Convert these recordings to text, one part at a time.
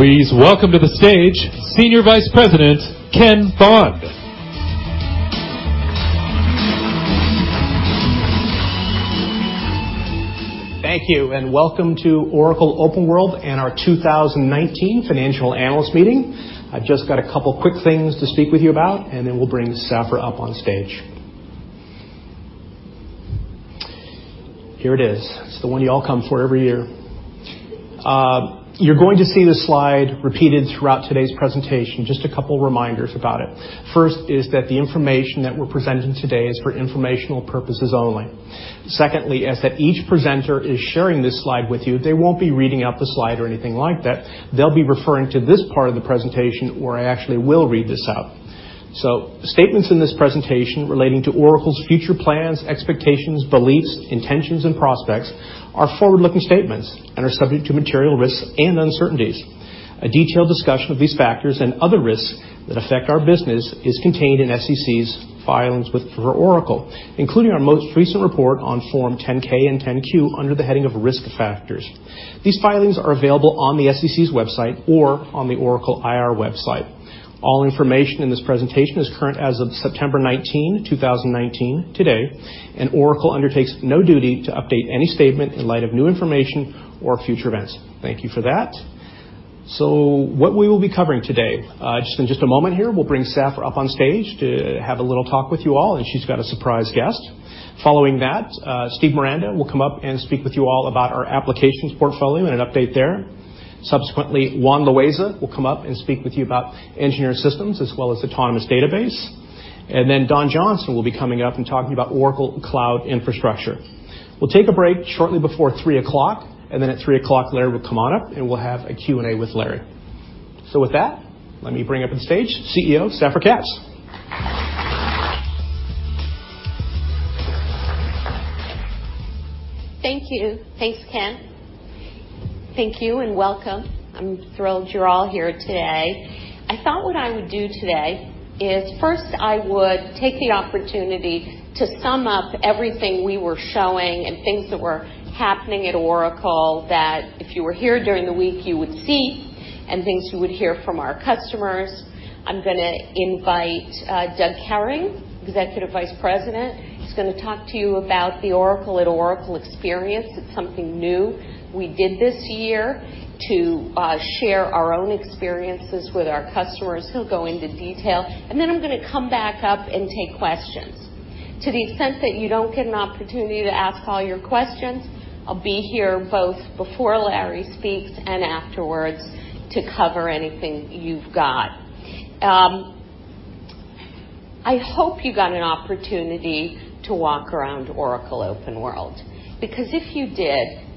Please welcome to the stage Senior Vice President, Ken Bond. Thank you, welcome to Oracle OpenWorld and our 2019 Financial Analyst Meeting. I've just got a couple of quick things to speak with you about, and then we'll bring Safra up on stage. Here it is. It's the one you all come for every year. You're going to see this slide repeated throughout today's presentation. Just a couple of reminders about it. First is that the information that we're presenting today is for informational purposes only. Secondly is that each presenter is sharing this slide with you. They won't be reading out the slide or anything like that. They'll be referring to this part of the presentation where I actually will read this out. Statements in this presentation relating to Oracle's future plans, expectations, beliefs, intentions, and prospects are forward-looking statements and are subject to material risks and uncertainties. A detailed discussion of these factors and other risks that affect our business is contained in SEC's filings for Oracle, including our most recent report on Form 10-K and 10-Q under the heading of Risk Factors. These filings are available on the SEC's website or on the Oracle IR website. Oracle undertakes no duty to update any statement in light of new information or future events. Thank you for that. What we will be covering today. In just a moment here, we'll bring Safra up on stage to have a little talk with you all. She's got a surprise guest. Following that, Steve Miranda will come up and speak with you all about our applications portfolio and an update there. Subsequently, Juan Loaiza will come up and speak with you about engineer systems as well as Autonomous Database. Don Johnson will be coming up and talking about Oracle Cloud Infrastructure. We'll take a break shortly before 3:00, at 3:00, Larry will come on up, and we'll have a Q&A with Larry. With that, let me bring up on stage CEO, Safra Catz. Thank you. Thanks, Ken. Thank you, and welcome. I'm thrilled you're all here today. I thought what I would do today is first I would take the opportunity to sum up everything we were showing and things that were happening at Oracle that if you were here during the week, you would see, and things you would hear from our customers. I'm going to invite Doug Kehring, Executive Vice President. He's going to talk to you about the Oracle at Oracle experience. It's something new we did this year to share our own experiences with our customers. He'll go into detail. Then I'm going to come back up and take questions. To the extent that you don't get an opportunity to ask all your questions, I'll be here both before Larry speaks and afterwards to cover anything you've got. I hope you got an opportunity to walk around Oracle OpenWorld. If you did,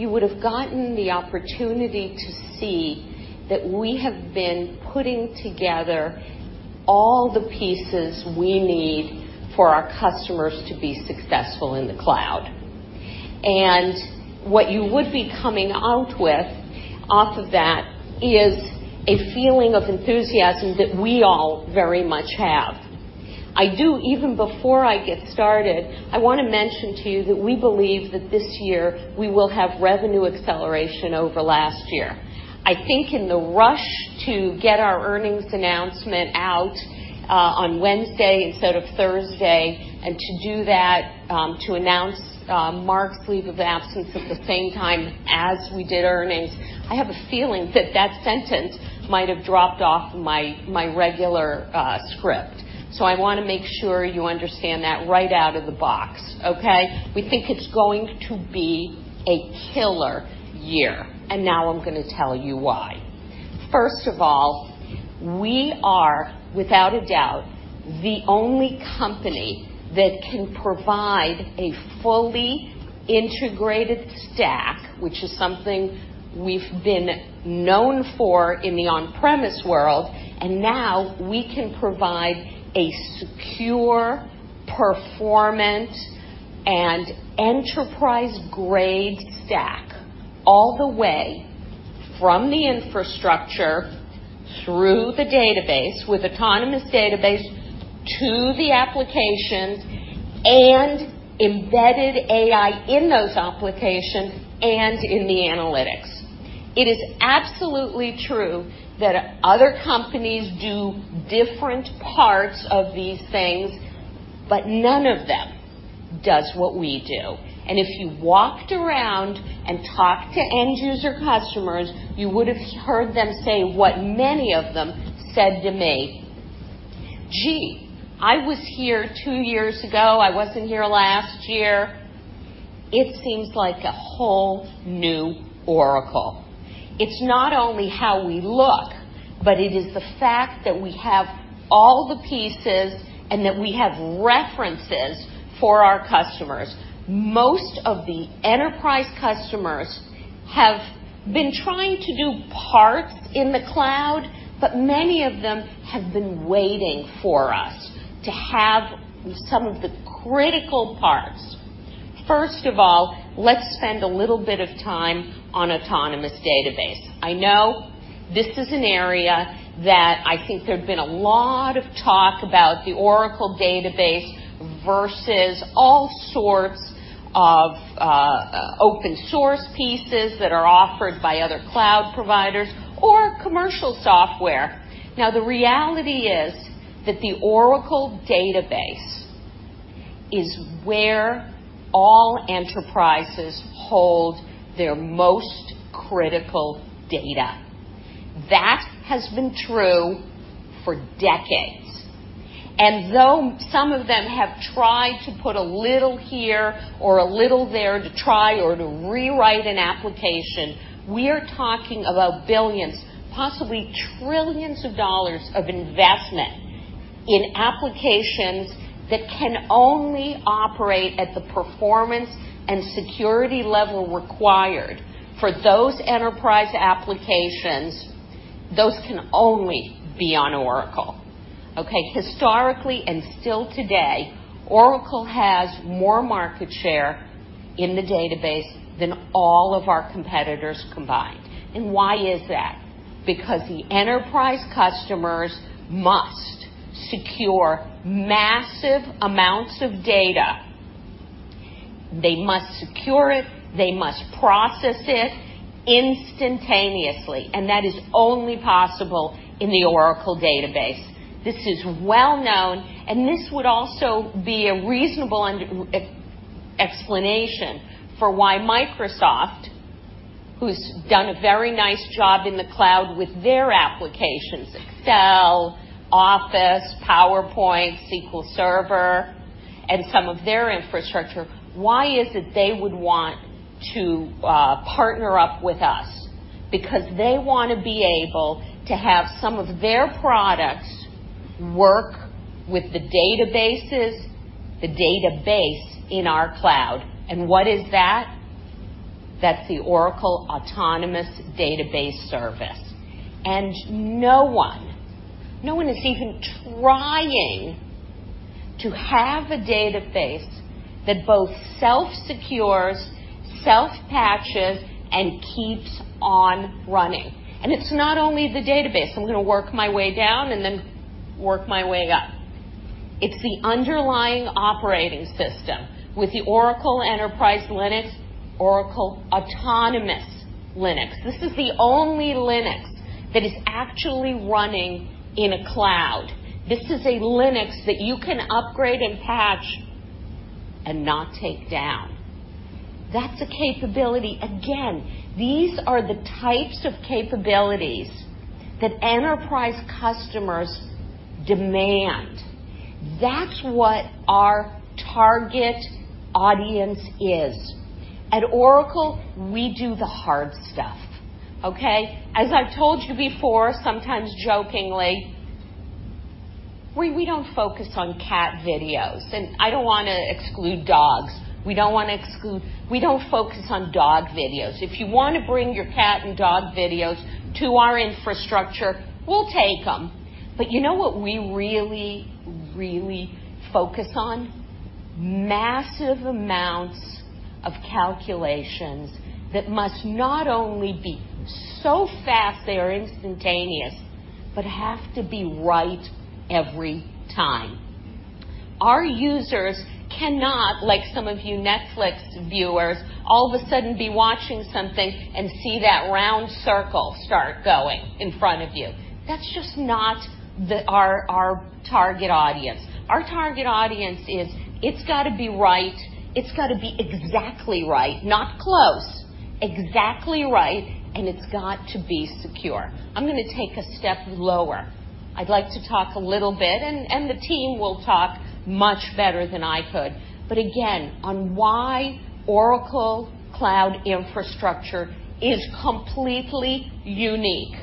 you would have gotten the opportunity to see that we have been putting together all the pieces we need for our customers to be successful in the cloud. What you would be coming out with off of that is a feeling of enthusiasm that we all very much have. I do, even before I get started, I want to mention to you that we believe that this year we will have revenue acceleration over last year. I think in the rush to get our earnings announcement out on Wednesday instead of Thursday, to do that, to announce Mark's leave of absence at the same time as we did earnings, I have a feeling that that sentence might have dropped off my regular script. I want to make sure you understand that right out of the box, okay? We think it's going to be a killer year, and now I'm going to tell you why. First of all, we are, without a doubt, the only company that can provide a fully integrated stack, which is something we've been known for in the on-premise world, and now we can provide a secure performance and enterprise-grade stack all the way from the infrastructure through the database with Autonomous Database to the applications and embedded AI in those applications and in the analytics. It is absolutely true that other companies do different parts of these things, but none of them does what we do. If you walked around and talked to end user customers, you would have heard them say what many of them said to me, "Gee, I was here two years ago. I wasn't here last year. It seems like a whole new Oracle. It's not only how we look, but it is the fact that we have all the pieces and that we have references for our customers. Most of the enterprise customers have been trying to do parts in the cloud, but many of them have been waiting for us to have some of the critical parts. First of all, let's spend a little bit of time on Autonomous Database. This is an area that I think there've been a lot of talk about the Oracle Database versus all sorts of open source pieces that are offered by other cloud providers or commercial software. The reality is that the Oracle Database is where all enterprises hold their most critical data. That has been true for decades. Though some of them have tried to put a little here or a little there to try or to rewrite an application, we are talking about $billions, possibly $trillions of investment in applications that can only operate at the performance and security level required for those enterprise applications. Those can only be on Oracle. Historically, and still today, Oracle has more market share in the database than all of our competitors combined. Why is that? Because the enterprise customers must secure massive amounts of data. They must secure it, they must process it instantaneously, and that is only possible in the Oracle Database. This is well-known, this would also be a reasonable explanation for why Microsoft, who's done a very nice job in the cloud with their applications, Excel, Office, PowerPoint, SQL Server, and some of their infrastructure, why is it they would want to partner up with us? They want to be able to have some of their products work with the databases, the database in our cloud. What is that? That's the Oracle Autonomous Database Service. No one is even trying to have a database that both self-secures, self-patches, and keeps on running. It's not only the database. I'm going to work my way down and then work my way up. It's the underlying operating system with the Oracle Enterprise Linux, Oracle Autonomous Linux. This is the only Linux that is actually running in a cloud. This is a Linux that you can upgrade and patch and not take down. That's a capability. These are the types of capabilities that enterprise customers demand. That's what our target audience is. At Oracle, we do the hard stuff, okay? As I've told you before, sometimes jokingly, we don't focus on cat videos, and I don't want to exclude dogs. We don't focus on dog videos. If you want to bring your cat and dog videos to our infrastructure, we'll take them. You know what we really, really focus on? Massive amounts of calculations that must not only be so fast they are instantaneous, but have to be right every time. Our users cannot, like some of you Netflix viewers, all of a sudden be watching something and see that round circle start going in front of you. That's just not our target audience. Our target audience is it's got to be right. It's got to be exactly right, not close, exactly right, and it's got to be secure. I'm going to take a step lower. I'd like to talk a little bit, the team will talk much better than I could, again, on why Oracle Cloud Infrastructure is completely unique.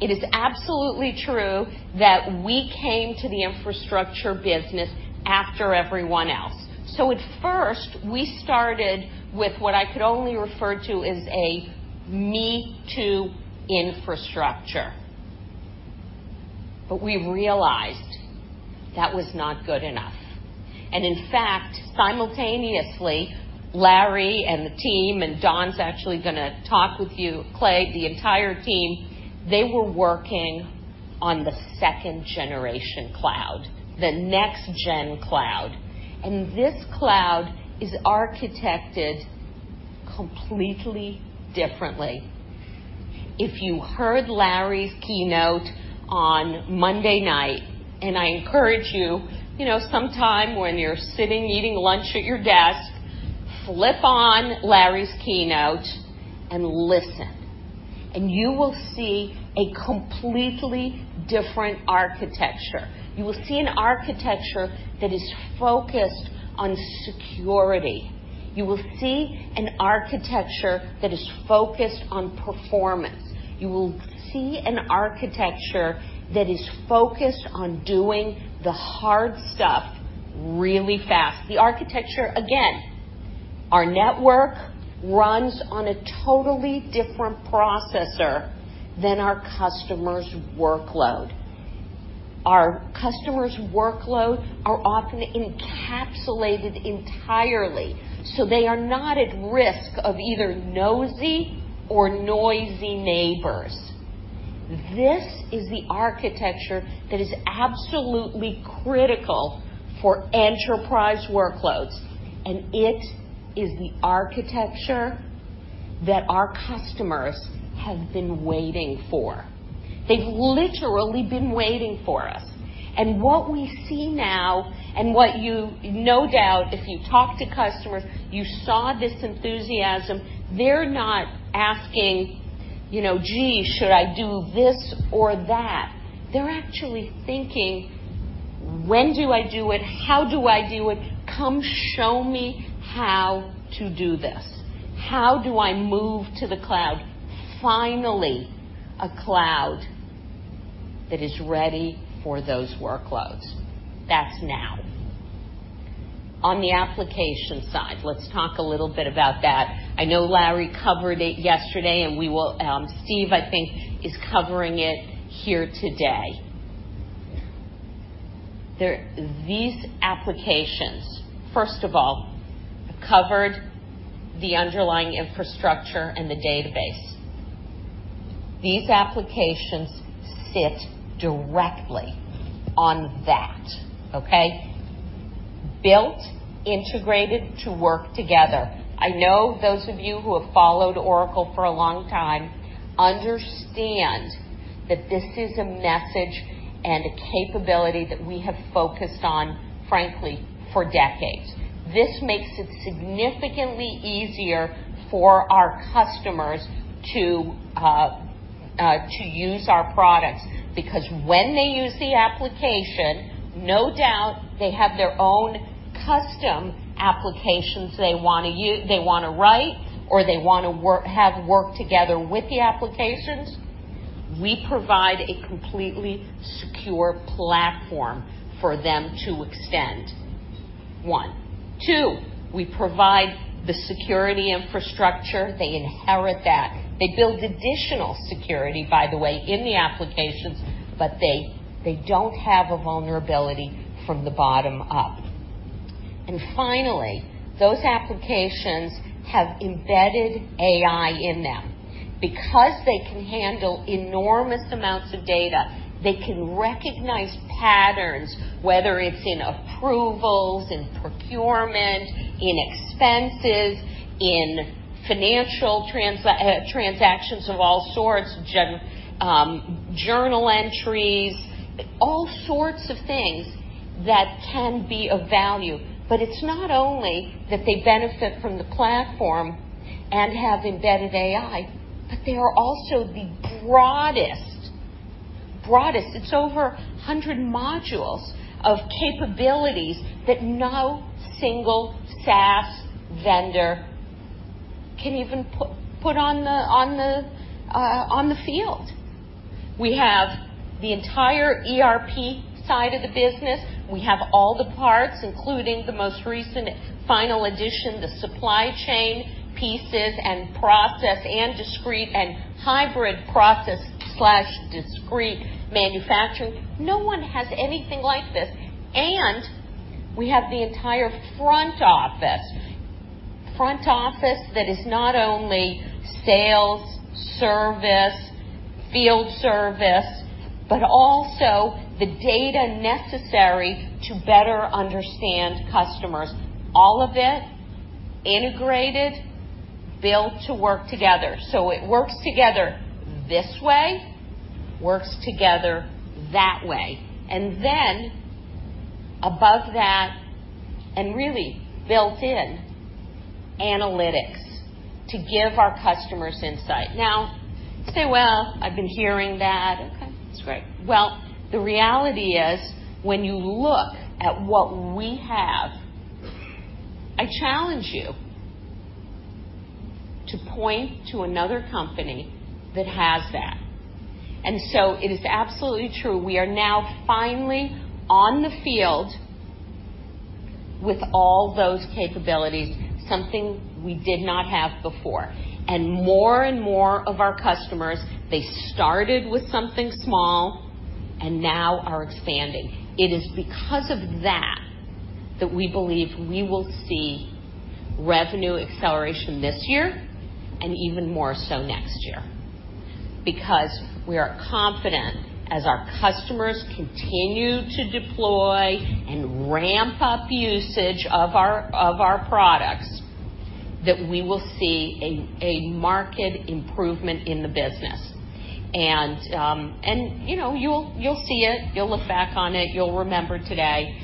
It is absolutely true that we came to the infrastructure business after everyone else. At first, we started with what I could only refer to as a me-too infrastructure. We realized that was not good enough. In fact, simultaneously, Larry and the team, Don's actually going to talk with you, Clay, the entire team, they were working on the second-generation cloud, the next-gen cloud. This cloud is architected completely differently. If you heard Larry's keynote on Monday night, and I encourage you, sometime when you're sitting eating lunch at your desk, flip on Larry's keynote and listen, and you will see a completely different architecture. You will see an architecture that is focused on security. You will see an architecture that is focused on performance. You will see an architecture that is focused on doing the hard stuff really fast. The architecture, again, our network runs on a totally different processor than our customers' workload. Our customer's workload are often encapsulated entirely, so they are not at risk of either nosy or noisy neighbors. This is the architecture that is absolutely critical for enterprise workloads, and it is the architecture that our customers have been waiting for. They've literally been waiting for us. What we see now and what you, no doubt, if you talk to customers, you saw this enthusiasm. They're not asking, "Gee, should I do this or that?" They're actually thinking, "When do I do it? How do I do it? Come show me how to do this. How do I move to the cloud?" Finally, a cloud that is ready for those workloads. That's now. On the application side, let's talk a little bit about that. I know Larry covered it yesterday, and Steve, I think, is covering it here today. These applications, first of all, covered the underlying infrastructure and the database. These applications sit directly on that. Okay? Built, integrated to work together. I know those of you who have followed Oracle for a long time understand that this is a message and a capability that we have focused on, frankly, for decades. This makes it significantly easier for our customers to use our products, because when they use the application, no doubt, they have their own custom applications they want to write or they want to have work together with the applications. We provide a completely secure platform for them to extend. One. Two, we provide the security infrastructure. They inherit that. They build additional security, by the way, in the applications, but they don't have a vulnerability from the bottom up. Finally, those applications have embedded AI in them. Because they can handle enormous amounts of data, they can recognize patterns, whether it's in approvals, in procurement, in expenses, in financial transactions of all sorts, journal entries, all sorts of things that can be of value. It's not only that they benefit from the platform and have embedded AI, but they are also the broadest. It's over 100 modules of capabilities that no single SaaS vendor can even put on the field. We have the entire ERP side of the business. We have all the parts, including the most recent final addition, the supply chain pieces and process and discrete and hybrid process/discrete manufacturing. No one has anything like this. We have the entire front office. Front office that is not only sales, service, field service, but also the data necessary to better understand customers. All of it integrated, built to work together. It works together this way, works together that way. Above that, and really built in, analytics to give our customers insight. You say, "Well, I've been hearing that. Okay, that's great." Well, the reality is, when you look at what we have, I challenge you to point to another company that has that. It is absolutely true, we are now finally on the field with all those capabilities, something we did not have before. More and more of our customers, they started with something small and now are expanding. It is because of that that we believe we will see revenue acceleration this year and even more so next year. We are confident as our customers continue to deploy and ramp up usage of our products, that we will see a market improvement in the business. You'll see it, you'll look back on it, you'll remember today.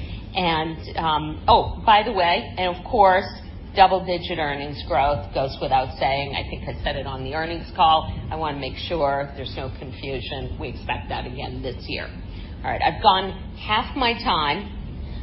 Oh, by the way, and of course, double-digit earnings growth goes without saying. I think I said it on the earnings call. I want to make sure there's no confusion. We expect that again this year. All right. I've gone half my time.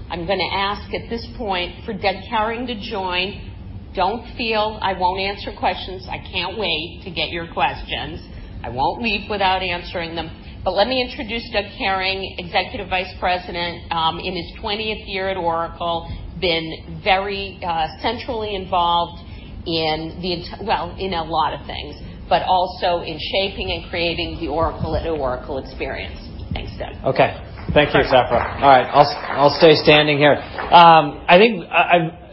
I'm going to ask at this point for Doug Kehring to join. Don't feel I won't answer questions. I can't wait to get your questions. I won't leave without answering them. Let me introduce Doug Kehring, Executive Vice President, in his 20th year at Oracle, been very centrally involved Well, in a lot of things, but also in shaping and creating the Oracle at Oracle experience. Thanks, Tim. Okay. Thank you, Safra. All right, I'll stay standing here. I think I've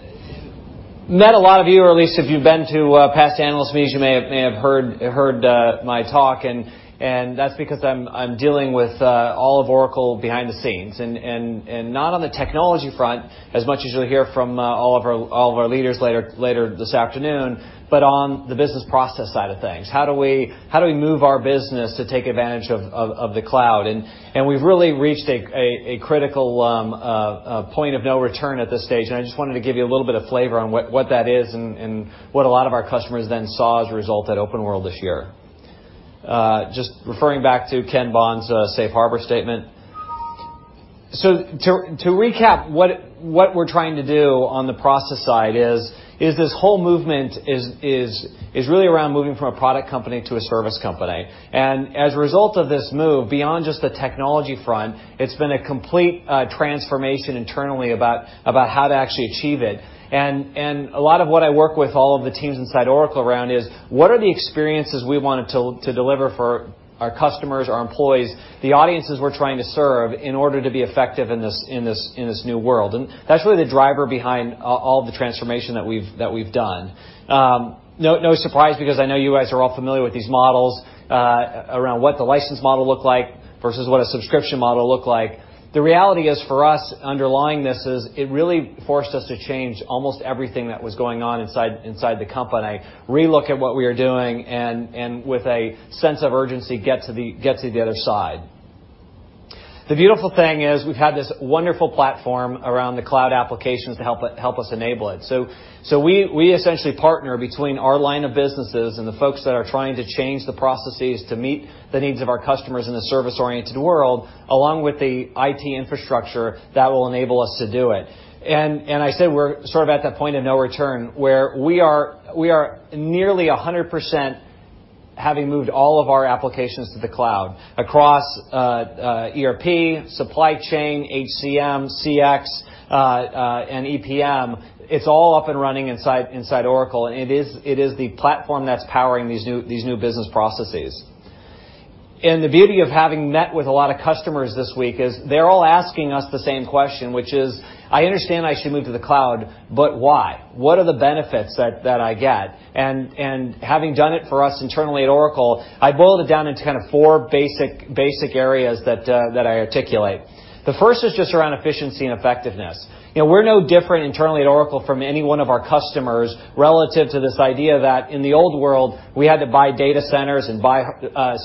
met a lot of you, or at least if you've been to past analyst meetings, you may have heard my talk, and that's because I'm dealing with all of Oracle behind the scenes, not on the technology front as much as you'll hear from all of our leaders later this afternoon, but on the business process side of things. How do we move our business to take advantage of the cloud? We've really reached a critical point of no return at this stage, and I just wanted to give you a little bit of flavor on what that is and what a lot of our customers then saw as a result at OpenWorld this year. Just referring back to Ken Bond's safe harbor statement. To recap, what we're trying to do on the process side is this whole movement is really around moving from a product company to a service company. As a result of this move, beyond just the technology front, it's been a complete transformation internally about how to actually achieve it. A lot of what I work with all of the teams inside Oracle around is what are the experiences we want to deliver for our customers, our employees, the audiences we're trying to serve in order to be effective in this new world. That's really the driver behind all the transformation that we've done. No surprise because I know you guys are all familiar with these models, around what the license model look like versus what a subscription model look like. The reality is for us underlying this is it really forced us to change almost everything that was going on inside the company, relook at what we are doing and with a sense of urgency, get to the other side. The beautiful thing is we've had this wonderful platform around the cloud applications to help us enable it. We essentially partner between our line of businesses and the folks that are trying to change the processes to meet the needs of our customers in a service-oriented world, along with the IT infrastructure that will enable us to do it. I said we're sort of at that point of no return, where we are nearly 100% having moved all of our applications to the cloud. Across ERP, supply chain, HCM, CX, and EPM. It's all up and running inside Oracle, it is the platform that's powering these new business processes. The beauty of having met with a lot of customers this week is they're all asking us the same question, which is, "I understand I should move to the cloud, but why? What are the benefits that I get?" Having done it for us internally at Oracle, I boiled it down into four basic areas that I articulate. The first is just around efficiency and effectiveness. We're no different internally at Oracle from any one of our customers relative to this idea that in the old world, we had to buy data centers and buy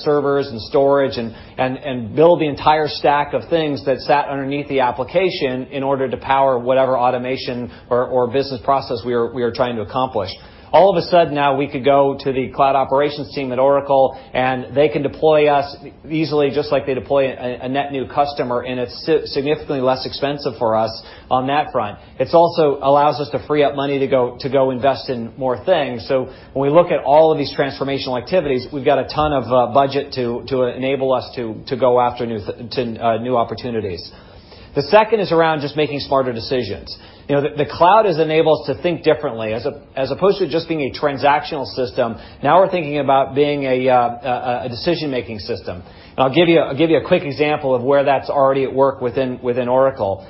servers and storage, and build the entire stack of things that sat underneath the application in order to power whatever automation or business process we were trying to accomplish. All of a sudden now, we could go to the cloud operations team at Oracle, and they can deploy us easily just like they deploy a net new customer, and it's significantly less expensive for us on that front. It also allows us to free up money to go invest in more things. When we look at all of these transformational activities, we've got a ton of budget to enable us to go after new opportunities. The second is around just making smarter decisions. The cloud has enabled us to think differently. As opposed to just being a transactional system, now we're thinking about being a decision-making system. I'll give you a quick example of where that's already at work within Oracle.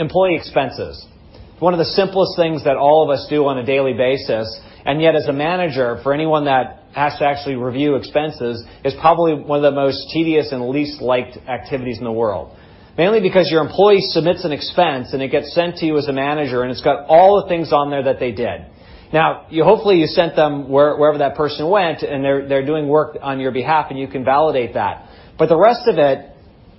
Employee expenses. One of the simplest things that all of us do on a daily basis, and yet as a manager, for anyone that has to actually review expenses, is probably one of the most tedious and least liked activities in the world. Mainly because your employee submits an expense, and it gets sent to you as a manager, and it's got all the things on there that they did. Now, hopefully, you sent them wherever that person went, and they're doing work on your behalf, and you can validate that. The rest of it,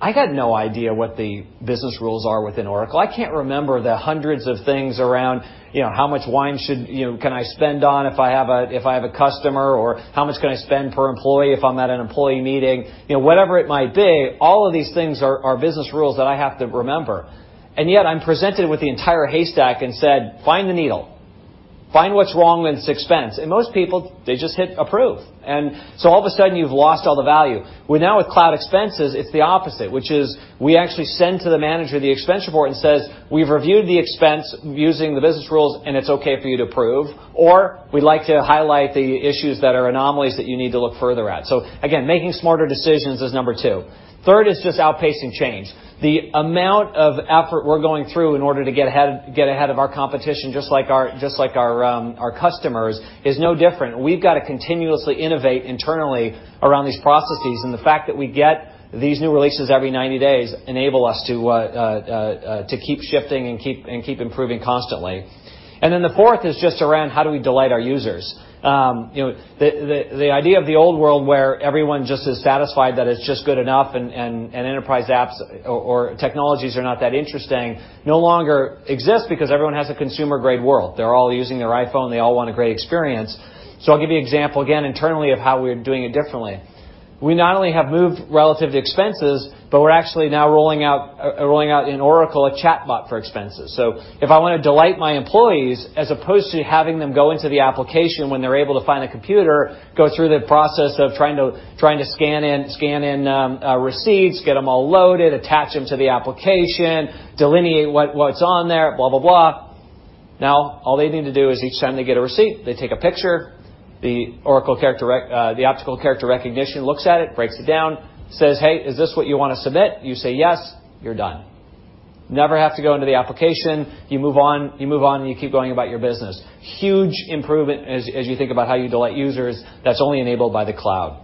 I got no idea what the business rules are within Oracle. I can't remember the hundreds of things around how much wine can I spend on if I have a customer or how much can I spend per employee if I'm at an employee meeting. Whatever it might be, all of these things are business rules that I have to remember. Yet I'm presented with the entire haystack and said, "Find the needle. Find what's wrong with this expense." Most people, they just hit approve. All of a sudden you've lost all the value. Well now with cloud expenses, it's the opposite, which is we actually send to the manager the expense report and says, "We've reviewed the expense using the business rules, and it's okay for you to approve," or, "We'd like to highlight the issues that are anomalies that you need to look further at." Again, making smarter decisions is number 2. Third is just outpacing change. The amount of effort we're going through in order to get ahead of our competition, just like our customers, is no different. We've got to continuously innovate internally around these processes. The fact that we get these new releases every 90 days enable us to keep shifting and keep improving constantly. The fourth is just around how do we delight our users. The idea of the old world where everyone just is satisfied that it's just good enough and enterprise apps or technologies are not that interesting no longer exists because everyone has a consumer-grade world. They're all using their iPhone. They all want a great experience. I'll give you an example again internally of how we're doing it differently. We not only have moved relative to expenses, but we're actually now rolling out in Oracle a chatbot for expenses. If I want to delight my employees, as opposed to having them go into the application when they're able to find a computer, go through the process of trying to scan in receipts, get them all loaded, attach them to the application, delineate what's on there, blah, blah. Now, all they need to do is each time they get a receipt, they take a picture. The optical character recognition looks at it, breaks it down, says, "Hey, is this what you want to submit?" You say yes. You're done. Never have to go into the application. You move on, and you keep going about your business. Huge improvement as you think about how you delight users, that's only enabled by the cloud.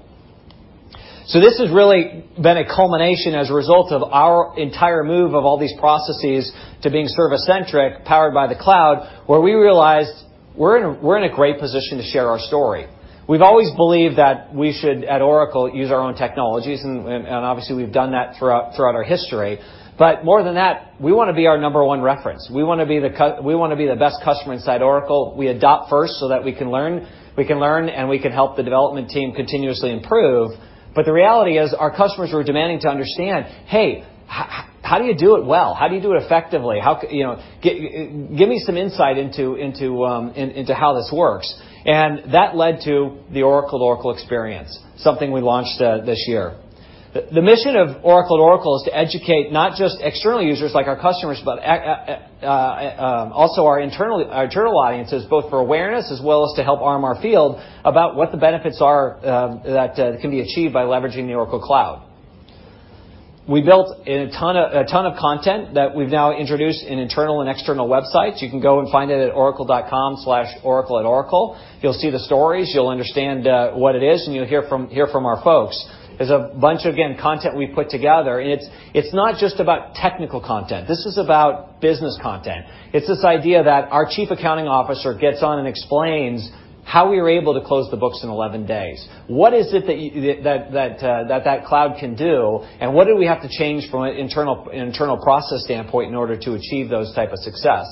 This has really been a culmination as a result of our entire move of all these processes to being service-centric, powered by the cloud, where we realized we're in a great position to share our story. We've always believed that we should, at Oracle, use our own technologies, and obviously, we've done that throughout our history. More than that, we want to be our number 1 reference. We want to be the best customer inside Oracle. We adopt first so that we can learn. We can learn, and we can help the development team continuously improve. The reality is, our customers were demanding to understand, "Hey, how do you do it well? How do you do it effectively? Give me some insight into how this works." That led to the Oracle@Oracle experience, something we launched this year. The mission of Oracle at Oracle is to educate not just external users like our customers, but also our internal audiences, both for awareness as well as to help arm our field about what the benefits are that can be achieved by leveraging the Oracle Cloud. We built a ton of content that we've now introduced in internal and external websites. You can go and find it at oracle.com/oracle-at-oracle. You'll see the stories, you'll understand what it is, and you'll hear from our folks. There's a bunch, again, content we put together, and it's not just about technical content. This is about business content. It's this idea that our Chief Accounting Officer gets on and explains how we were able to close the books in 11 days. What is it that cloud can do, and what do we have to change from an internal process standpoint in order to achieve those type of success?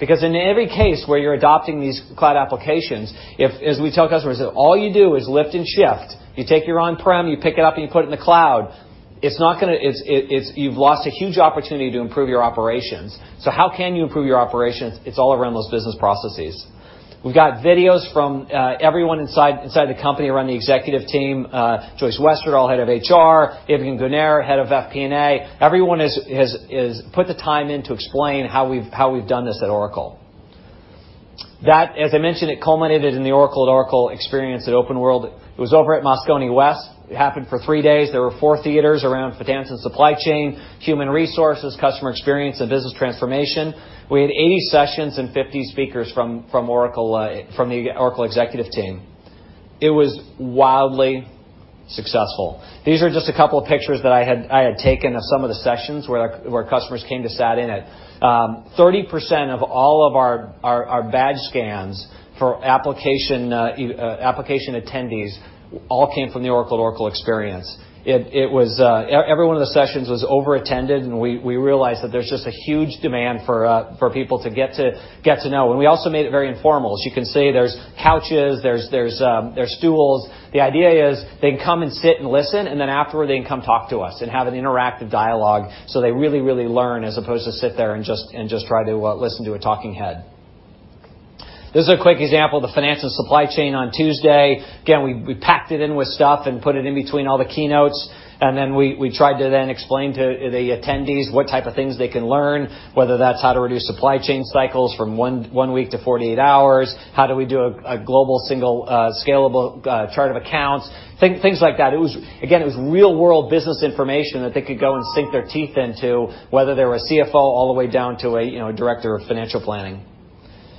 In every case where you're adopting these cloud applications, as we tell customers, if all you do is lift and shift, you take your on-prem, you pick it up, and you put it in the cloud, you've lost a huge opportunity to improve your operations. How can you improve your operations? It's all around those business processes. We've got videos from everyone inside the company around the executive team. Joyce Westerdahl, head of HR, Ivgen Guner, head of FP&A. Everyone has put the time in to explain how we've done this at Oracle. As I mentioned, it culminated in the Oracle@Oracle experience at OpenWorld. It was over at Moscone West. It happened for three days. There were four theaters around finance and supply chain, human resources, customer experience, and business transformation. We had 80 sessions and 50 speakers from the Oracle executive team. It was wildly successful. These are just a couple of pictures that I had taken of some of the sessions where customers came to sat in it. 30% of all of our badge scans for application attendees all came from the Oracle@Oracle experience. Every one of the sessions was over-attended, and we realized that there's just a huge demand for people to get to know. We also made it very informal. As you can see, there's couches, there's stools. The idea is they can come and sit and listen, and then afterward, they can come talk to us and have an interactive dialogue so they really, really learn, as opposed to sit there and just try to listen to a talking head. This is a quick example of the finance and supply chain on Tuesday. Again, we packed it in with stuff and put it in between all the keynotes. Then we tried to then explain to the attendees what type of things they can learn, whether that's how to reduce supply chain cycles from one week to 48 hours. How do we do a global, single, scalable chart of accounts? Things like that. Again, it was real-world business information that they could go and sink their teeth into, whether they were a CFO all the way down to a director of financial planning.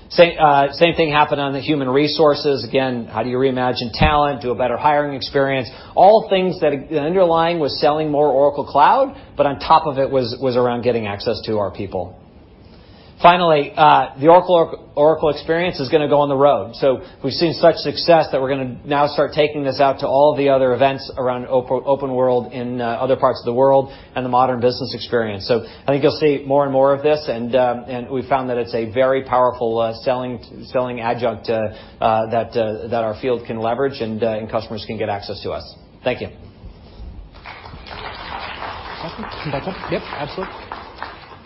Same thing happened on the human resources. Again, how do you reimagine talent, do a better hiring experience? All things that underlying was selling more Oracle Cloud, but on top of it was around getting access to our people. Finally, the Oracle@Oracle experience is going to go on the road. We've seen such success that we're going to now start taking this out to all the other events around Oracle OpenWorld in other parts of the world and the Modern Business Experience. I think you'll see more and more of this, and we've found that it's a very powerful selling adjunct that our field can leverage and customers can get access to us. Thank you.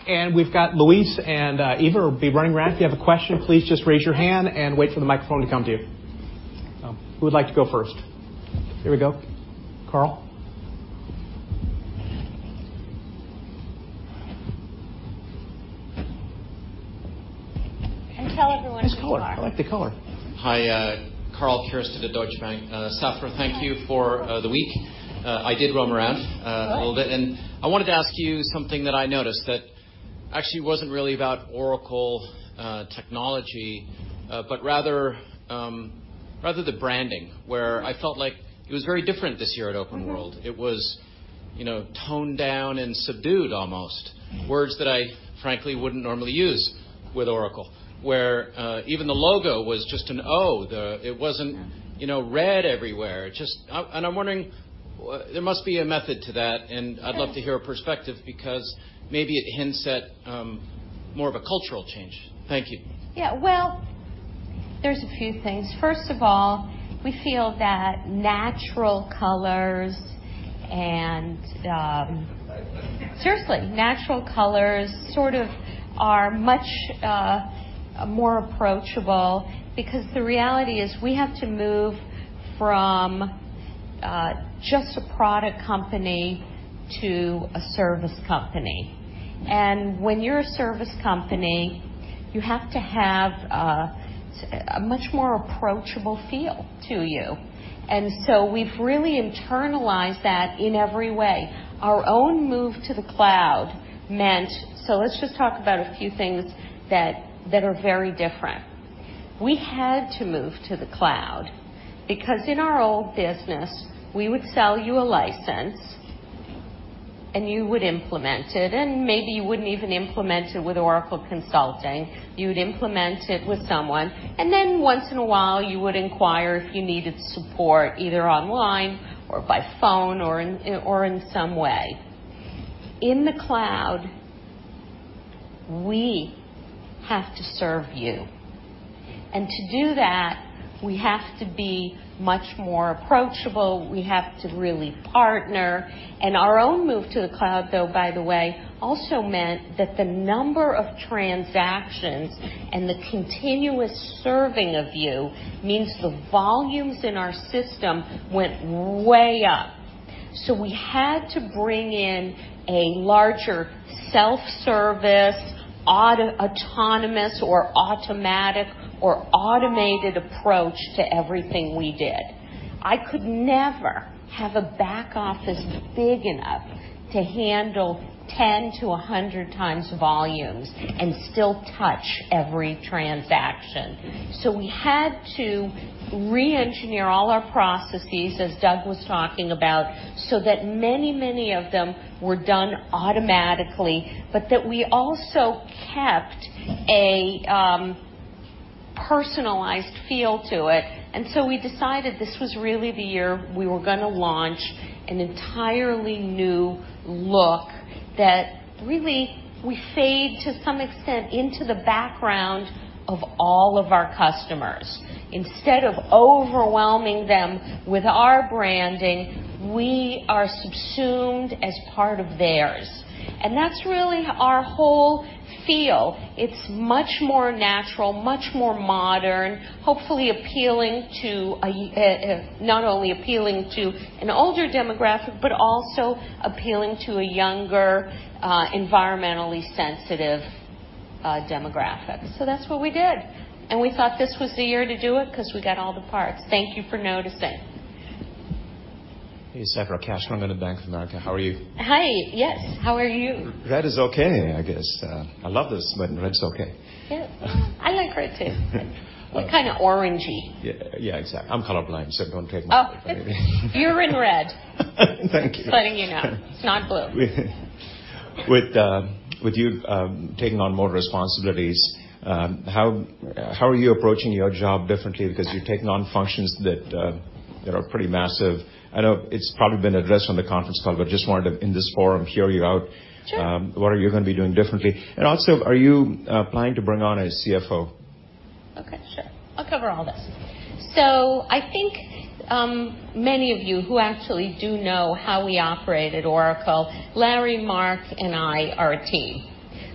Safra, come back up. Yep, absolutely. We've got Luis and Eva will be running around. If you have a question, please just raise your hand and wait for the microphone to come to you. Who would like to go first? Here we go. Karl. Tell everyone who you are. Nice color. I like the color. Hi, Karl Keirstead at Deutsche Bank. Safra, thank you for the week. I did roam around a little bit. Good. I wanted to ask you something that I noticed that actually wasn't really about Oracle technology, but rather the branding, where I felt like it was very different this year at OpenWorld. It was toned down and subdued, almost. Words that I frankly wouldn't normally use with Oracle, where even the logo was just an O. It wasn't red everywhere. I'm wondering, there must be a method to that, and I'd love to hear a perspective because maybe it hints at more of a cultural change. Thank you. Yeah. Well, there's a few things. First of all, we feel that natural colors. Seriously, natural colors sort of are much more approachable because the reality is we have to move just a product company to a service company. When you're a service company, you have to have a much more approachable feel to you. We've really internalized that in every way. Our own move to the cloud meant. Let's just talk about a few things that are very different. We had to move to the cloud, because in our old business, we would sell you a license, and you would implement it, and maybe you wouldn't even implement it with Oracle Consulting. You'd implement it with someone, and then once in a while, you would inquire if you needed support, either online or by phone or in some way. In the cloud, we have to serve you. To do that, we have to be much more approachable. We have to really partner. Our own move to the cloud, though, by the way, also meant that the number of transactions and the continuous serving of you means the volumes in our system went way up. We had to bring in a larger self-service, autonomous or automatic or automated approach to everything we did. I could never have a back office big enough to handle 10 to 100 times volumes and still touch every transaction. We had to re-engineer all our processes, as Doug was talking about, so that many of them were done automatically, but that we also kept a personalized feel to it. We decided this was really the year we were going to launch an entirely new look that really we fade to some extent into the background of all of our customers. Instead of overwhelming them with our branding, we are subsumed as part of theirs. That's really our whole feel. It's much more natural, much more modern, hopefully not only appealing to an older demographic, but also appealing to a younger, environmentally sensitive demographic. That's what we did. We thought this was the year to do it because we got all the parts. Thank you for noticing. Hey, Safra Catz, Rangan of Bank of America. How are you? Hi. Yes. How are you? Red is okay, I guess. I love this, red's okay. Yeah. I like red, too. We're kind of orangy. Yeah, exactly. I'm color blind, so don't take my word. Oh. You're in red. Thank you. Just letting you know. It's not blue. With you taking on more responsibilities, how are you approaching your job differently? You're taking on functions that are pretty massive. I know it's probably been addressed on the conference call, just wanted to, in this forum, hear you out. Sure. What are you going to be doing differently? Also, are you planning to bring on a CFO? Okay, sure. I'll cover all this. I think, many of you who actually do know how we operate at Oracle, Larry, Mark, and I are a team.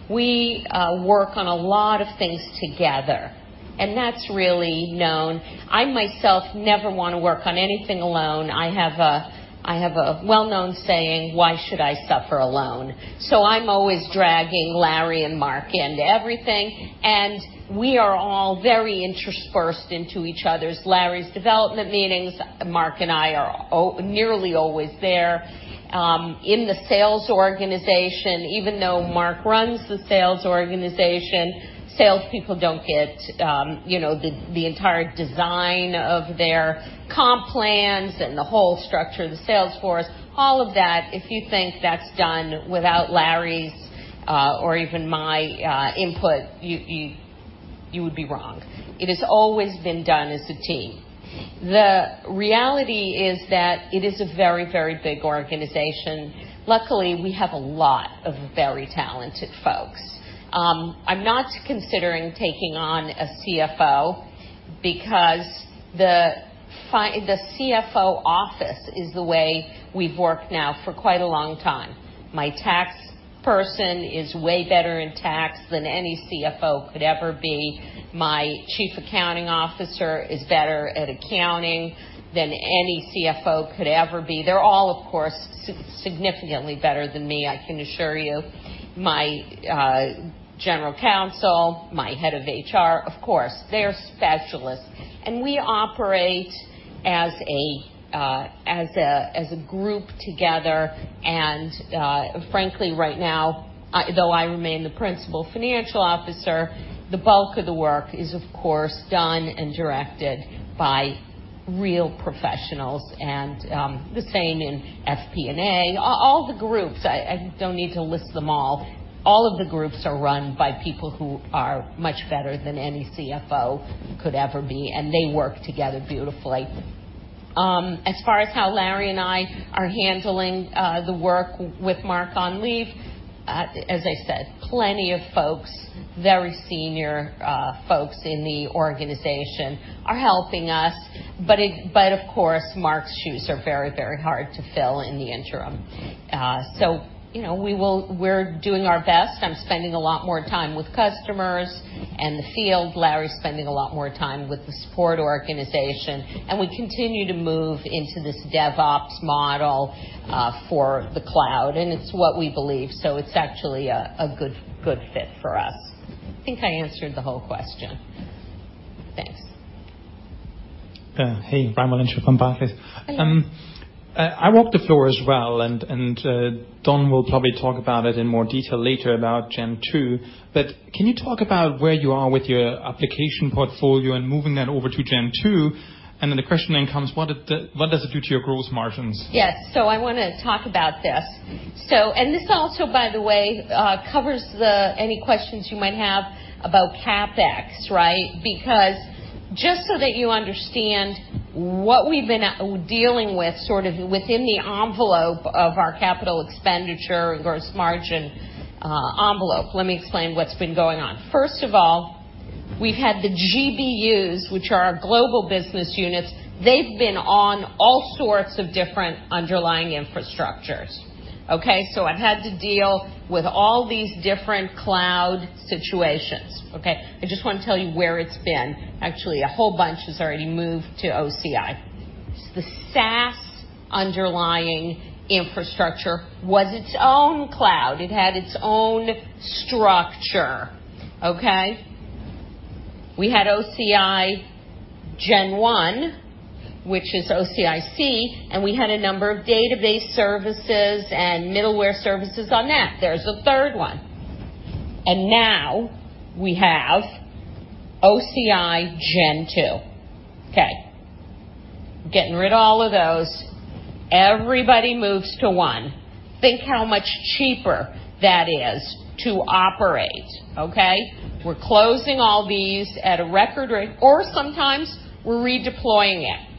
We work on a lot of things together, and that's really known. I myself never want to work on anything alone. I have a well-known saying, "Why should I suffer alone?" I'm always dragging Larry and Mark into everything, and we are all very interspersed into each other's. Larry's development meetings, Mark and I are nearly always there. In the sales organization, even though Mark runs the sales organization, salespeople don't get the entire design of their comp plans and the whole structure of the sales force, all of that. If you think that's done without Larry's, or even my input, you would be wrong. It has always been done as a team. The reality is that it is a very, very big organization. Luckily, we have a lot of very talented folks. I'm not considering taking on a CFO because the CFO office is the way we've worked now for quite a long time. My tax person is way better in tax than any CFO could ever be. My Chief Accounting Officer is better at accounting than any CFO could ever be. They're all, of course, significantly better than me, I can assure you. My General Counsel, my Head of HR, of course, they're specialists. We operate as a group together, and frankly, right now, though I remain the Principal Financial Officer, the bulk of the work is, of course, done and directed by real professionals. The same in FP&A. All the groups, I don't need to list them all. All of the groups are run by people who are much better than any CFO could ever be, and they work together beautifully. As far as how Larry and I are handling the work with Mark on leave, as I said, plenty of folks, very senior folks in the organization are helping us. Of course, Mark's shoes are very, very hard to fill in the interim. We're doing our best. I'm spending a lot more time with customers and the field. Larry's spending a lot more time with the support organization, and we continue to move into this DevOps model for the cloud, and it's what we believe. It's actually a good fit for us. I think I answered the whole question. Thanks. Hey, Brian Mlodzinski from Barclays. Hello. I walked the floor as well. Don will probably talk about it in more detail later about Gen 2. Can you talk about where you are with your application portfolio and moving that over to Gen 2? The question then comes, what does it do to your gross margins? Yes. I want to talk about this. This also, by the way, covers any questions you might have about CapEx, right? Because just so that you understand what we've been dealing with, sort of within the envelope of our capital expenditure and gross margin envelope, let me explain what's been going on. First of all, we've had the GBUs, which are our Global Business Units. They've been on all sorts of different underlying infrastructures. Okay. I've had to deal with all these different cloud situations. Okay. I just want to tell you where it's been. Actually, a whole bunch has already moved to OCI. The SaaS underlying infrastructure was its own cloud. It had its own structure. Okay. We had OCI Gen 1, which is OCIC, and we had a number of database services and middleware services on that. There's a third one. Now we have OCI Gen 2. Okay. Getting rid of all of those. Everybody moves to one. Think how much cheaper that is to operate. Okay. We're closing all these at a record rate, or sometimes we're redeploying it.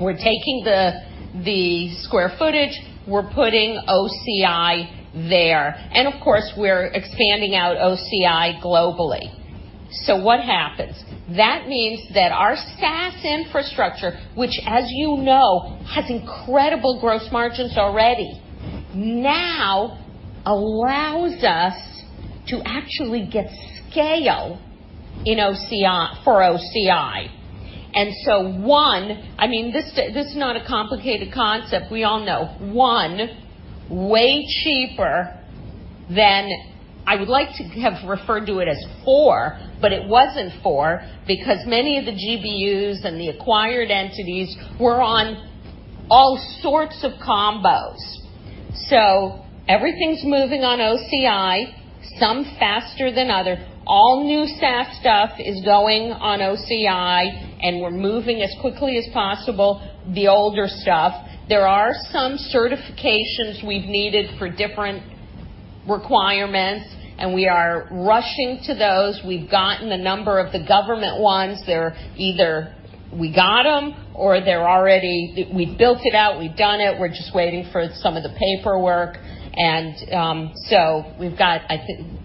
We're taking the square footage, we're putting OCI there. Of course, we're expanding out OCI globally. What happens? That means that our SaaS infrastructure, which, as you know, has incredible gross margins already, now allows us to actually get scale for OCI. One, this is not a complicated concept. We all know. One, way cheaper than I would like to have referred to it as four, but it wasn't four because many of the GBUs and the acquired entities were on all sorts of combos. Everything's moving on OCI, some faster than other. All new SaaS stuff is going on OCI, we're moving as quickly as possible, the older stuff. There are some certifications we've needed for different requirements, and we are rushing to those. We've gotten a number of the government ones. They're either we got them or we've built it out, we've done it, we're just waiting for some of the paperwork. We've got, I think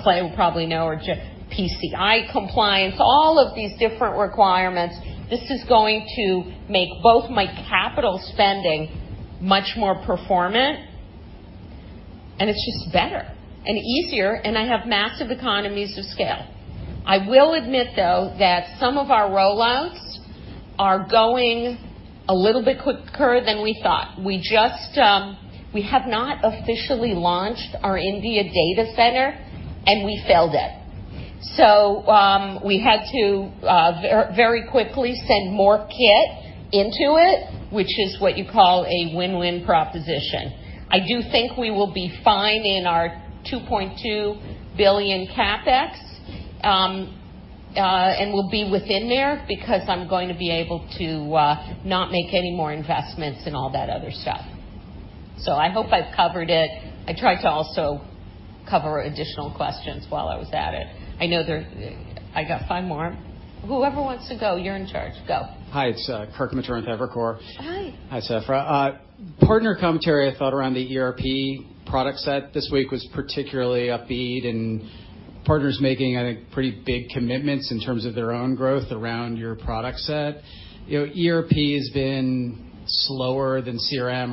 Clay will probably know, our PCI compliance, all of these different requirements. This is going to make both my capital spending much more performant, and it's just better and easier, and I have massive economies of scale. I will admit, though, that some of our roll-outs are going a little bit quicker than we thought. We have not officially launched our India data center, and we failed it. We had to very quickly send more kit into it, which is what you call a win-win proposition. I do think we will be fine in our $2.2 billion CapEx, and we'll be within there because I'm going to be able to not make any more investments in all that other stuff. I hope I've covered it. I tried to also cover additional questions while I was at it. I know I got five more. Whoever wants to go, you're in charge. Go. Hi, it's Kirk Materne with Evercore. Hi. Hi, Safra. Partner commentary, I thought, around the ERP product set this week was particularly upbeat and partners making, I think, pretty big commitments in terms of their own growth around your product set. ERP has been slower than CRM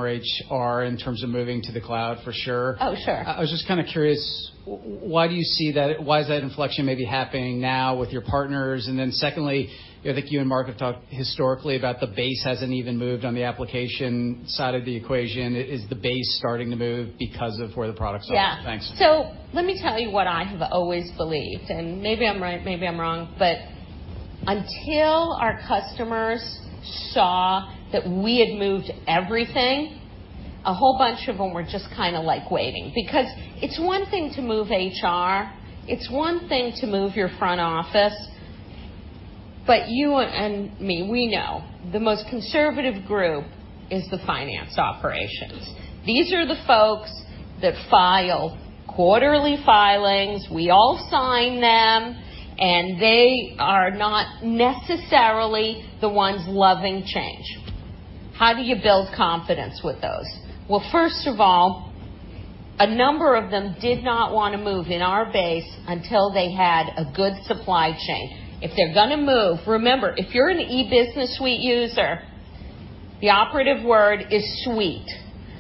or HR in terms of moving to the cloud, for sure. Oh, sure. I was just kind of curious, why do you see that inflection maybe happening now with your partners? Secondly, I think you and Mark have talked historically about the base hasn't even moved on the application side of the equation. Is the base starting to move because of where the products are? Yeah. Thanks. Let me tell you what I have always believed, and maybe I'm right, maybe I'm wrong, but until our customers saw that we had moved everything, a whole bunch of them were just kind of waiting. It's one thing to move HR, it's one thing to move your front office, but you and me, we know the most conservative group is the finance operations. These are the folks that file quarterly filings. We all sign them, and they are not necessarily the ones loving change. How do you build confidence with those? First of all, a number of them did not want to move in our base until they had a good supply chain. If they're going to move, remember, if you're an E-Business Suite user, the operative word is suite.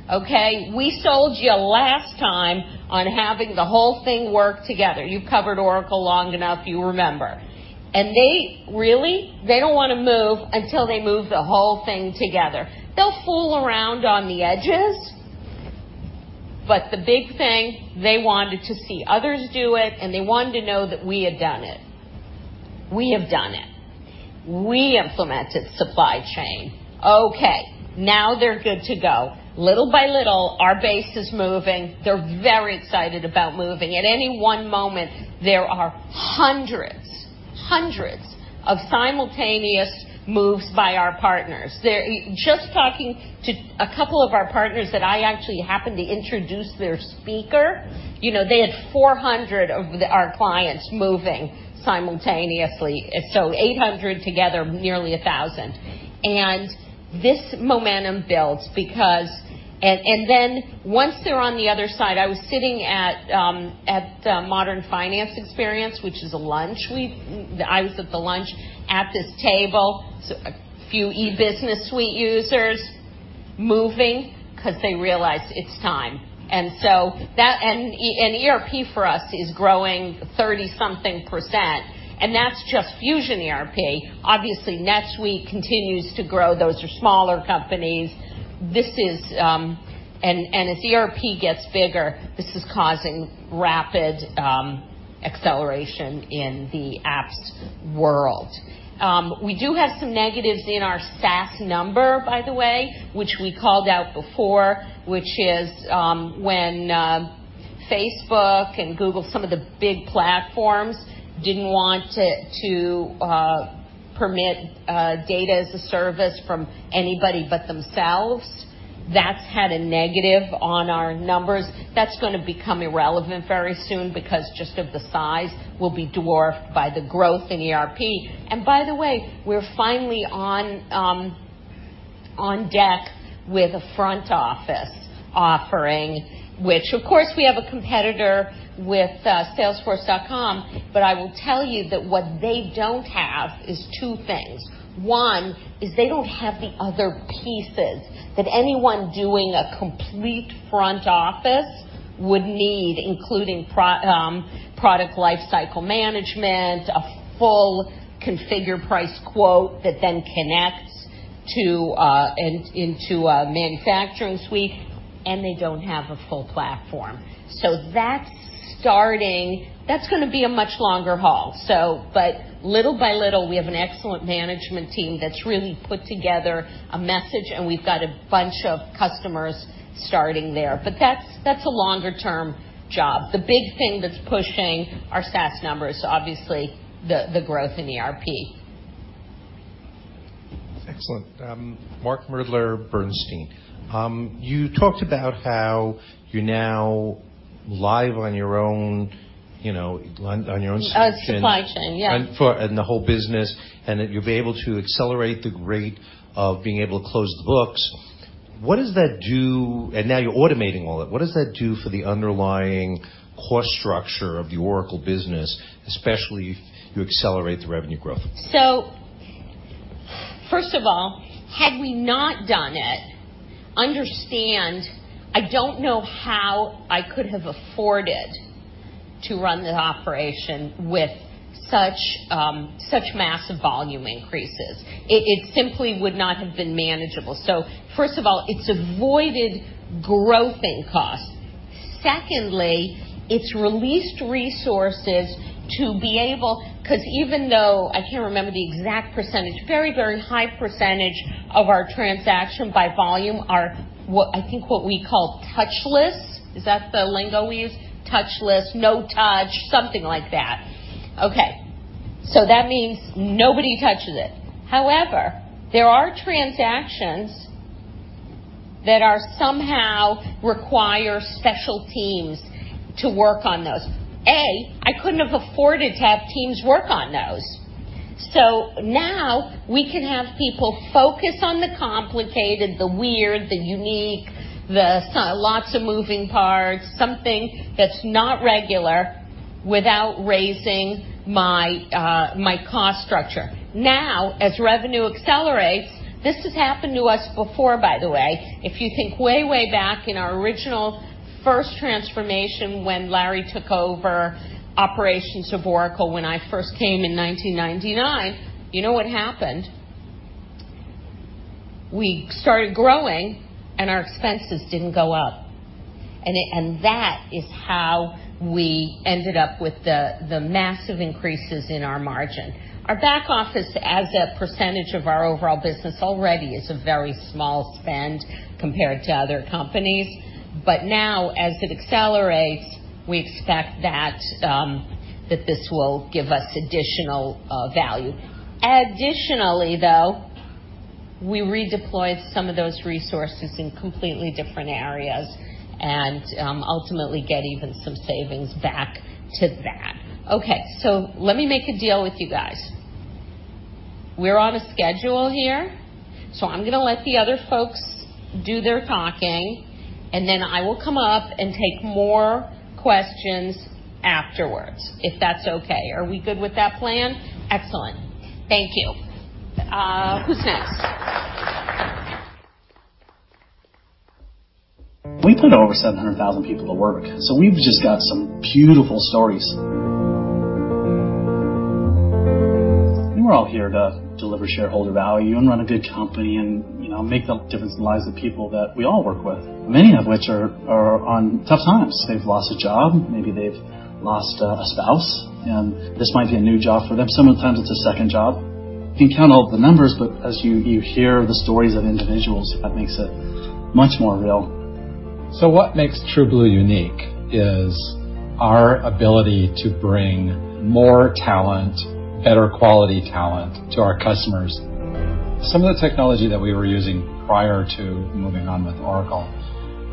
Okay? We sold you last time on having the whole thing work together. You've covered Oracle long enough, you remember. They really, they don't want to move until they move the whole thing together. They'll fool around on the edges. The big thing, they wanted to see others do it, and they wanted to know that we had done it. We have done it. We implemented supply chain. Okay, now they're good to go. Little by little, our base is moving. They're very excited about moving. At any one moment, there are hundreds of simultaneous moves by our partners. Just talking to a couple of our partners that I actually happened to introduce their speaker, they had 400 of our clients moving simultaneously. 800 together, nearly 1,000. This momentum builds because once they're on the other side, I was sitting at the Modern Finance Experience, which is a lunch. I was at the lunch, at this table, a few Oracle E-Business Suite users moving because they realized it's time. ERP for us is growing 30-something%, and that's just Fusion ERP. Obviously, NetSuite continues to grow. Those are smaller companies. As ERP gets bigger, this is causing rapid acceleration in the apps world. We do have some negatives in our SaaS number, by the way, which we called out before, which is when Facebook and Google, some of the big platforms, didn't want to permit data as a service from anybody but themselves. That's had a negative on our numbers. That's going to become irrelevant very soon because just of the size will be dwarfed by the growth in ERP. By the way, we're finally on deck with a front-office offering, which, of course, we have a competitor with salesforce.com. I will tell you that what they don't have is two things. One is they don't have the other pieces that anyone doing a complete front office would need, including product lifecycle management, a full Configure Price Quote that then connects into a manufacturing suite, and they don't have a full platform. That's going to be a much longer haul. Little by little, we have an excellent management team that's really put together a message, and we've got a bunch of customers starting there. That's a longer-term job. The big thing that's pushing our SaaS number is obviously the growth in ERP. Excellent. Mark Moerdler, Bernstein. You talked about how you're now live on your own- Supply chain, yeah. The whole business, and that you'll be able to accelerate the rate of being able to close the books. Now you're automating all of it. What does that do for the underlying cost structure of the Oracle business, especially if you accelerate the revenue growth? First of all, had we not done it, understand, I don't know how I could have afforded to run the operation with such massive volume increases. It simply would not have been manageable. First of all, it's avoided growth in costs. Secondly, it's released resources. Even though, I can't remember the exact %, very, very high % of our transaction by volume are, I think, what we call touchless. Is that the lingo we use? Touchless, no touch, something like that. Okay. That means nobody touches it. However, there are transactions that somehow require special teams to work on those. I couldn't have afforded to have teams work on those. Now we can have people focus on the complicated, the weird, the unique, the lots of moving parts, something that's not regular, without raising my cost structure. As revenue accelerates, this has happened to us before, by the way. If you think way back in our original first transformation, when Larry took over operations of Oracle, when I first came in 1999, you know what happened? We started growing, our expenses didn't go up. That is how we ended up with the massive increases in our margin. Our back office, as a % of our overall business already, is a very small spend compared to other companies. Now, as it accelerates, we expect that this will give us additional value. Additionally, though, we redeployed some of those resources in completely different areas and ultimately get even some savings back to that. Okay. Let me make a deal with you guys. We're on a schedule here, so I'm going to let the other folks do their talking, and then I will come up and take more questions afterwards, if that's okay. Are we good with that plan? Excellent. Thank you. Who's next? We put over 700,000 people to work, so we've just got some beautiful stories. We're all here to deliver shareholder value and run a good company and make the difference in the lives of people that we all work with, many of which are on tough times. They've lost a job, maybe they've lost a spouse, and this might be a new job for them. Sometimes it's a second job. You can count all the numbers, but as you hear the stories of individuals, that makes it much more real. What makes TrueBlue unique is our ability to bring more talent, better quality talent to our customers. Some of the technology that we were using prior to moving on with Oracle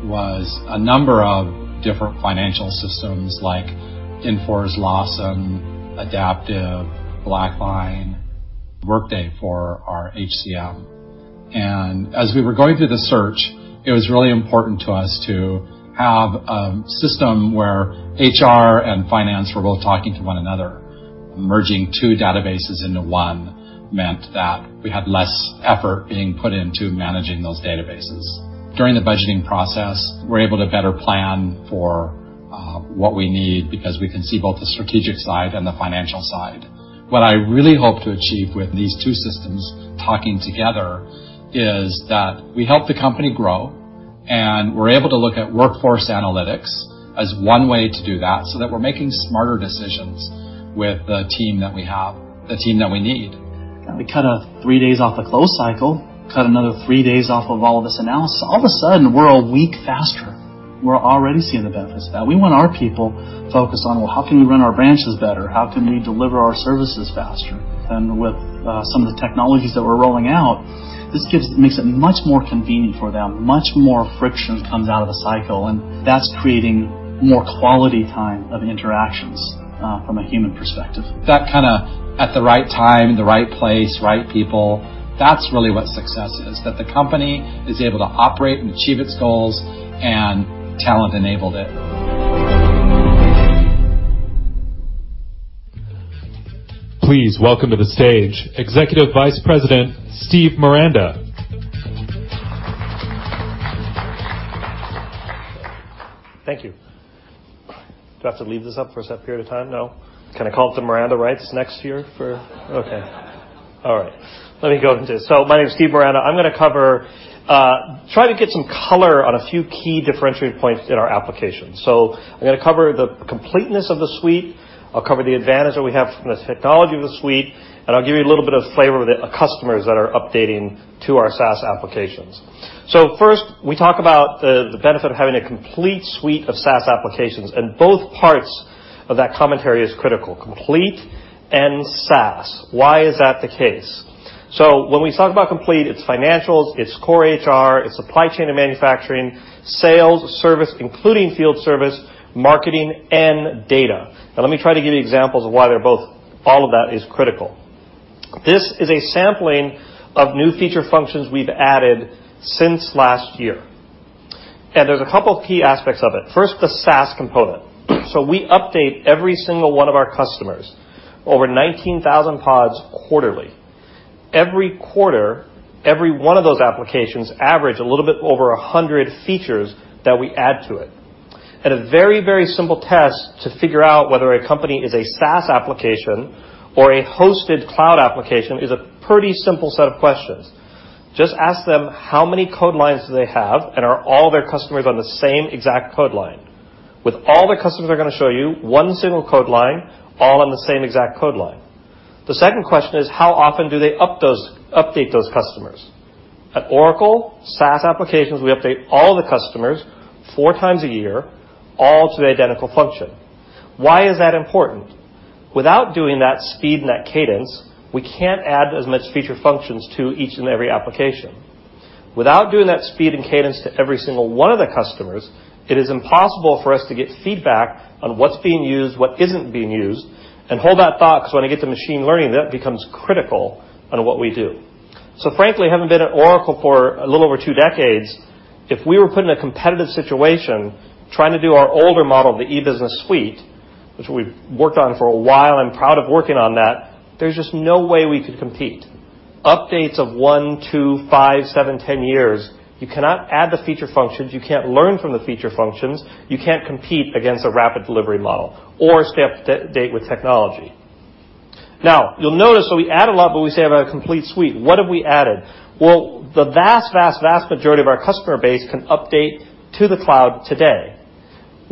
was a number of different financial systems like Infor's Lawson, Adaptive, BlackLine, Workday for our HCM. As we were going through the search, it was really important to us to have a system where HR and finance were both talking to one another. Merging two databases into one meant that we had less effort being put into managing those databases. During the budgeting process, we're able to better plan for what we need because we can see both the strategic side and the financial side. What I really hope to achieve with these two systems talking together is that we help the company grow, and we're able to look at workforce analytics as one way to do that so that we're making smarter decisions with the team that we have, the team that we need. We cut three days off the close cycle, cut another three days off of all of this analysis. All of a sudden, we're a week faster. We're already seeing the benefits of that. We want our people focused on, well, how can we run our branches better? How can we deliver our services faster? With some of the technologies that we're rolling out, this makes it much more convenient for them. Much more friction comes out of the cycle, and that's creating more quality time of interactions from a human perspective. That kind of at the right time, the right place, right people. That's really what success is, that the company is able to operate and achieve its goals, and talent enabled it. Please welcome to the stage Executive Vice President, Steve Miranda. Thank you. Do I have to leave this up for a set period of time? No? Can I call it the Miranda Rights next year for Okay. All right. Let me go into this. My name is Steve Miranda. I'm going to cover, try to get some color on a few key differentiating points in our application. I'm going to cover the completeness of the suite, I'll cover the advantage that we have from the technology of the suite, and I'll give you a little bit of flavor with the customers that are updating to our SaaS applications. First, we talk about the benefit of having a complete suite of SaaS applications, and both parts of that commentary is critical, complete and SaaS. Why is that the case? When we talk about complete, it's financials, it's core HR, it's supply chain and manufacturing, sales, service, including field service, marketing, and data. Now, let me try to give you examples of why all of that is critical. This is a sampling of new feature functions we've added since last year. There's a couple of key aspects of it. First, the SaaS component. We update every single one of our customers, over 19,000 pods quarterly. Every quarter, every one of those applications average a little bit over 100 features that we add to it. A very, very simple test to figure out whether a company is a SaaS application or a hosted cloud application is a pretty simple set of questions. Just ask them, how many code lines do they have, and are all their customers on the same exact code line? With all the customers they're going to show you, one single code line, all on the same exact code line. The second question is, how often do they update those customers? At Oracle, SaaS applications, we update all the customers four times a year, all to the identical function. Why is that important? Without doing that speed and that cadence, we can't add as much feature functions to each and every application. Without doing that speed and cadence to every single one of the customers, it is impossible for us to get feedback on what's being used, what isn't being used, and hold that thought because when I get to machine learning, that becomes critical on what we do. Frankly, having been at Oracle for a little over two decades, if we were put in a competitive situation trying to do our older model, the Oracle E-Business Suite, which we've worked on for a while and proud of working on that, there's just no way we could compete. Updates of one, two, five, seven, 10 years, you cannot add the feature functions. You can't learn from the feature functions. You can't compete against a rapid delivery model or stay up-to-date with technology. You'll notice that we add a lot, but we say have a complete suite. What have we added? The vast, vast majority of our customer base can update to the cloud today.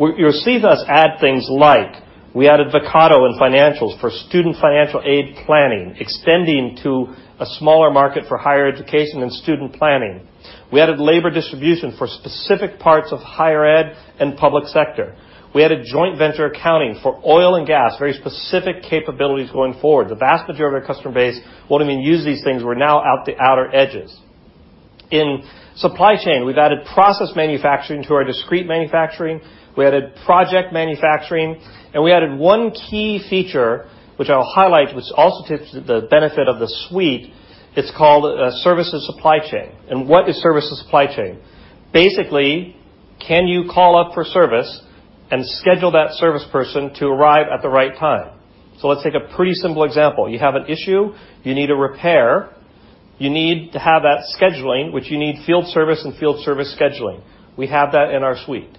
You'll see us add things like we added Vocado and Financials for student financial aid planning, extending to a smaller market for higher education and student planning. We added labor distribution for specific parts of higher ed and public sector. We added joint venture accounting for oil and gas, very specific capabilities going forward. The vast majority of our customer base won't even use these things. We're now at the outer edges. In supply chain, we've added process manufacturing to our discrete manufacturing. We added project manufacturing, we added one key feature, which I'll highlight, which also tips the benefit of the suite. It's called a service and supply chain. What is service and supply chain? Basically, can you call up for service and schedule that service person to arrive at the right time? Let's take a pretty simple example. You have an issue, you need a repair, you need to have that scheduling, which you need field service and field service scheduling. We have that in our suite.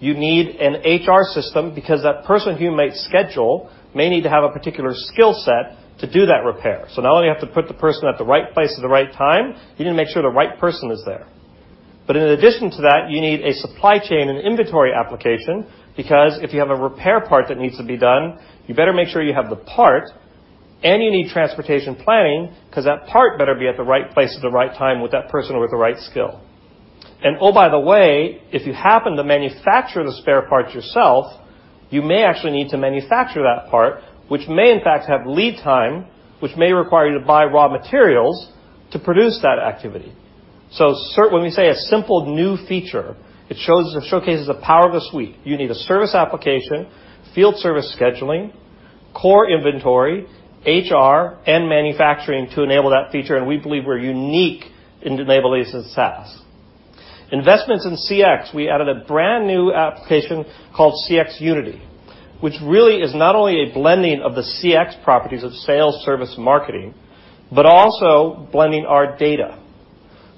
You need an HR system because that person who you might schedule may need to have a particular skill set to do that repair. Not only do you have to put the person at the right place at the right time, you need to make sure the right person is there. In addition to that, you need a supply chain and inventory application, because if you have a repair part that needs to be done, you better make sure you have the part, and you need transportation planning, because that part better be at the right place at the right time with that person with the right skill. Oh, by the way, if you happen to manufacture the spare part yourself, you may actually need to manufacture that part, which may in fact have lead time, which may require you to buy raw materials to produce that activity. When we say a simple new feature, it showcases the power of the suite. You need a service application, field service scheduling, core inventory, HR, and manufacturing to enable that feature, and we believe we're unique in enabling this as SaaS. Investments in CX, we added a brand-new application called CX Unity, which really is not only a blending of the CX properties of sales, service, and marketing, but also blending our data.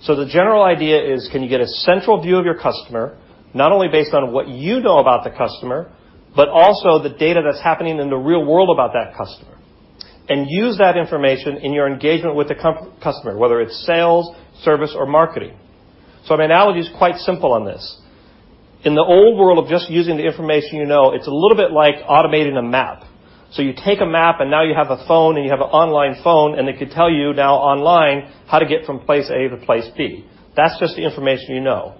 The general idea is, can you get a central view of your customer, not only based on what you know about the customer, but also the data that's happening in the real world about that customer, and use that information in your engagement with the customer, whether it's sales, service, or marketing. My analogy is quite simple on this. In the old world of just using the information you know, it's a little bit like automating a map. You take a map, and now you have a phone, and you have an online phone, and it could tell you now online how to get from place A to place B. That's just the information you know.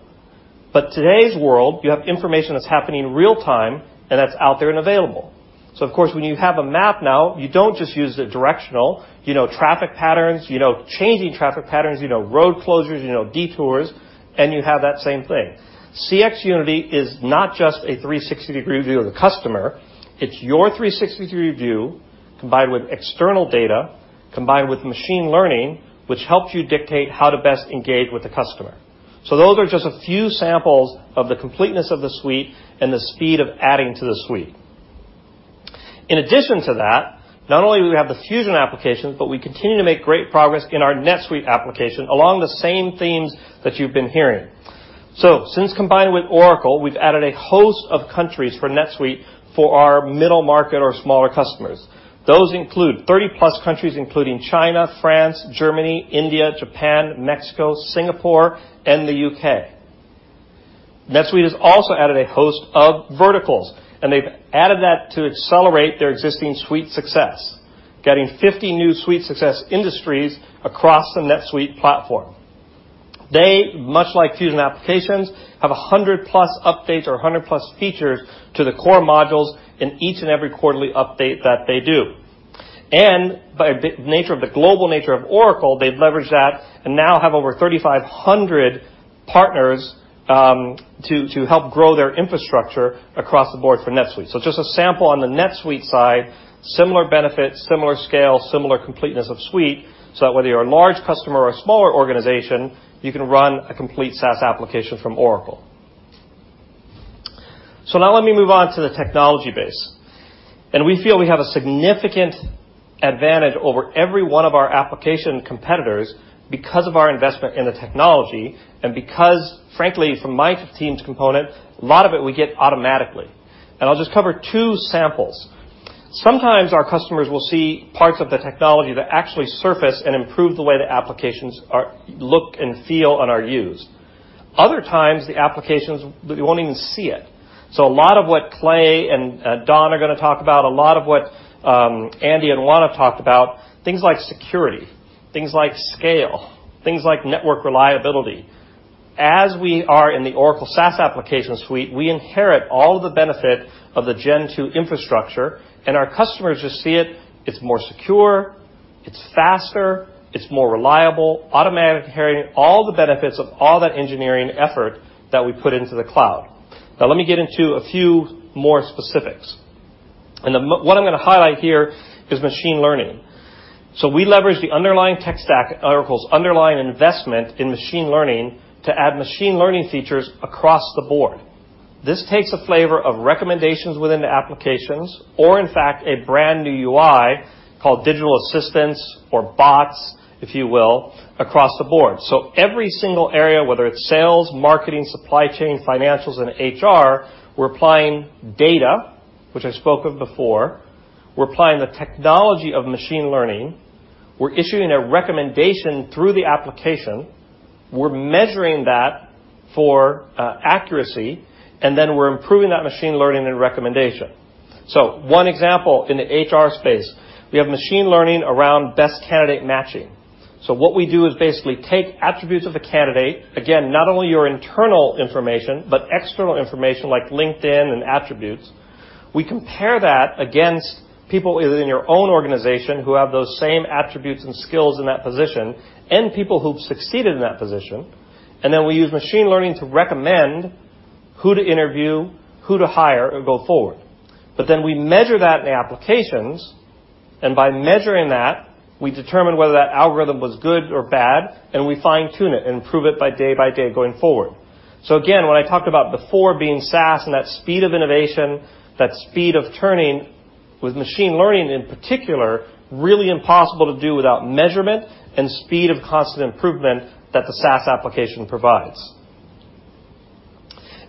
Today's world, you have information that's happening in real time and that's out there and available. Of course, when you have a map now, you don't just use the directional. You know traffic patterns, you know changing traffic patterns, you know road closures, you know detours, and you have that same thing. CX Unity is not just a 360-degree view of the customer. It's your 360-degree view combined with external data, combined with machine learning, which helps you dictate how to best engage with the customer. Those are just a few samples of the completeness of the suite and the speed of adding to the suite. In addition to that, not only do we have the Fusion Applications, but we continue to make great progress in our NetSuite application along the same themes that you've been hearing. Since combining with Oracle, we've added a host of countries for NetSuite for our middle market or smaller customers. Those include 30-plus countries, including China, France, Germany, India, Japan, Mexico, Singapore, and the U.K. NetSuite has also added a host of verticals, and they've added that to accelerate their existing suite success, getting 50 new suite success industries across the NetSuite platform. They, much like Fusion Applications, have 100-plus updates or 100-plus features to the core modules in each and every quarterly update that they do. By nature of the global nature of Oracle, they've leveraged that and now have over 3,500 partners to help grow their infrastructure across the board for NetSuite. Just a sample on the NetSuite side, similar benefits, similar scale, similar completeness of suite, so that whether you're a large customer or a smaller organization, you can run a complete SaaS application from Oracle. Now let me move on to the technology base. We feel we have a significant advantage over every one of our application competitors because of our investment in the technology and because, frankly, from my team's component, a lot of it we get automatically. I'll just cover two samples. Sometimes our customers will see parts of the technology that actually surface and improve the way the applications look and feel and are used. Other times, the applications, you won't even see it. A lot of what Clay and Don are going to talk about, a lot of what Andy and Lana talked about, things like security, things like scale, things like network reliability. As we are in the Oracle SaaS application suite, we inherit all the benefit of the Gen 2 infrastructure, and our customers just see it. It's more secure, it's faster, it's more reliable, automatically carrying all the benefits of all that engineering effort that we put into the cloud. Now let me get into a few more specifics. What I'm going to highlight here is machine learning. We leverage the underlying tech stack at Oracle's underlying investment in machine learning to add machine learning features across the board. This takes a flavor of recommendations within the applications, or in fact, a brand-new UI called digital assistants or bots, if you will, across the board. Every single area, whether it's sales, marketing, supply chain, financials, and HR, we're applying data, which I spoke of before. We're applying the technology of machine learning. We're issuing a recommendation through the application. We're measuring that for accuracy, and then we're improving that machine learning and recommendation. One example in the HR space, we have machine learning around best candidate matching. What we do is basically take attributes of a candidate, again, not only your internal information, but external information like LinkedIn and attributes. We compare that against people either in your own organization who have those same attributes and skills in that position and people who've succeeded in that position. We use machine learning to recommend who to interview, who to hire, and go forward. We measure that in the applications, and by measuring that, we determine whether that algorithm was good or bad, and we fine-tune it and improve it by day by day going forward. Again, when I talked about before being SaaS and that speed of innovation, that speed of turning with machine learning, in particular, really impossible to do without measurement and speed of constant improvement that the SaaS application provides.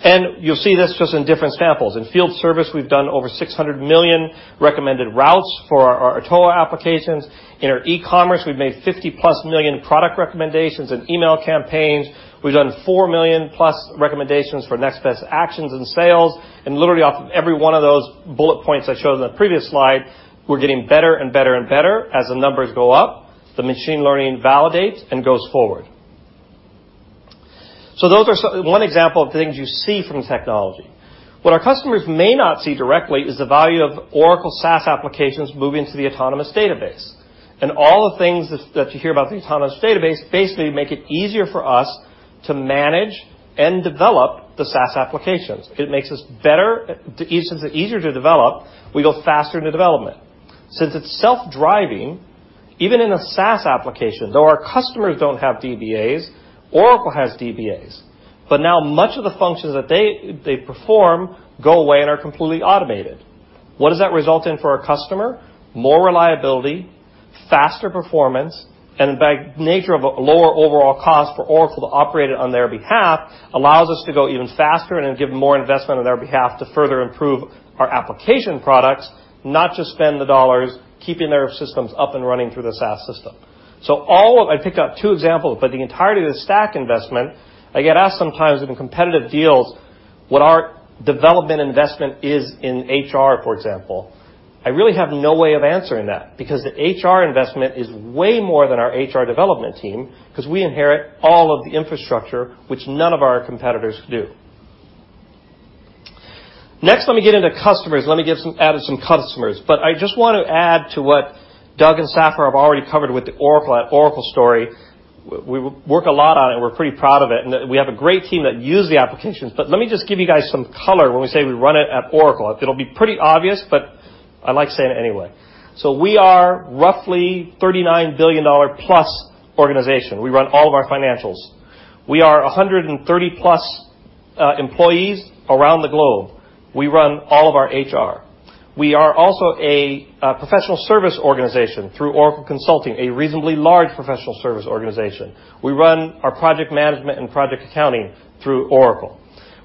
You'll see this just in different samples. In field service, we've done over 600 million recommended routes for our TOA Technologies acquisition. In our e-commerce, we've made 50+ million product recommendations and email campaigns. We've done 4+ million recommendations for next best actions and sales, and literally off of every one of those bullet points I showed on the previous slide, we're getting better and better and better as the numbers go up. The machine learning validates and goes forward. Those are one example of things you see from technology. What our customers may not see directly is the value of Oracle SaaS applications moving to the autonomous database. All the things that you hear about the Autonomous Database basically make it easier for us to manage and develop the SaaS applications. It makes us better. Since it's easier to develop, we go faster into development. Since it's self-driving, even in a SaaS application, though our customers don't have DBAs, Oracle has DBAs. Now much of the functions that they perform go away and are completely automated. What does that result in for our customer? More reliability, faster performance, and by nature, of a lower overall cost for Oracle to operate it on their behalf allows us to go even faster and give more investment on their behalf to further improve our application products, not just spend the dollars keeping their systems up and running through the SaaS system. I picked out two examples, but the entirety of the stack investment, I get asked sometimes in competitive deals, what our development investment is in HR, for example. I really have no way of answering that because the HR investment is way more than our HR development team because we inherit all of the infrastructure, which none of our competitors do. Next, let me get into customers. Let me add some customers. I just want to add to what Doug and Safra have already covered with the Oracle story. We work a lot on it, and we're pretty proud of it, and we have a great team that use the applications. Let me just give you guys some color when we say we run it at Oracle. It'll be pretty obvious, but I like saying it anyway. We are roughly $39 billion-plus organization. We run all of our financials. We are 130-plus employees around the globe. We run all of our HR. We are also a professional service organization through Oracle Consulting, a reasonably large professional service organization. We run our project management and project accounting through Oracle.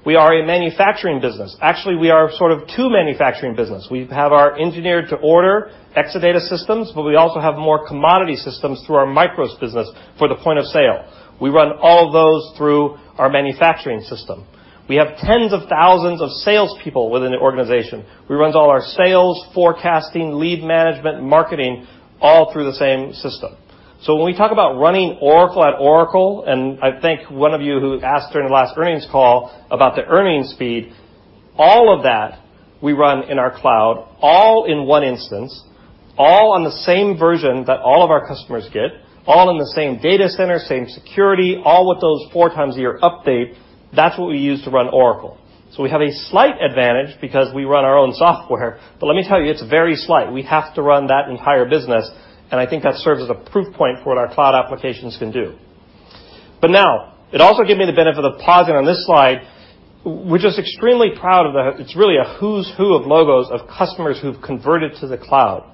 We are a manufacturing business. Actually, we are sort of two manufacturing business. We have our engineer-to-order Exadata systems, but we also have more commodity systems through our MICROS business for the point of sale. We run all those through our manufacturing system. We have tens of thousands of salespeople within the organization. We run all our sales, forecasting, lead management, marketing, all through the same system. When we talk about running Oracle at Oracle, and I think one of you who asked during the last earnings call about the earnings speed, all of that we run in our cloud, all in one instance, all on the same version that all of our customers get, all in the same data center, same security, all with those 4 times a year update. That's what we use to run Oracle. Let me tell you, it's very slight. We have to run that entire business, and I think that serves as a proof point for what our cloud applications can do. Now, it also gave me the benefit of pausing on this slide. We're just extremely proud of, it's really a who's who of logos of customers who've converted to the cloud.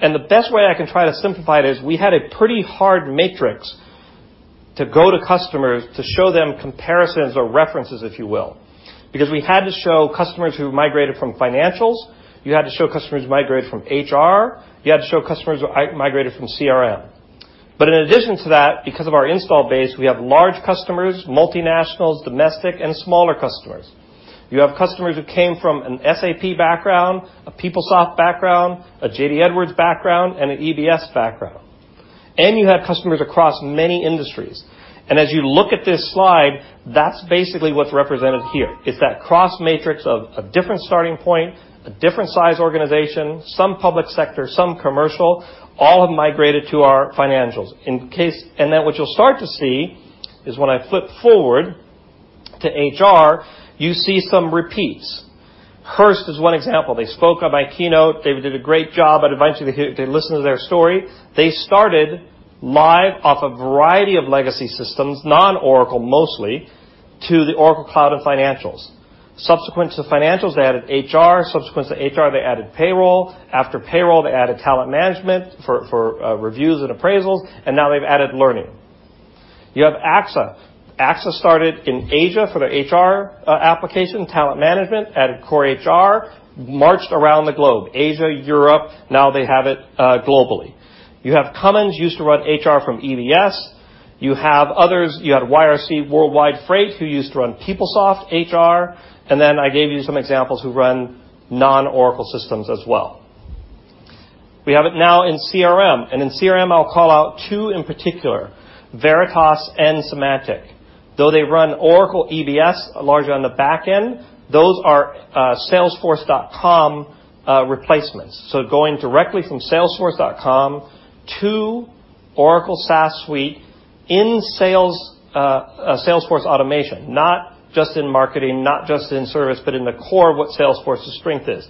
The best way I can try to simplify it is we had a pretty hard matrix to go to customers to show them comparisons or references, if you will. We had to show customers who migrated from financials, you had to show customers who migrated from HR, you had to show customers who migrated from CRM. In addition to that, because of our install base, we have large customers, multinationals, domestic, and smaller customers. You have customers who came from an SAP background, a PeopleSoft background, a JD Edwards background, and an EBS background. You have customers across many industries. As you look at this slide, that's basically what's represented here, is that cross matrix of a different starting point, a different size organization, some public sector, some commercial, all have migrated to our financials. What you'll start to see is when I flip forward to HR, you see some repeats. Hearst is one example. They spoke on my keynote. They did a great job. I'd invite you to listen to their story. They started live off a variety of legacy systems, non-Oracle, mostly, to the Oracle Cloud and Financials. Subsequent to Financials, they added HR. Subsequent to HR, they added Payroll. After Payroll, they added Talent Management for reviews and appraisals, and now they've added Learning. You have AXA. AXA started in Asia for their HR application, Talent Management, added Core HR, marched around the globe, Asia, Europe. Now they have it globally. You have Cummins, used to run HR from EBS. You have others. You had YRC Worldwide, who used to run PeopleSoft HR. Then I gave you some examples who run non-Oracle systems as well. We have it now in CRM. In CRM, I'll call out two in particular, Veritas and Symantec. Though they run Oracle EBS largely on the back end, those are salesforce.com replacements. Going directly from salesforce.com to Oracle SaaS suite in Salesforce automation, not just in marketing, not just in service, but in the core of what Salesforce's strength is.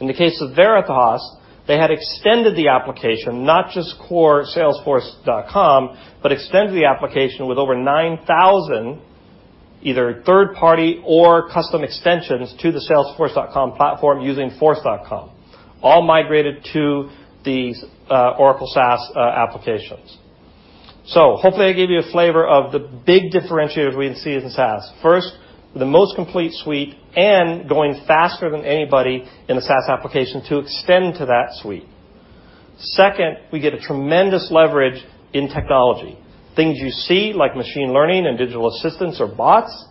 In the case of Veritas, they had extended the application, not just core salesforce.com, but extended the application with over 9,000 either third-party or custom extensions to the salesforce.com platform using Force.com, all migrated to these Oracle SaaS applications. Hopefully, I gave you a flavor of the big differentiators we see in SaaS. First, the most complete suite and going faster than anybody in the SaaS application to extend to that suite. Second, we get a tremendous leverage in technology. Things you see like machine learning and digital assistants or bots,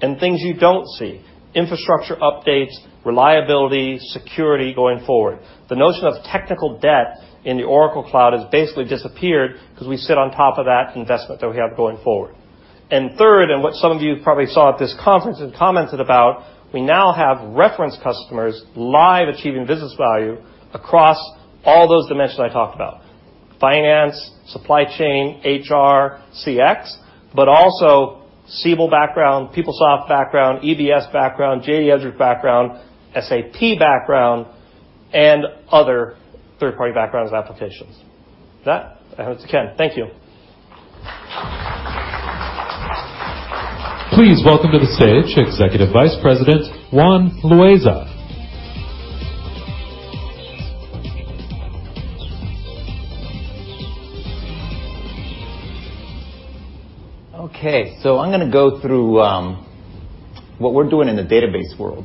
and things you don't see, infrastructure updates, reliability, security going forward. The notion of technical debt in the Oracle Cloud has basically disappeared because we sit on top of that investment that we have going forward. Third, and what some of you probably saw at this conference and commented about, we now have reference customers live achieving business value across all those dimensions I talked about. Finance, supply chain, HR, CX, but also Siebel background, PeopleSoft background, EBS background, JD Edwards background, SAP background, and other third-party backgrounds applications. With that, I hand it to Ken. Thank you. Please welcome to the stage Executive Vice President, Juan Loaiza. Okay. I'm going to go through what we're doing in the database world.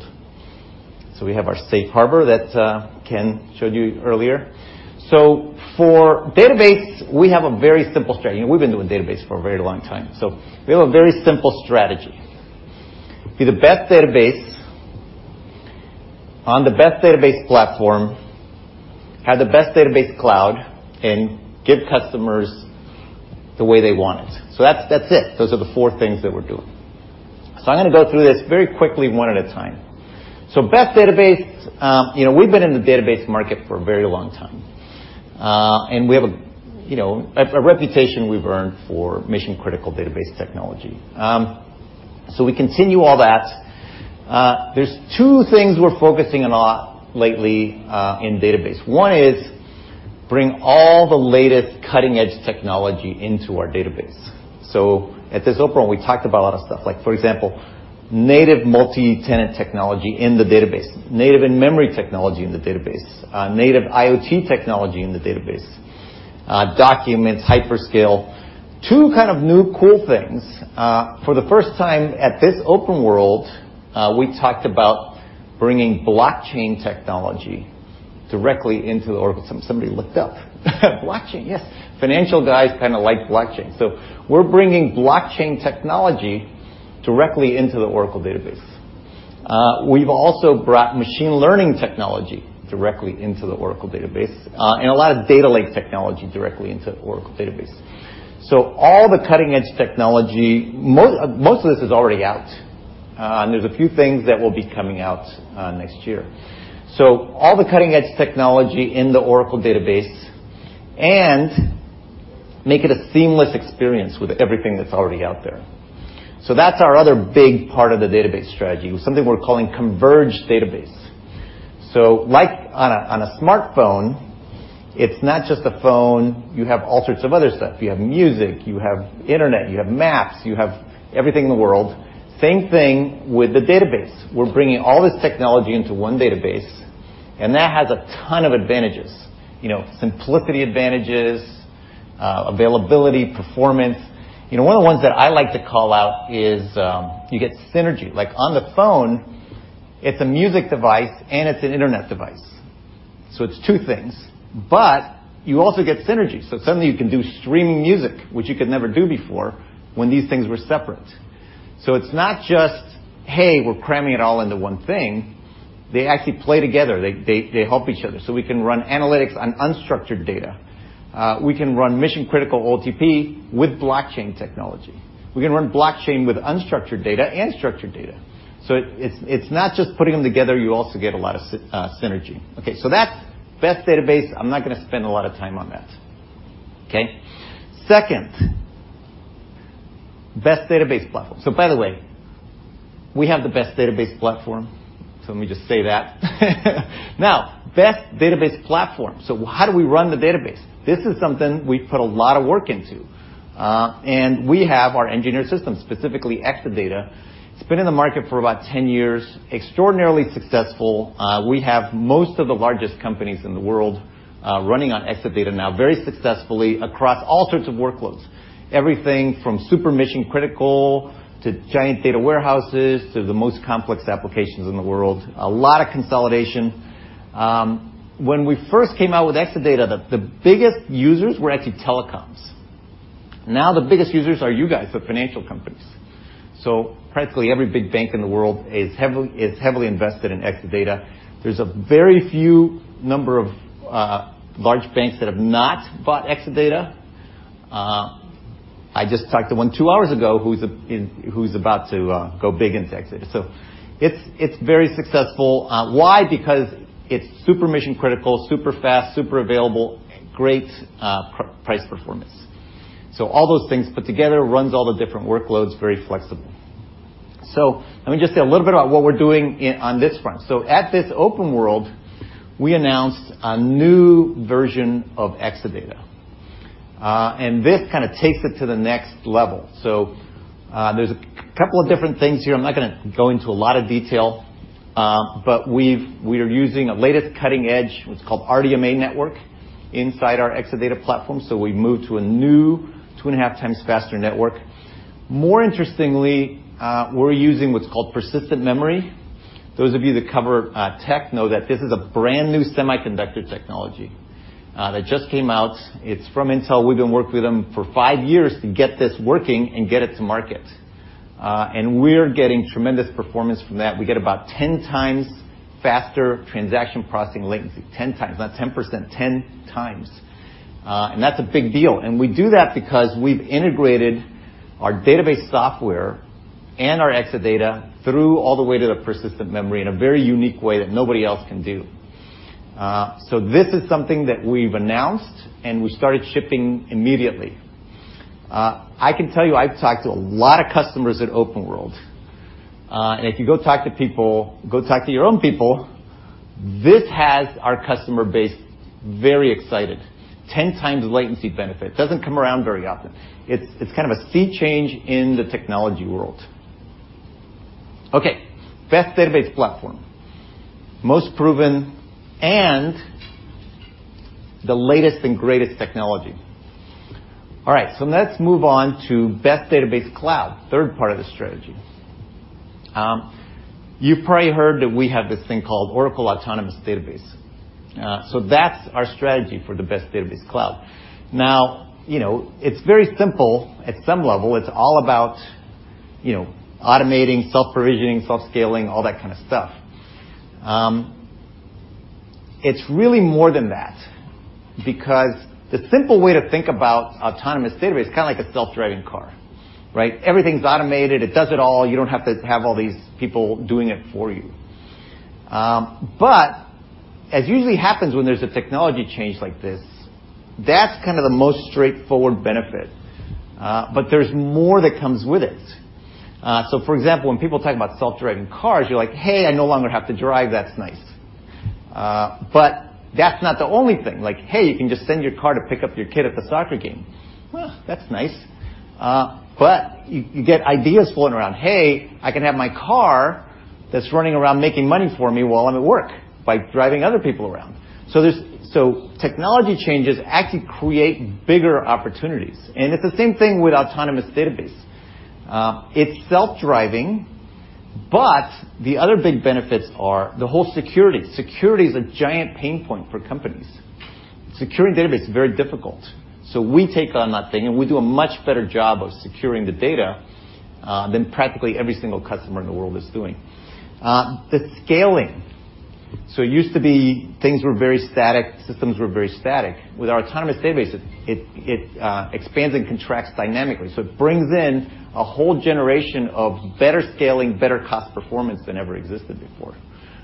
We have our safe harbor that Ken showed you earlier. For database, we have a very simple strategy, and we've been doing database for a very long time. We have a very simple strategy. Be the best database on the best database platform, have the best database cloud, and give customers the way they want it. That's it. Those are the four things that we're doing. I'm going to go through this very quickly one at a time. Best database. We've been in the database market for a very long time. We have a reputation we've earned for mission-critical database technology. We continue all that. There's two things we're focusing on a lot lately in database. One is bring all the latest cutting-edge technology into our database. At this OpenWorld, we talked about a lot of stuff like, for example, native multi-tenant technology in the database, native in-memory technology in the database, native IoT technology in the database, documents, hyperscale. Two kind of new cool things. For the first time at this OpenWorld, we talked about bringing blockchain technology directly into Oracle. Somebody looked up. blockchain. Yes. Financial guys kind of like blockchain. We are bringing blockchain technology directly into the Oracle Database. We have also brought machine learning technology directly into the Oracle Database, and a lot of data lake technology directly into Oracle Database. All the cutting-edge technology, most of this is already out. There is a few things that will be coming out next year. All the cutting-edge technology in the Oracle Database and make it a seamless experience with everything that is already out there. That's our other big part of the database strategy, something we're calling converged database. Like on a smartphone, it's not just a phone, you have all sorts of other stuff. You have music, you have internet, you have maps, you have everything in the world. Same thing with the database. We're bringing all this technology into one database, and that has a ton of advantages. Simplicity advantages, availability, performance. One of the ones that I like to call out is you get synergy. Like on the phone, it's a music device and it's an internet device. It's two things, but you also get synergy. Suddenly you can do streaming music, which you could never do before when these things were separate. It's not just, hey, we're cramming it all into one thing. They actually play together. They help each other. We can run analytics on unstructured data. We can run mission-critical OLTP with blockchain technology. We can run blockchain with unstructured data and structured data. It's not just putting them together, you also get a lot of synergy. That's best database. I'm not going to spend a lot of time on that. Okay. Second, best database platform. By the way, we have the best database platform, so let me just say that. Best database platform. How do we run the database? This is something we've put a lot of work into. We have our engineered system, specifically Exadata. It's been in the market for about 10 years, extraordinarily successful. We have most of the largest companies in the world running on Exadata now very successfully across all sorts of workloads. Everything from super mission-critical to giant data warehouses to the most complex applications in the world. A lot of consolidation. When we first came out with Exadata, the biggest users were actually telecoms. Now, the biggest users are you guys, the financial companies. Practically every big bank in the world is heavily invested in Exadata. There's a very few number of large banks that have not bought Exadata. I just talked to one two hours ago who's about to go big into Exadata. It's very successful. Why? Because it's super mission-critical, super fast, super available, great price performance. All those things put together runs all the different workloads very flexible. Let me just say a little bit about what we're doing on this front. At this Oracle OpenWorld, we announced a new version of Exadata. This kind of takes it to the next level. There's a couple of different things here. I'm not going to go into a lot of detail. We are using a latest cutting-edge, what's called RDMA network inside our Exadata platform. We've moved to a new two and a half times faster network. More interestingly, we're using what's called persistent memory. Those of you that cover tech know that this is a brand-new semiconductor technology that just came out. It's from Intel. We've been working with them for five years to get this working and get it to market. We're getting tremendous performance from that. We get about 10 times faster transaction processing latency. 10 times, not 10%. 10 times. That's a big deal. We do that because we've integrated our database software and our Exadata through all the way to the persistent memory in a very unique way that nobody else can do. This is something that we've announced, and we started shipping immediately. I can tell you, I've talked to a lot of customers at OpenWorld. If you go talk to people, go talk to your own people, this has our customer base very excited. 10 times latency benefit. Doesn't come around very often. It's kind of a sea change in the technology world. Okay. Best database platform, most proven, and the latest and greatest technology. All right. Let's move on to best database cloud, third part of the strategy. You've probably heard that we have this thing called Oracle Autonomous Database. That's our strategy for the best database cloud. It's very simple. At some level, it's all about automating, self-provisioning, self-scaling, all that kind of stuff. It's really more than that because the simple way to think about Autonomous Database, kind of like a self-driving car, right? Everything's automated. It does it all. You don't have to have all these people doing it for you. As usually happens when there's a technology change like this, that's the most straightforward benefit. There's more that comes with it. For example, when people talk about self-driving cars, you're like, "Hey, I no longer have to drive. That's nice." That's not the only thing. Like, hey, you can just send your car to pick up your kid at the soccer game. Well, that's nice. You get ideas floating around. Hey, I can have my car that's running around making money for me while I'm at work by driving other people around. Technology changes actually create bigger opportunities. It's the same thing with Autonomous Database. It's self-driving, but the other big benefits are the whole security. Security is a giant pain point for companies. Securing Database is very difficult. We take on that thing, and we do a much better job of securing the data than practically every single customer in the world is doing. The scaling. It used to be things were very static, systems were very static. With Autonomous Database, it expands and contracts dynamically. It brings in a whole generation of better scaling, better cost performance than ever existed before.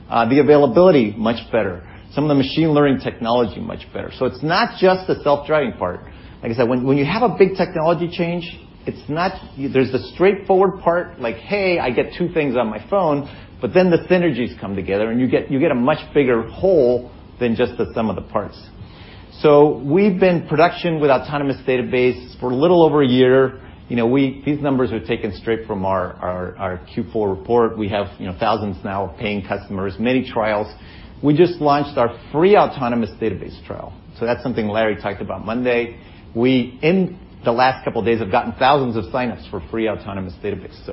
The availability, much better. Some of the machine learning technology, much better. It's not just the self-driving part. Like I said, when you have a big technology change, there's the straightforward part, like, hey, I get two things on my phone, but then the synergies come together, and you get a much bigger whole than just the sum of the parts. We've been production with Autonomous Database for a little over a year. These numbers are taken straight from our Q4 report. We have thousands now of paying customers, many trials. We just launched our free Autonomous Database trial. That's something Larry talked about Monday. We, in the last couple of days, have gotten thousands of sign-ups for free Autonomous Database.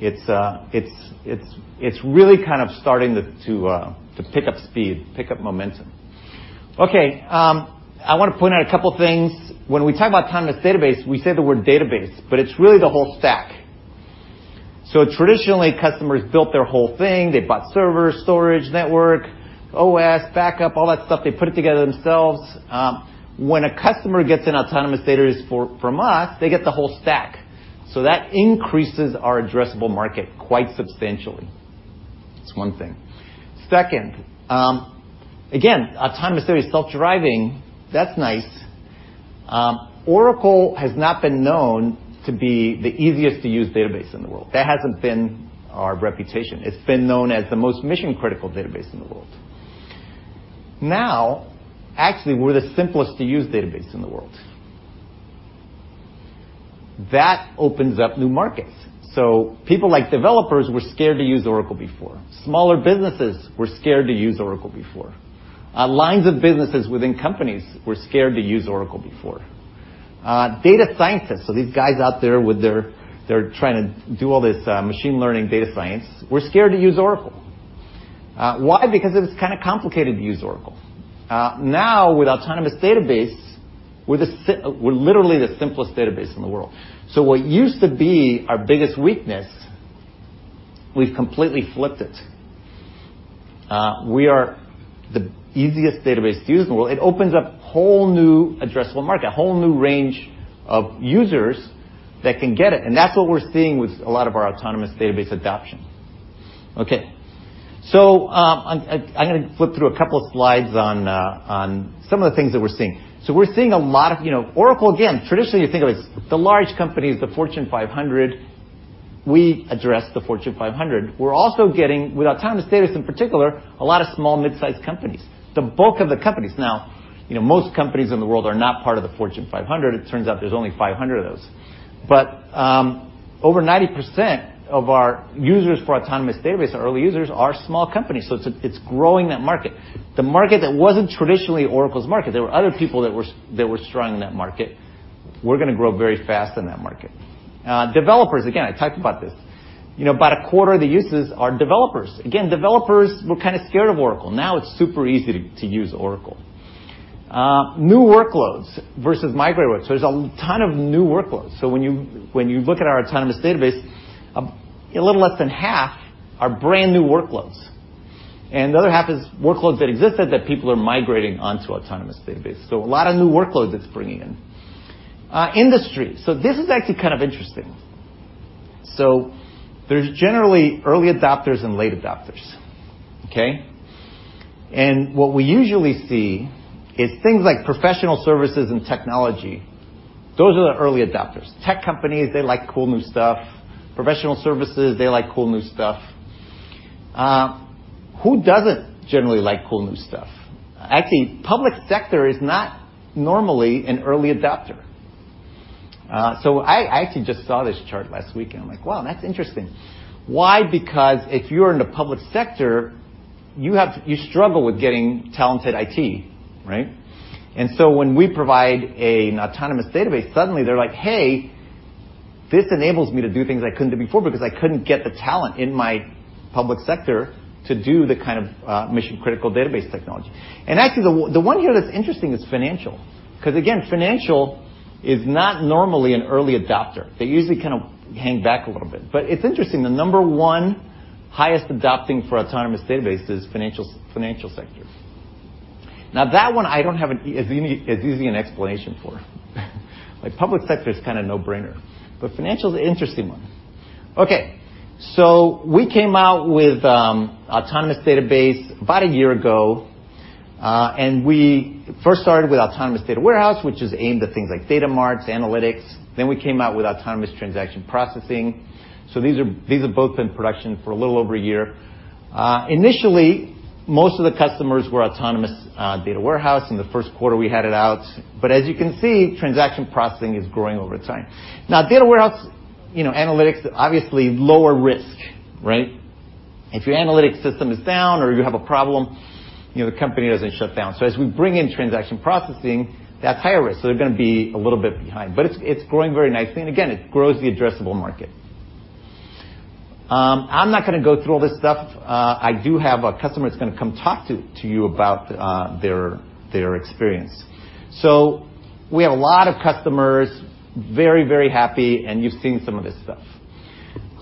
It's really starting to pick up speed, pick up momentum. Okay. I want to point out a couple of things. When we talk about Autonomous Database, we say the word database, but it's really the whole stack. Traditionally, customers built their whole thing. They bought server, storage, network, OS, backup, all that stuff. They put it together themselves. When a customer gets an Autonomous Database from us, they get the whole stack. That increases our addressable market quite substantially. That's one thing. Second, again, Autonomous Database, self-driving, that's nice. Oracle has not been known to be the easiest to use database in the world. That hasn't been our reputation. It's been known as the most mission-critical database in the world. Now, actually, we're the simplest to use database in the world. That opens up new markets. People like developers were scared to use Oracle before. Smaller businesses were scared to use Oracle before. Lines of businesses within companies were scared to use Oracle before. Data scientists, so these guys out there with their, they're trying to do all this machine learning data science, were scared to use Oracle. Why? It was kind of complicated to use Oracle. Now, with Autonomous Database, we're literally the simplest database in the world. What used to be our biggest weakness, we've completely flipped it. We are the easiest database to use in the world. It opens up whole new addressable market, whole new range of users that can get it, that's what we're seeing with a lot of our Autonomous Database adoption. I'm going to flip through a couple of slides on some of the things that we're seeing. Oracle, again, traditionally, you think of it as the large companies, the Fortune 500. We address the Fortune 500. We're also getting, with Autonomous Database in particular, a lot of small mid-sized companies, the bulk of the companies now. Most companies in the world are not part of the Fortune 500. It turns out there's only 500 of those. Over 90% of our users for Autonomous Database, our early users, are small companies. It's growing that market. The market that wasn't traditionally Oracle's market, there were other people that were strong in that market. We're going to grow very fast in that market. Developers, again, I talked about this. About a quarter of the users are developers. Again, developers were kind of scared of Oracle. Now it's super easy to use Oracle. New workloads versus migrate workloads. There's a ton of new workloads. When you look at our Autonomous Database, a little less than half are brand-new workloads, and the other half is workloads that existed that people are migrating onto Autonomous Database. A lot of new workloads it's bringing in. Industry. This is actually kind of interesting. There's generally early adopters and late adopters. Okay? What we usually see is things like professional services and technology, those are the early adopters. Tech companies, they like cool new stuff. Professional services, they like cool new stuff. Who doesn't generally like cool new stuff? Actually, public sector is not normally an early adopter. I actually just saw this chart last week, and I'm like, wow, that's interesting. Why? Because if you're in the public sector, you struggle with getting talented IT, right? When we provide an Autonomous Database, suddenly they're like, "Hey, this enables me to do things I couldn't do before because I couldn't get the talent in my public sector to do the kind of mission-critical database technology." Actually, the one here that's interesting is financial. Because, again, financial is not normally an early adopter. They usually kind of hang back a little bit. It's interesting, the number one highest adopting for Autonomous Database is financial sector. That one I don't have as easy an explanation for. Public sector is kind of no-brainer, but financial is an interesting one. We came out with Autonomous Database about a year ago. We first started with Autonomous Data Warehouse, which is aimed at things like data marts, analytics. We came out with autonomous transaction processing. These have both been in production for a little over a year. Initially, most of the customers were Autonomous Data Warehouse in the first quarter we had it out. As you can see, transaction processing is growing over time. Data warehouse, analytics, obviously lower risk, right? If your analytics system is down or you have a problem, the company doesn't shut down. As we bring in transaction processing, that's higher risk, so they're going to be a little bit behind. It's growing very nicely. Again, it grows the addressable market. I'm not going to go through all this stuff. I do have a customer that's going to come talk to you about their experience. We have a lot of customers, very happy, and you've seen some of this stuff.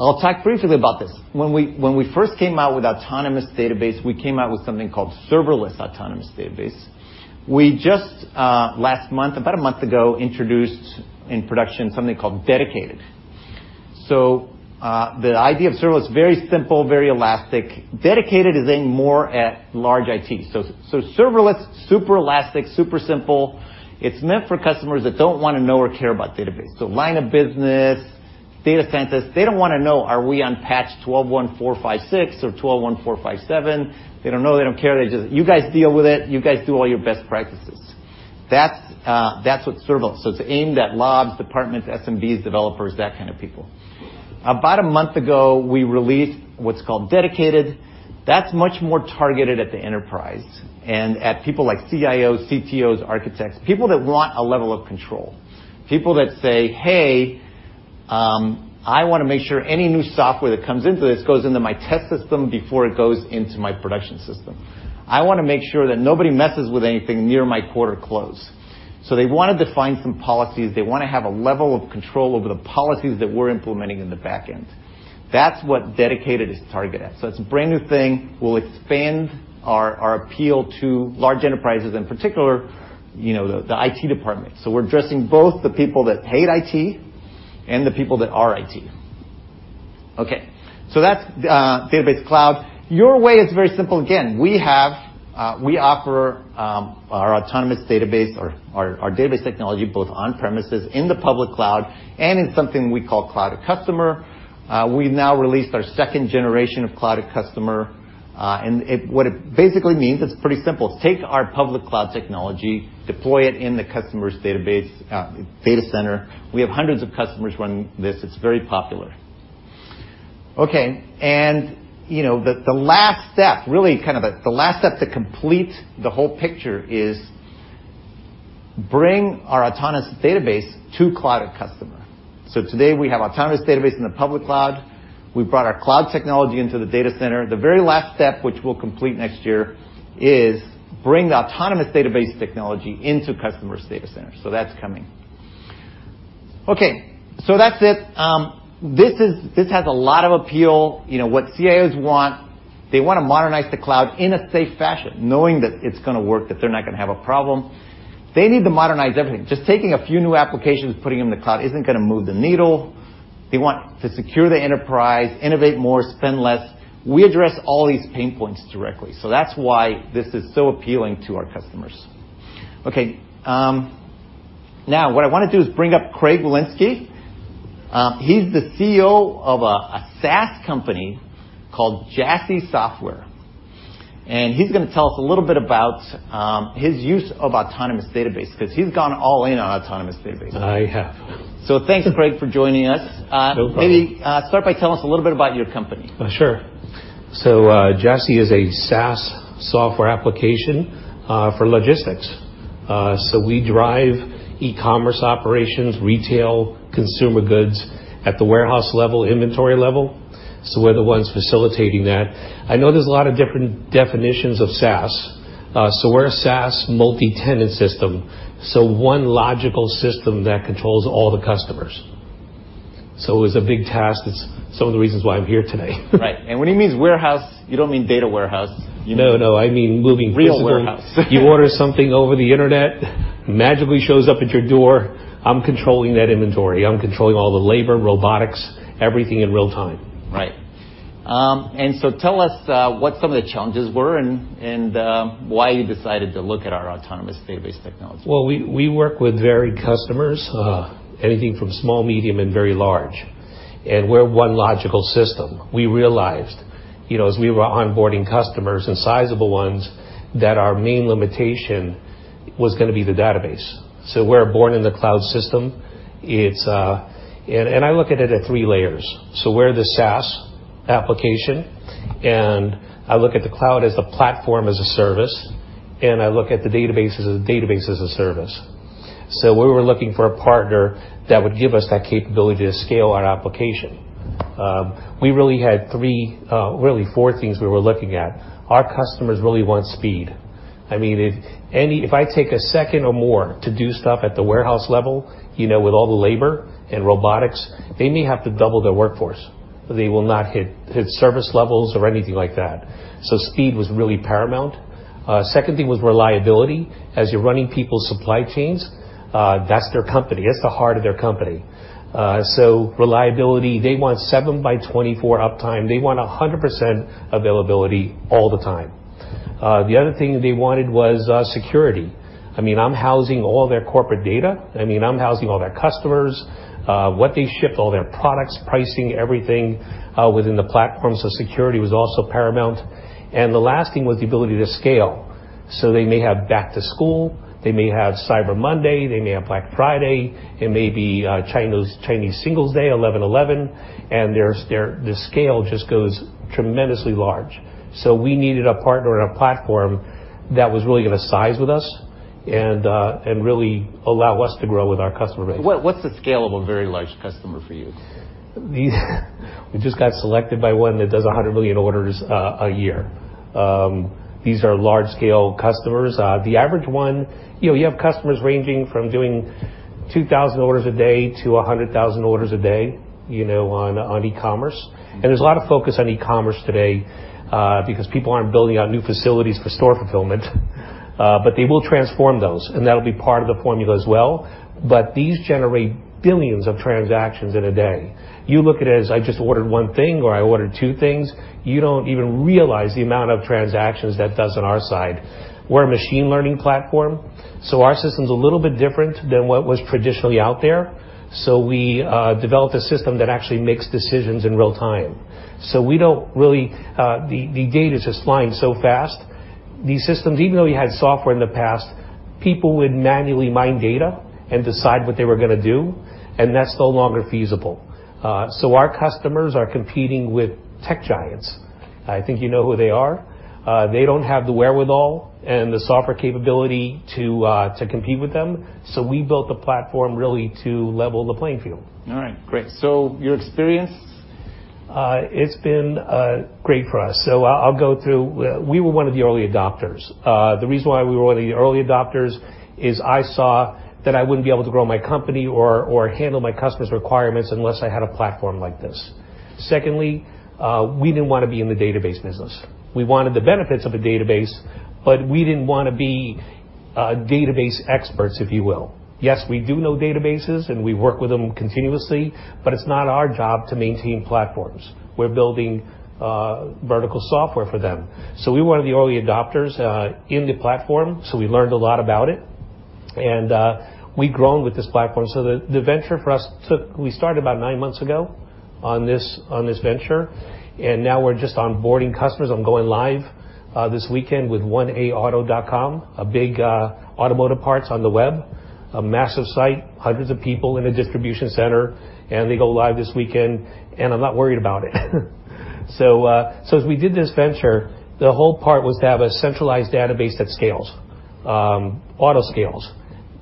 I'll talk briefly about this. When we first came out with Autonomous Database, we came out with something called Serverless Autonomous Database. We just, last month, about a month ago, introduced in production something called Dedicated. The idea of serverless, very simple, very elastic. Dedicated is aimed more at large IT. Serverless, super elastic, super simple. It's meant for customers that don't want to know or care about database. Line of business, data centers, they don't want to know, are we on patch 12.1.4.5.6 or 12.1.4.5.7? They don't know, they don't care. They just, "You guys deal with it. You guys do all your best practices." That's what's serverless. It's aimed at labs, departments, SMBs, developers, that kind of people. About a month ago, we released what's called Dedicated. That's much more targeted at the enterprise and at people like CIOs, CTOs, architects, people that want a level of control. People that say, "Hey, I want to make sure any new software that comes into this goes into my test system before it goes into my production system. I want to make sure that nobody messes with anything near my quarter close." They want to define some policies. They want to have a level of control over the policies that we're implementing in the back end. That's what Dedicated is targeted at. It's a brand-new thing. We'll expand our appeal to large enterprises, in particular, the IT department. We're addressing both the people that hate IT and the people that are IT. Okay. That's Database Cloud. Your way is very simple. Again, we offer our Autonomous Database or our database technology both on-premises, in the public cloud, and in something we call Cloud@Customer. We've now released our second generation of Cloud@Customer. What it basically means, it's pretty simple. Take our public cloud technology, deploy it in the customer's data center. We have hundreds of customers running this. It's very popular. Okay. The last step, really kind of the last step to complete the whole picture is bring our Autonomous Database to Cloud@Customer. Today, we have Autonomous Database in the public cloud. We've brought our cloud technology into the data center. The very last step, which we'll complete next year, is bring the Autonomous Database technology into customers' data centers. That's coming. That's it. This has a lot of appeal, what CIOs want. They want to modernize the cloud in a safe fashion, knowing that it's going to work, that they're not going to have a problem. They need to modernize everything. Just taking a few new applications, putting them in the cloud isn't going to move the needle. They want to secure the enterprise, innovate more, spend less. We address all these pain points directly. That's why this is so appealing to our customers. Now, what I want to do is bring up Craig Walensky. He's the CEO of a SaaS company called JASCI. He's going to tell us a little bit about his use of Autonomous Database, because he's gone all in on Autonomous Database. I have. Thanks, Craig, for joining us. No problem. Maybe start by telling us a little bit about your company. Sure. JASCI is a SaaS software application for logistics. We drive e-commerce operations, retail, consumer goods, at the warehouse level, inventory level. We're the ones facilitating that. I know there's a lot of different definitions of SaaS. We're a SaaS multi-tenant system. One logical system that controls all the customers. It was a big task, that's some of the reasons why I'm here today. Right. When you means warehouse, you don't mean data warehouse? No, no, I mean moving physically. Real warehouse. You order something over the Internet, magically shows up at your door. I'm controlling that inventory. I'm controlling all the labor, robotics, everything in real-time. Right. Tell us, what some of the challenges were and why you decided to look at our Autonomous Database technology? Well, we work with varied customers. Anything from small, medium, and very large. We're one logical system. We realized, as we were onboarding customers, and sizable ones, that our main limitation was going to be the database. We're born in the cloud system. I look at it at three layers. We're the SaaS application, I look at the cloud as the platform as a service, I look at the database as a database as a service. We were looking for a partner that would give us that capability to scale our application. We really had three, really four things we were looking at. Our customers really want speed. If I take a second or more to do stuff at the warehouse level, with all the labor and robotics, they may have to double their workforce. They will not hit service levels or anything like that. Speed was really paramount. Second thing was reliability. As you're running people's supply chains, that's their company. That's the heart of their company. Reliability, they want seven by 24 uptime. They want 100% availability all the time. The other thing they wanted was security. I'm housing all their corporate data. I'm housing all their customers, what they ship, all their products, pricing, everything, within the platform. Security was also paramount. The last thing was the ability to scale. They may have back to school, they may have Cyber Monday, they may have Black Friday, it may be Chinese Singles' Day, 11/11, the scale just goes tremendously large. We needed a partner and a platform that was really going to size with us and really allow us to grow with our customer base. What's the scale of a very large customer for you? We just got selected by one that does 100 million orders a year. These are large-scale customers. You have customers ranging from doing 2,000 orders a day to 100,000 orders a day, on e-commerce. There's a lot of focus on e-commerce today, because people aren't building out new facilities for store fulfillment. They will transform those, and that'll be part of the formula as well. These generate billions of transactions in a day. You look at it as, I just ordered one thing, or I ordered two things. You don't even realize the amount of transactions that does on our side. We're a machine learning platform, our system's a little bit different than what was traditionally out there. We developed a system that actually makes decisions in real-time. The data's just flying so fast. These systems, even though we had software in the past, people would manually mine data and decide what they were going to do, and that's no longer feasible. Our customers are competing with tech giants. I think you know who they are. They don't have the wherewithal and the software capability to compete with them. We built the platform really to level the playing field. All right. Great. Your experience? It's been great for us. I'll go through. We were one of the early adopters. The reason why we were one of the early adopters is I saw that I wouldn't be able to grow my company or handle my customers' requirements unless I had a platform like this. Secondly, we didn't want to be in the database business. We wanted the benefits of a database, but we didn't want to be database experts, if you will. Yes, we do know databases, and we work with them continuously, but it's not our job to maintain platforms. We're building vertical software for them. We were one of the early adopters in the platform, so we learned a lot about it. We've grown with this platform. We started about nine months ago on this venture, and now we're just onboarding customers. I'm going live this weekend with 1AAuto.com, a big automotive parts on the web, a massive site, hundreds of people in a distribution center, and they go live this weekend, and I'm not worried about it. As we did this venture, the whole part was to have a centralized database that scales,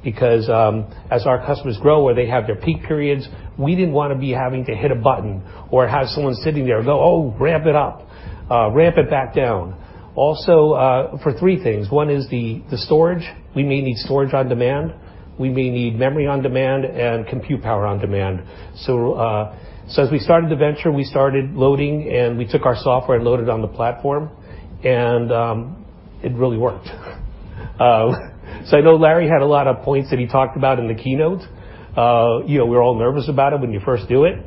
auto-scales. As our customers grow, where they have their peak periods, we didn't want to be having to hit a button or have someone sitting there go, "Oh, ramp it up. Ramp it back down." Also, for three things. One is the storage. We may need storage on demand. We may need memory on demand and compute power on demand. As we started the venture, we started loading, and we took our software and loaded it on the platform, and it really worked. I know Larry had a lot of points that he talked about in the keynote. We're all nervous about it when you first do it.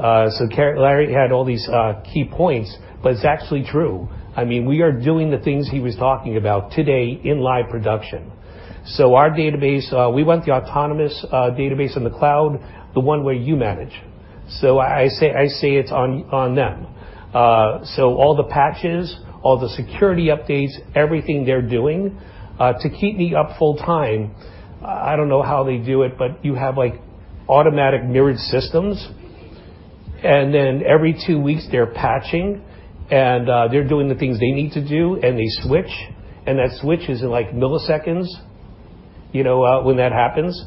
Larry had all these key points, but it's actually true. We are doing the things he was talking about today in live production. Our database, we want the Autonomous Database in the cloud, the one where you manage. I say it's on them. All the patches, all the security updates, everything they're doing to keep me up full time, I don't know how they do it, but you have automatic mirrored systems, and then every two weeks, they're patching, and they're doing the things they need to do, and they switch, and that switch is in milliseconds, when that happens.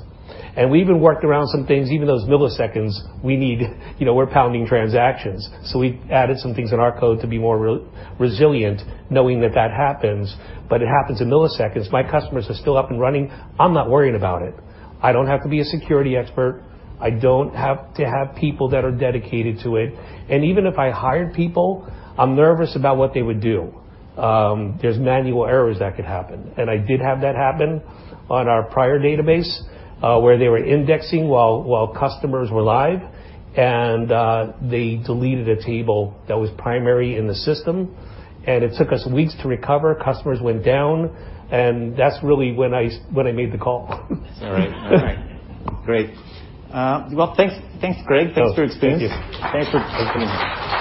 We even worked around some things, even those milliseconds we need. We're pounding transactions. We added some things in our code to be more resilient, knowing that that happens, but it happens in milliseconds. My customers are still up and running. I'm not worrying about it. I don't have to be a security expert. I don't have to have people that are dedicated to it. Even if I hired people, I'm nervous about what they would do. There's manual errors that could happen. I did have that happen on our prior database, where they were indexing while customers were live, and they deleted a table that was primary in the system, and it took us weeks to recover. Customers went down, and that's really when I made the call. All right. Great. Well, thanks, Craig. Thanks for explaining. Thank you. Thanks for coming.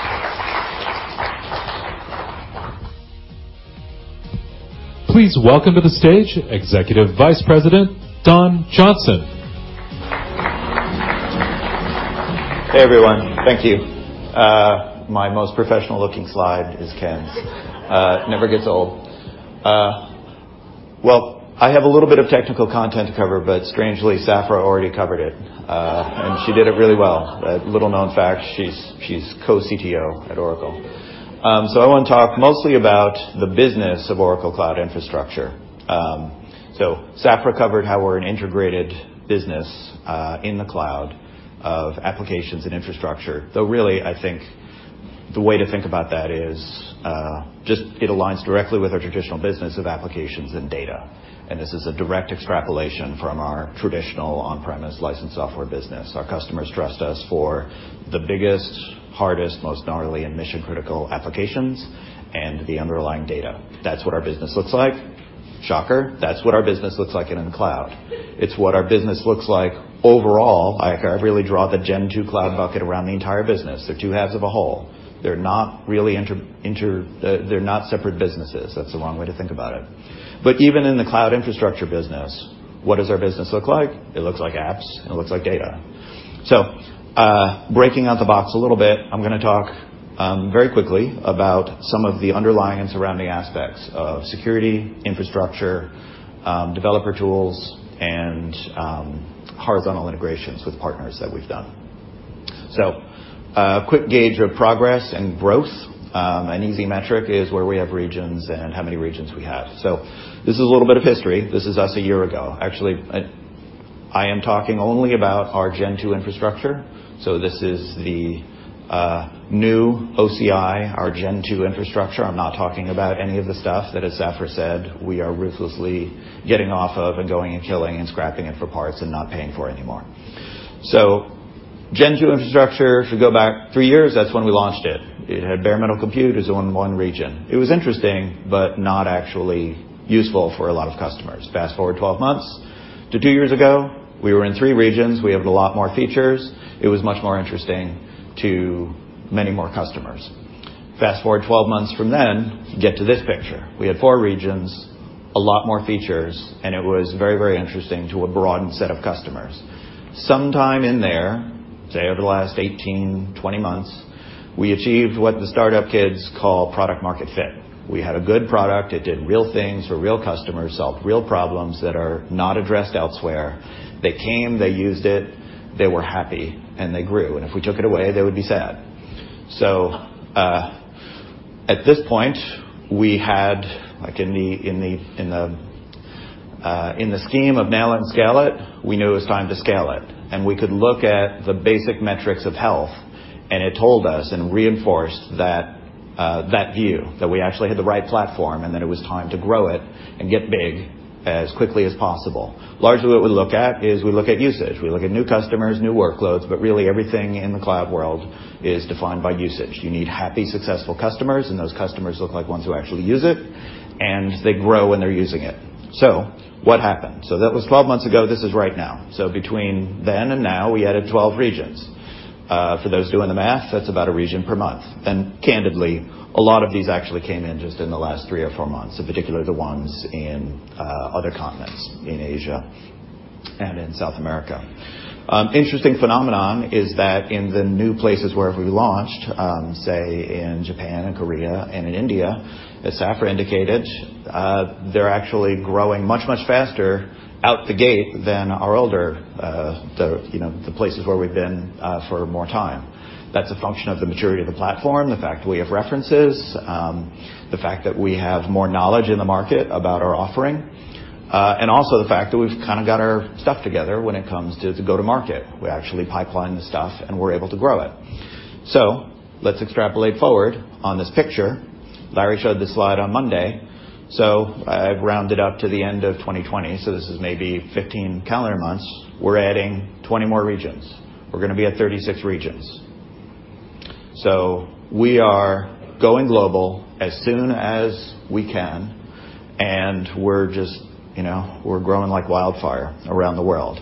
Please welcome to the stage Executive Vice President, Don Johnson. Hey, everyone. Thank you. My most professional-looking slide is Ken's. Never gets old. Well, I have a little bit of technical content to cover, but strangely, Safra already covered it. She did it really well. A little-known fact, she's co-CTO at Oracle. I want to talk mostly about the business of Oracle Cloud Infrastructure. Safra covered how we're an integrated business in the cloud of applications and infrastructure, though really, I think the way to think about that is just it aligns directly with our traditional business of applications and data. This is a direct extrapolation from our traditional on-premise licensed software business. Our customers trust us for the biggest, hardest, most gnarly, and mission-critical applications and the underlying data. That's what our business looks like. Shocker, that's what our business looks like in the cloud. It's what our business looks like overall. I really draw the Gen 2 Cloud bucket around the entire business. They're two halves of a whole. They're not separate businesses. That's the wrong way to think about it. Even in the Cloud Infrastructure business, what does our business look like? It looks like apps, and it looks like data. Breaking out the box a little bit, I'm going to talk very quickly about some of the underlying and surrounding aspects of security, infrastructure, developer tools, and horizontal integrations with partners that we've done. A quick gauge of progress and growth. An easy metric is where we have regions and how many regions we have. This is a little bit of history. This is us a year ago. Actually, I am talking only about our Gen 2 Infrastructure. This is the new OCI, our Gen 2 Infrastructure. I'm not talking about any of the stuff that, as Safra said, we are ruthlessly getting off of and going and killing and scrapping it for parts and not paying for anymore. Gen 2 infrastructure, if you go back three years, that's when we launched it. It had bare metal compute. It was in one region. It was interesting, but not actually useful for a lot of customers. Fast-forward 12 months to two years ago, we were in three regions. We had a lot more features. It was much more interesting to many more customers. Fast-forward 12 months from then, you get to this picture. We had four regions, a lot more features, and it was very interesting to a broadened set of customers. Sometime in there, say, over the last 18, 20 months, we achieved what the startup kids call product market fit. We had a good product. It did real things for real customers, solved real problems that are not addressed elsewhere. They came, they used it, they were happy, and they grew. If we took it away, they would be sad. At this point, we had like in the scheme of nail and scale it, we knew it was time to scale it. We could look at the basic metrics of health, and it told us and reinforced that view that we actually had the right platform and that it was time to grow it and get big as quickly as possible. Largely, what we look at is we look at usage. We look at new customers, new workloads, but really everything in the cloud world is defined by usage. You need happy, successful customers, and those customers look like ones who actually use it, and they grow when they're using it. What happened? That was 12 months ago. This is right now. Between then and now, we added 12 regions. For those doing the math, that's about a region per month. Candidly, a lot of these actually came in just in the last three or four months, in particular, the ones in other continents, in Asia and in South America. Interesting phenomenon is that in the new places where we launched, say, in Japan and Korea and in India, as Safra indicated, they're actually growing much, much faster out the gate than the places where we've been for more time. That's a function of the maturity of the platform, the fact that we have references, the fact that we have more knowledge in the market about our offering, and also the fact that we've got our stuff together when it comes to go to market. We actually pipeline the stuff, we're able to grow it. Let's extrapolate forward on this picture. Larry showed this slide on Monday. I've rounded up to the end of 2020, so this is maybe 15 calendar months. We're adding 20 more regions. We're going to be at 36 regions. We are going global as soon as we can, and we're growing like wildfire around the world.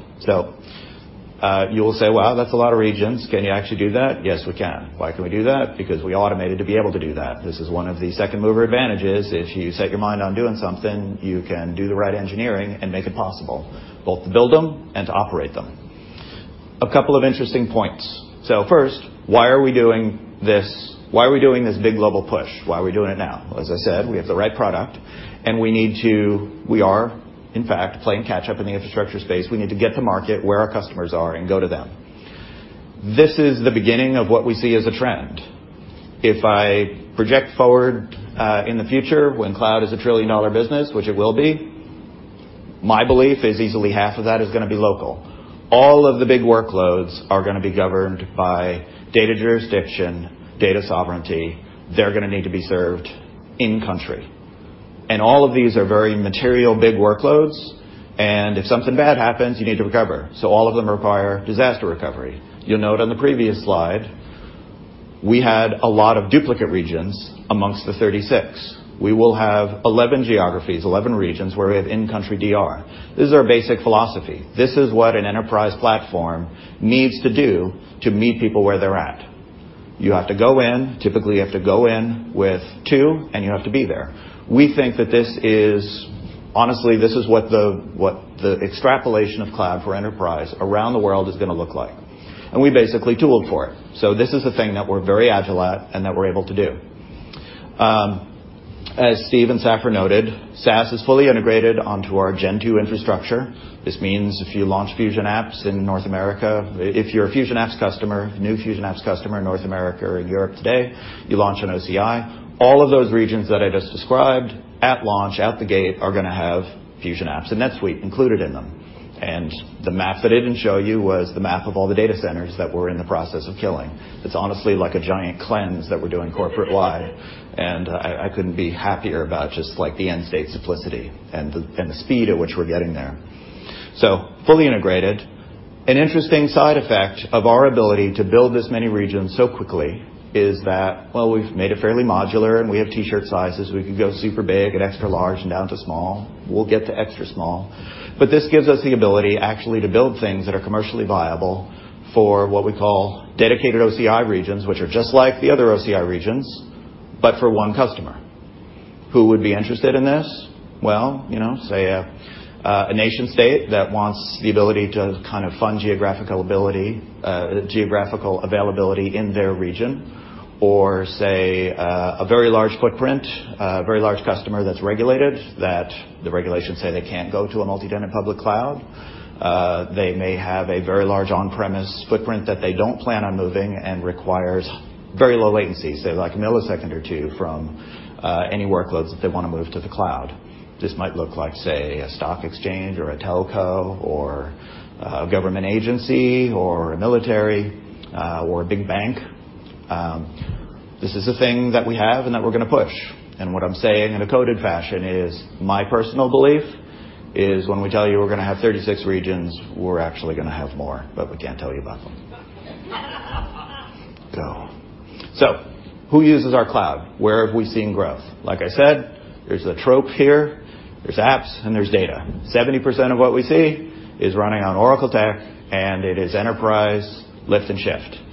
You'll say, "Wow, that's a lot of regions. Can you actually do that?" Yes, we can. Why can we do that? We automated to be able to do that. This is one of the second-mover advantages. If you set your mind on doing something, you can do the right engineering and make it possible, both to build them and to operate them. A couple of interesting points. First, why are we doing this big global push? Why are we doing it now? As I said, we have the right product. We are, in fact, playing catch-up in the infrastructure space. We need to get to market where our customers are and go to them. This is the beginning of what we see as a trend. If I project forward in the future when cloud is a trillion-dollar business, which it will be, my belief is easily half of that is going to be local. All of the big workloads are going to be governed by data jurisdiction, data sovereignty. They're going to need to be served in-country. All of these are very material, big workloads, and if something bad happens, you need to recover. All of them require disaster recovery. You'll note on the previous slide, we had a lot of duplicate regions amongst the 36. We will have 11 geographies, 11 regions where we have in-country DR. This is our basic philosophy. This is what an enterprise platform needs to do to meet people where they're at. You have to go in. Typically, you have to go in with two, and you have to be there. We think that, honestly, this is what the extrapolation of cloud for enterprise around the world is going to look like. We basically tooled for it. This is the thing that we're very agile at and that we're able to do. As Steve and Safra noted, SaaS is fully integrated onto our Gen 2 infrastructure. This means if you launch Fusion Apps in North America, if you're a new Fusion Apps customer in North America or Europe today, you launch on OCI. All of those regions that I just described at launch, out the gate, are going to have Fusion Apps and NetSuite included in them. The map I didn't show you was the map of all the data centers that we're in the process of killing. It's honestly like a giant cleanse that we're doing corporate-wide, and I couldn't be happier about just the end state simplicity and the speed at which we're getting there. Fully integrated. An interesting side effect of our ability to build this many regions so quickly is that while we've made it fairly modular and we have T-shirt sizes, we could go super big and extra large and down to small. We'll get to extra small. This gives us the ability actually to build things that are commercially viable for what we call dedicated OCI regions, which are just like the other OCI regions, but for one customer. Who would be interested in this? Say a nation-state that wants the ability to fund geographical availability in their region, or say a very large footprint, a very large customer that's regulated, that the regulations say they can't go to a multi-tenant public cloud. They may have a very large on-premise footprint that they don't plan on moving and requires very low latency, say, a millisecond or two from any workloads that they want to move to the cloud. This might look like, say, a stock exchange or a telco or a government agency or a military or a big bank. This is a thing that we have and that we're going to push. What I'm saying in a coded fashion is my personal belief is when we tell you we're going to have 36 regions, we're actually going to have more, but we can't tell you about them. Who uses our cloud? Where have we seen growth? Like I said, there's the trope here, there's apps, and there's data. 70% of what we see is running on Oracle tech, and it is enterprise lift and shift.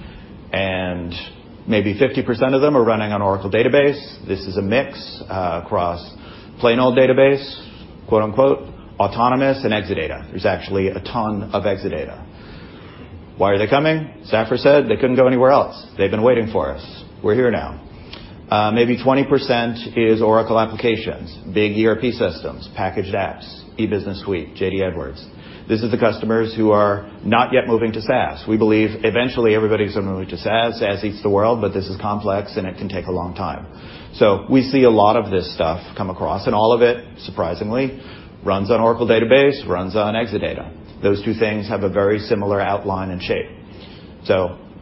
Maybe 50% of them are running on Oracle Database. This is a mix across plain old database, quote, unquote, autonomous, and Exadata. There's actually a ton of Exadata. Why are they coming? Safra said they couldn't go anywhere else. They've been waiting for us. We're here now. Maybe 20% is Oracle applications, big ERP systems, packaged apps, E-Business Suite, JD Edwards. This is the customers who are not yet moving to SaaS. We believe eventually everybody's going to move to SaaS. This is complex, and it can take a long time. We see a lot of this stuff come across, and all of it, surprisingly, runs on Oracle Database, runs on Exadata. Those two things have a very similar outline and shape.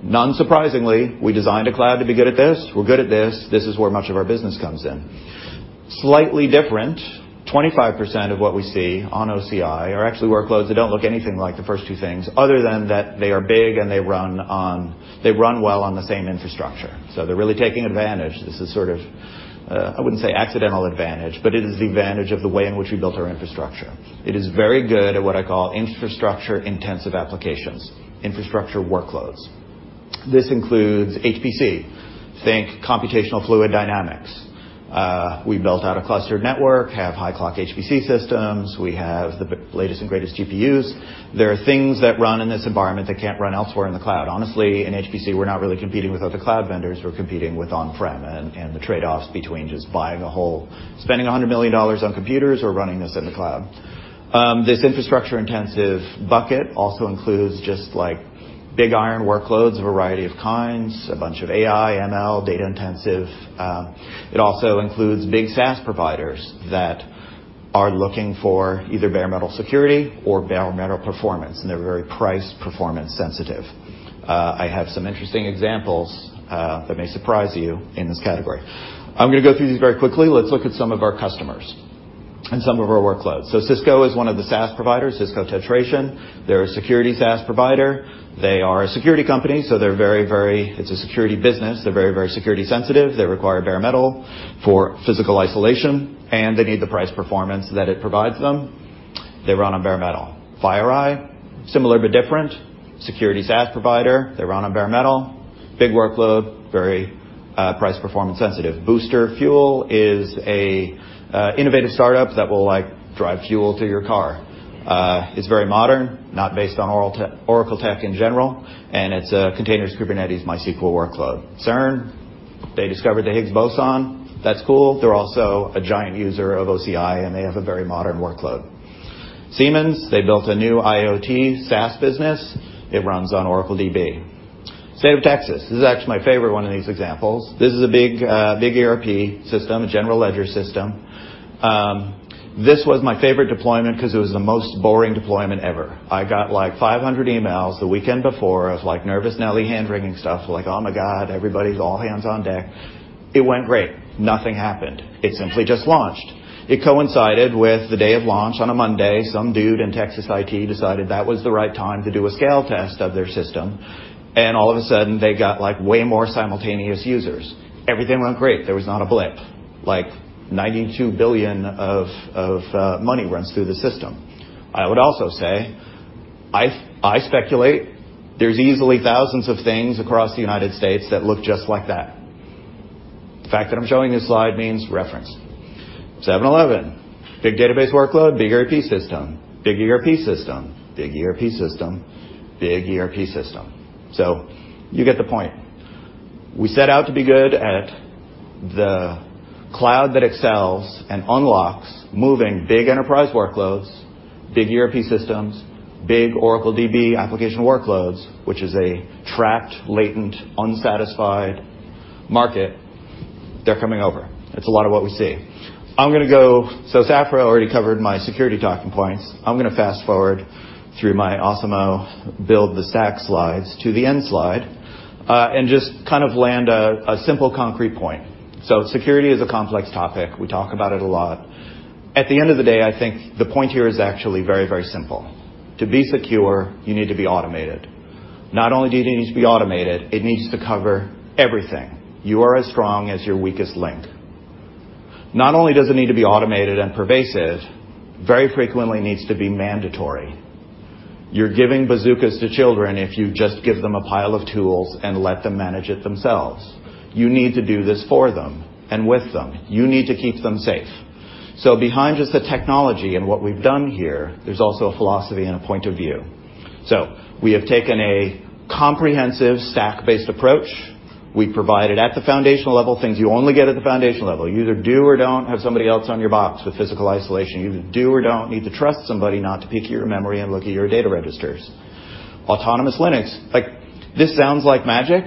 Non-surprisingly, we designed a cloud to be good at this. We're good at this. This is where much of our business comes in. Slightly different, 25% of what we see on OCI are actually workloads that don't look anything like the first two things, other than that they are big, and they run well on the same infrastructure. They're really taking advantage. This is sort of, I wouldn't say accidental advantage, but it is the advantage of the way in which we built our infrastructure. It is very good at what I call infrastructure-intensive applications, infrastructure workloads. This includes HPC. Think computational fluid dynamics. We built out a clustered network, have high clock HPC systems. We have the latest and greatest GPUs. There are things that run in this environment that can't run elsewhere in the cloud. Honestly, in HPC, we're not really competing with other cloud vendors, we're competing with on-prem and the trade-offs between just spending $100 million on computers or running this in the cloud. This infrastructure-intensive bucket also includes just big iron workloads, a variety of kinds, a bunch of AI, ML, data-intensive. It also includes big SaaS providers that are looking for either bare metal security or bare metal performance, and they're very price performance sensitive. I have some interesting examples that may surprise you in this category. I'm going to go through these very quickly. Let's look at some of our customers and some of our workloads. Cisco is one of the SaaS providers, Cisco Tetration. They're a security SaaS provider. They are a security company, so it's a security business. They're very security sensitive. They require bare metal for physical isolation, and they need the price performance that it provides them. They run on bare metal. FireEye, similar but different. Security SaaS provider. They run on bare metal. Big workload, very price performance sensitive. Booster Fuels is a innovative startup that will drive fuel to your car. It's very modern, not based on Oracle tech in general, and it's a containers Kubernetes MySQL workload. CERN, they discovered the Higgs boson. That's cool. They're also a giant user of OCI, and they have a very modern workload. Siemens, they built a new IoT SaaS business. It runs on Oracle DB. State of Texas, this is actually my favorite one of these examples. This is a big ERP system, a general ledger system. This was my favorite deployment because it was the most boring deployment ever. I got 500 emails the weekend before of nervous Nelly hand-wringing stuff, like, oh my God, everybody's all hands on deck. It went great. Nothing happened. It simply just launched. It coincided with the day of launch on a Monday. Some dude in Texas IT decided that was the right time to do a scale test of their system, and all of a sudden, they got way more simultaneous users. Everything went great. There was not a blip. Like $92 billion of money runs through the system. I would also say, I speculate there's easily thousands of things across the United States that look just like that. The fact that I'm showing this slide means reference. 7-Eleven, big database workload, big ERP system. Big ERP system. Big ERP system. Big ERP system. You get the point. We set out to be good at the cloud that excels and unlocks moving big enterprise workloads, big ERP systems, big Oracle DB application workloads, which is a trapped, latent, unsatisfied market. They're coming over. It's a lot of what we see. Safra already covered my security talking points. I'm going to fast-forward through my Awesomo build the stack slides to the end slide, and just land a simple concrete point. Security is a complex topic. We talk about it a lot. At the end of the day, I think the point here is actually very simple. To be secure, you need to be automated. Not only do you need to be automated, it needs to cover everything. You are as strong as your weakest link. It needs to be automated and pervasive, very frequently needs to be mandatory. You're giving bazookas to children if you just give them a pile of tools and let them manage it themselves. You need to do this for them and with them. You need to keep them safe. Behind just the technology and what we've done here, there's also a philosophy and a point of view. We have taken a comprehensive stack-based approach. We've provided at the foundational level things you only get at the foundational level. You either do or don't have somebody else on your box with physical isolation. You either do or don't need to trust somebody not to peek at your memory and look at your data registers. Autonomous Linux. This sounds like magic.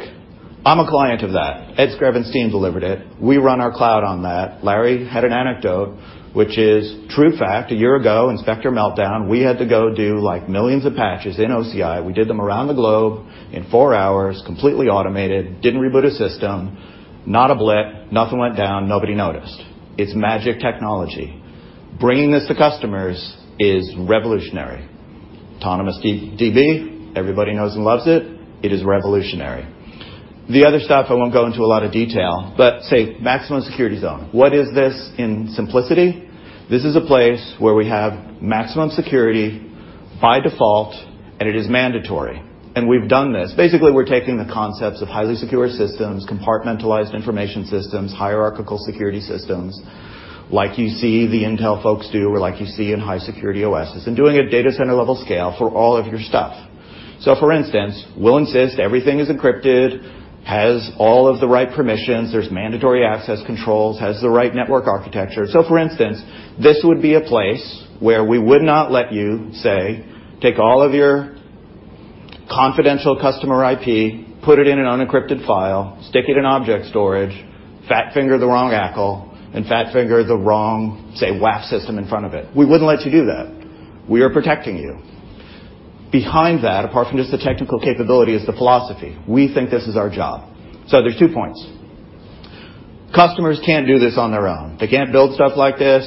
I'm a client of that. Ed Screven delivered it. We run our cloud on that. Larry had an anecdote, which is true fact. A year ago, Spectre Meltdown, we had to go do millions of patches in OCI. We did them around the globe in four hours, completely automated, didn't reboot a system, not a blip, nothing went down, nobody noticed. It's magic technology. Bringing this to customers is revolutionary. Autonomous DB, everybody knows and loves it. It is revolutionary. The other stuff, I won't go into a lot of detail, but say maximum security zone. What is this in simplicity? This is a place where we have maximum security by default, and it is mandatory, and we've done this. We're taking the concepts of highly secure systems, compartmentalized information systems, hierarchical security systems like you see the Intel folks do or like you see in high security OSes, and doing a data center level scale for all of your stuff. For instance, we'll insist everything is encrypted, has all of the right permissions, there's mandatory access controls, has the right network architecture. For instance, this would be a place where we would not let you, say, take all of your confidential customer IP, put it in an unencrypted file, stick it in object storage, fat finger the wrong ACL, and fat finger the wrong, say, WAF system in front of it. We wouldn't let you do that. We are protecting you. Behind that, apart from just the technical capability, is the philosophy. We think this is our job. There's two points. Customers can't do this on their own. They can't build stuff like this.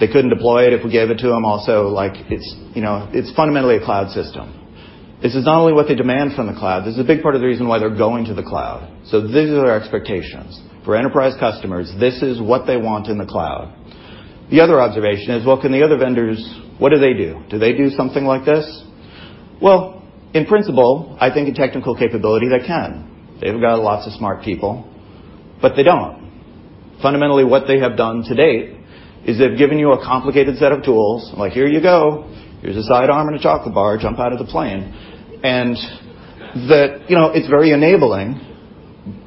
They couldn't deploy it if we gave it to them. It's fundamentally a cloud system. This is not only what they demand from the cloud, this is a big part of the reason why they're going to the cloud. These are their expectations. For enterprise customers, this is what they want in the cloud. The other observation is, well, can the other vendors, what do they do? Do they do something like this? In principle, I think in technical capability, they can. They've got lots of smart people, but they don't. Fundamentally, what they have done to date is they've given you a complicated set of tools, like, "Here you go. Here's a sidearm and a chocolate bar. That it's very enabling,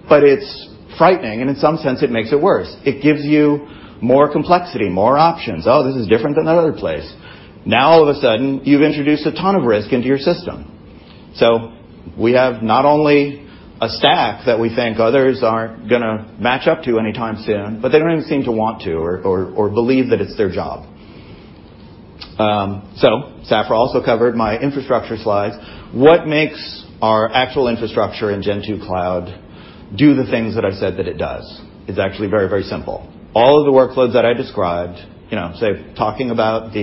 but it's frightening, and in some sense, it makes it worse. It gives you more complexity, more options. This is different than that other place. All of a sudden, you've introduced a ton of risk into your system. We have not only a stack that we think others aren't going to match up to anytime soon, but they don't even seem to want to or believe that it's their job. Safra also covered my infrastructure slides. What makes our actual infrastructure in Gen2 Cloud do the things that I said that it does? It's actually very simple. All of the workloads that I described, talking about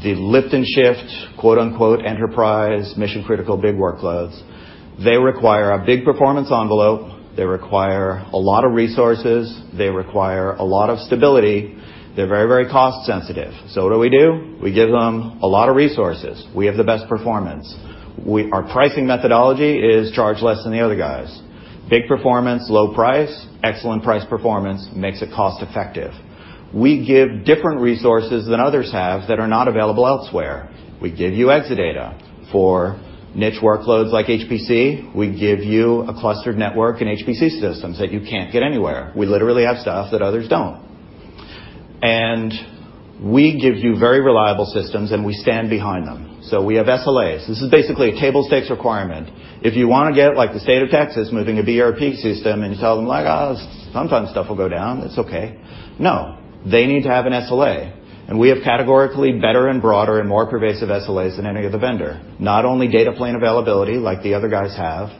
the lift and shift, quote-unquote, enterprise mission-critical big workloads, they require a big performance envelope. They require a lot of resources. They require a lot of stability. They're very cost-sensitive. What do we do? We give them a lot of resources. We have the best performance. Our pricing methodology is charge less than the other guys. Big performance, low price, excellent price performance makes it cost-effective. We give different resources than others have that are not available elsewhere. We give you Exadata. For niche workloads like HPC, we give you a clustered network and HPC systems that you can't get anywhere. We literally have stuff that others don't. We give you very reliable systems, and we stand behind them. We have SLAs. This is basically a table stakes requirement. If you want to get the State of Texas moving a BRP system and you tell them, like, "Oh, sometimes stuff will go down, it's okay." No, they need to have an SLA. We have categorically better and broader and more pervasive SLAs than any other vendor. Not only data plane availability like the other guys have,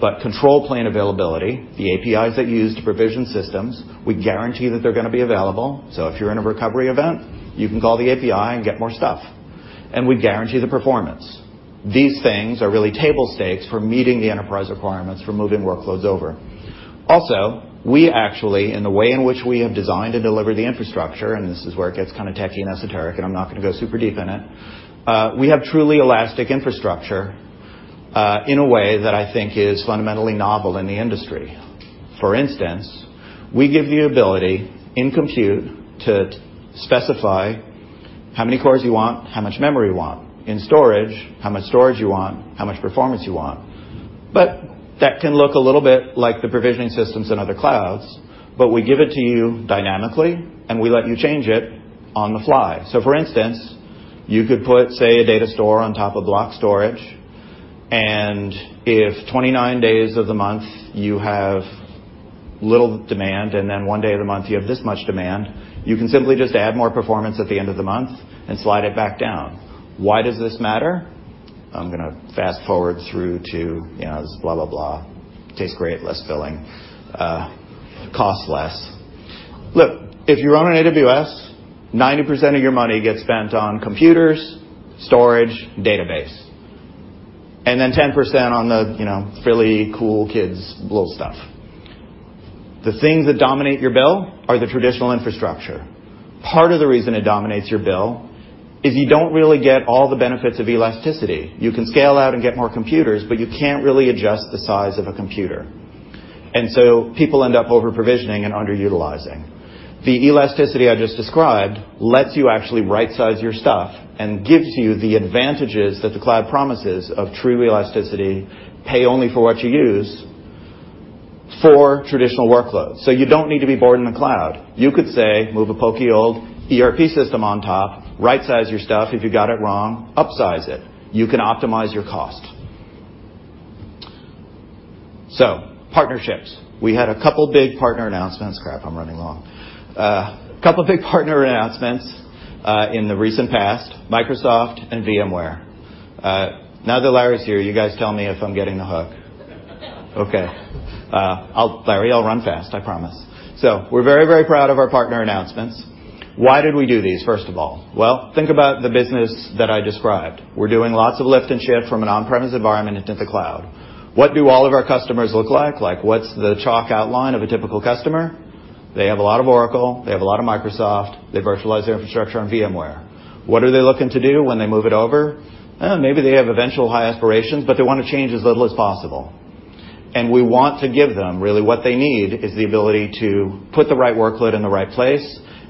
but control plane availability, the APIs that you use to provision systems, we guarantee that they're going to be available. If you're in a recovery event, you can call the API and get more stuff. We guarantee the performance. These things are really table stakes for meeting the enterprise requirements for moving workloads over. Also, we actually, in the way in which we have designed and delivered the infrastructure, and this is where it gets kind of techy and esoteric, and I'm not going to go super deep in it. We have truly elastic infrastructure, in a way that I think is fundamentally novel in the industry. For instance, we give you the ability in Compute to specify how many cores you want, how much memory you want. In storage, how much storage you want, how much performance you want. That can look a little bit like the provisioning systems in other clouds, but we give it to you dynamically, and we let you change it on the fly. For instance, you could put, say, a data store on top of block storage, and if 29 days of the month you have little demand, and then one day of the month you have this much demand, you can simply just add more performance at the end of the month and slide it back down. Why does this matter? I'm going to fast-forward through to blah, blah. Tastes great, less filling. Costs less. Look, if you run on AWS, 90% of your money gets spent on computers, storage, database. Then 10% on the fairly cool kids little stuff. The things that dominate your bill are the traditional infrastructure. Part of the reason it dominates your bill is you don't really get all the benefits of elasticity. You can scale out and get more computers, but you can't really adjust the size of a computer. People end up over-provisioning and underutilizing. The elasticity I just described lets you actually right-size your stuff and gives you the advantages that the cloud promises of true elasticity, pay only for what you use for traditional workloads. You don't need to be born in the cloud. You could, say, move a pokey old ERP system on top, right-size your stuff. If you got it wrong, upsize it. You can optimize your cost. Partnerships. We had a couple big partner announcements. Crap, I'm running long. A couple big partner announcements in the recent past, Microsoft and VMware. Now that Larry's here, you guys tell me if I'm getting the hook. Okay. Larry, I'll run fast, I promise. We're very proud of our partner announcements. Why did we do these, first of all? Think about the business that I described. We're doing lots of lift and shift from an on-premise environment into the cloud. What do all of our customers look like? What's the chalk outline of a typical customer? They have a lot of Oracle. They have a lot of Microsoft. They virtualize their infrastructure on VMware. What are they looking to do when they move it over? Maybe they have eventual high aspirations, but they want to change as little as possible. We want to give them really what they need is the ability to put the right workload in the right place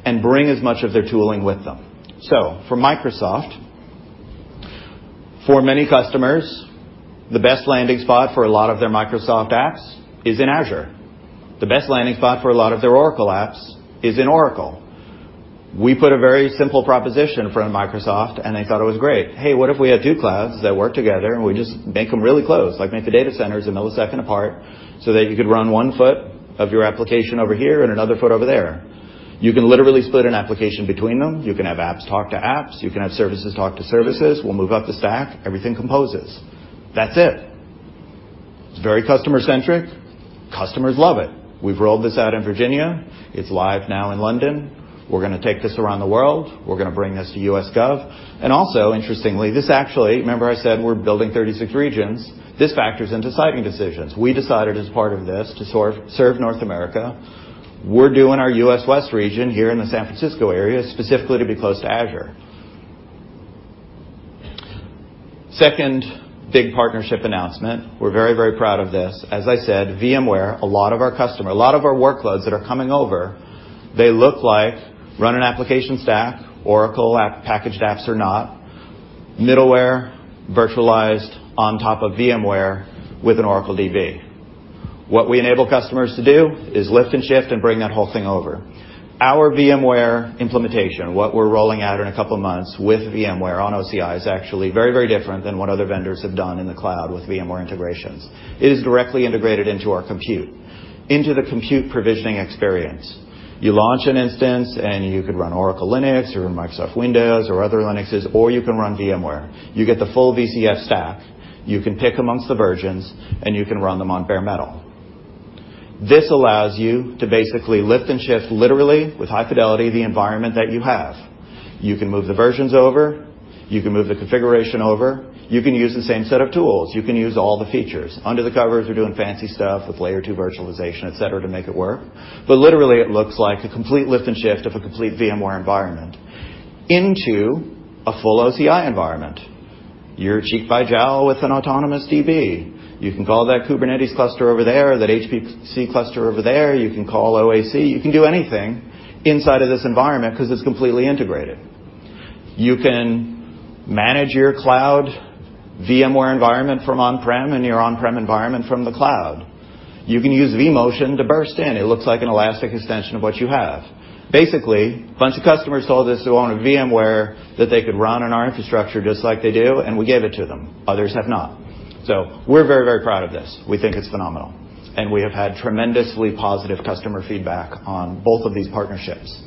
and bring as much of their tooling with them. For Microsoft, for many customers, the best landing spot for a lot of their Microsoft apps is in Azure. The best landing spot for a lot of their Oracle apps is in Oracle. We put a very simple proposition in front of Microsoft, and they thought it was great. Hey, what if we had two clouds that work together, and we just make them really close, like make the data centers a millisecond apart so that you could run one foot of your application over here and another foot over there. You can literally split an application between them. You can have apps talk to apps. You can have services talk to services. We'll move up the stack. Everything composes. That's it. It's very customer-centric. Customers love it. We've rolled this out in Virginia. It's live now in London. We're going to take this around the world. We're going to bring this to U.S. Gov. Also, interestingly, this actually, remember I said we're building 36 regions. This factors into siting decisions. We decided as part of this to serve North America. We're doing our U.S. West region here in the San Francisco area, specifically to be close to Azure. Second big partnership announcement. We're very proud of this. As I said, VMware, a lot of our workloads that are coming over, they look like run an application stack, Oracle packaged apps or not, middleware virtualized on top of VMware with an Oracle DB. What we enable customers to do is lift and shift and bring that whole thing over. Our VMware implementation, what we're rolling out in a couple of months with VMware on OCI, is actually very different than what other vendors have done in the cloud with VMware integrations. It is directly integrated into our compute, into the compute provisioning experience. You launch an instance, you could run Oracle Linux or Microsoft Windows or other Linuxes, or you can run VMware. You get the full VCF stack, you can pick amongst the versions, you can run them on bare metal. This allows you to basically lift and shift literally with high fidelity, the environment that you have. You can move the versions over, you can move the configuration over. You can use the same set of tools. You can use all the features. Under the covers, we're doing fancy stuff with layer 2 virtualization, et cetera, to make it work. Literally, it looks like a complete lift and shift of a complete VMware environment into a full OCI environment. You're cheek by jowl with an Autonomous DB. You can call that Kubernetes cluster over there, that HPC cluster over there. You can call OAC. You can do anything inside of this environment because it's completely integrated. You can manage your cloud VMware environment from on-prem and your on-prem environment from the cloud. You can use vMotion to burst in. It looks like an elastic extension of what you have. A bunch of customers told us they want a VMware that they could run on our infrastructure just like they do, we gave it to them. Others have not. We're very, very proud of this. We think it's phenomenal. We have had tremendously positive customer feedback on both of these partnerships.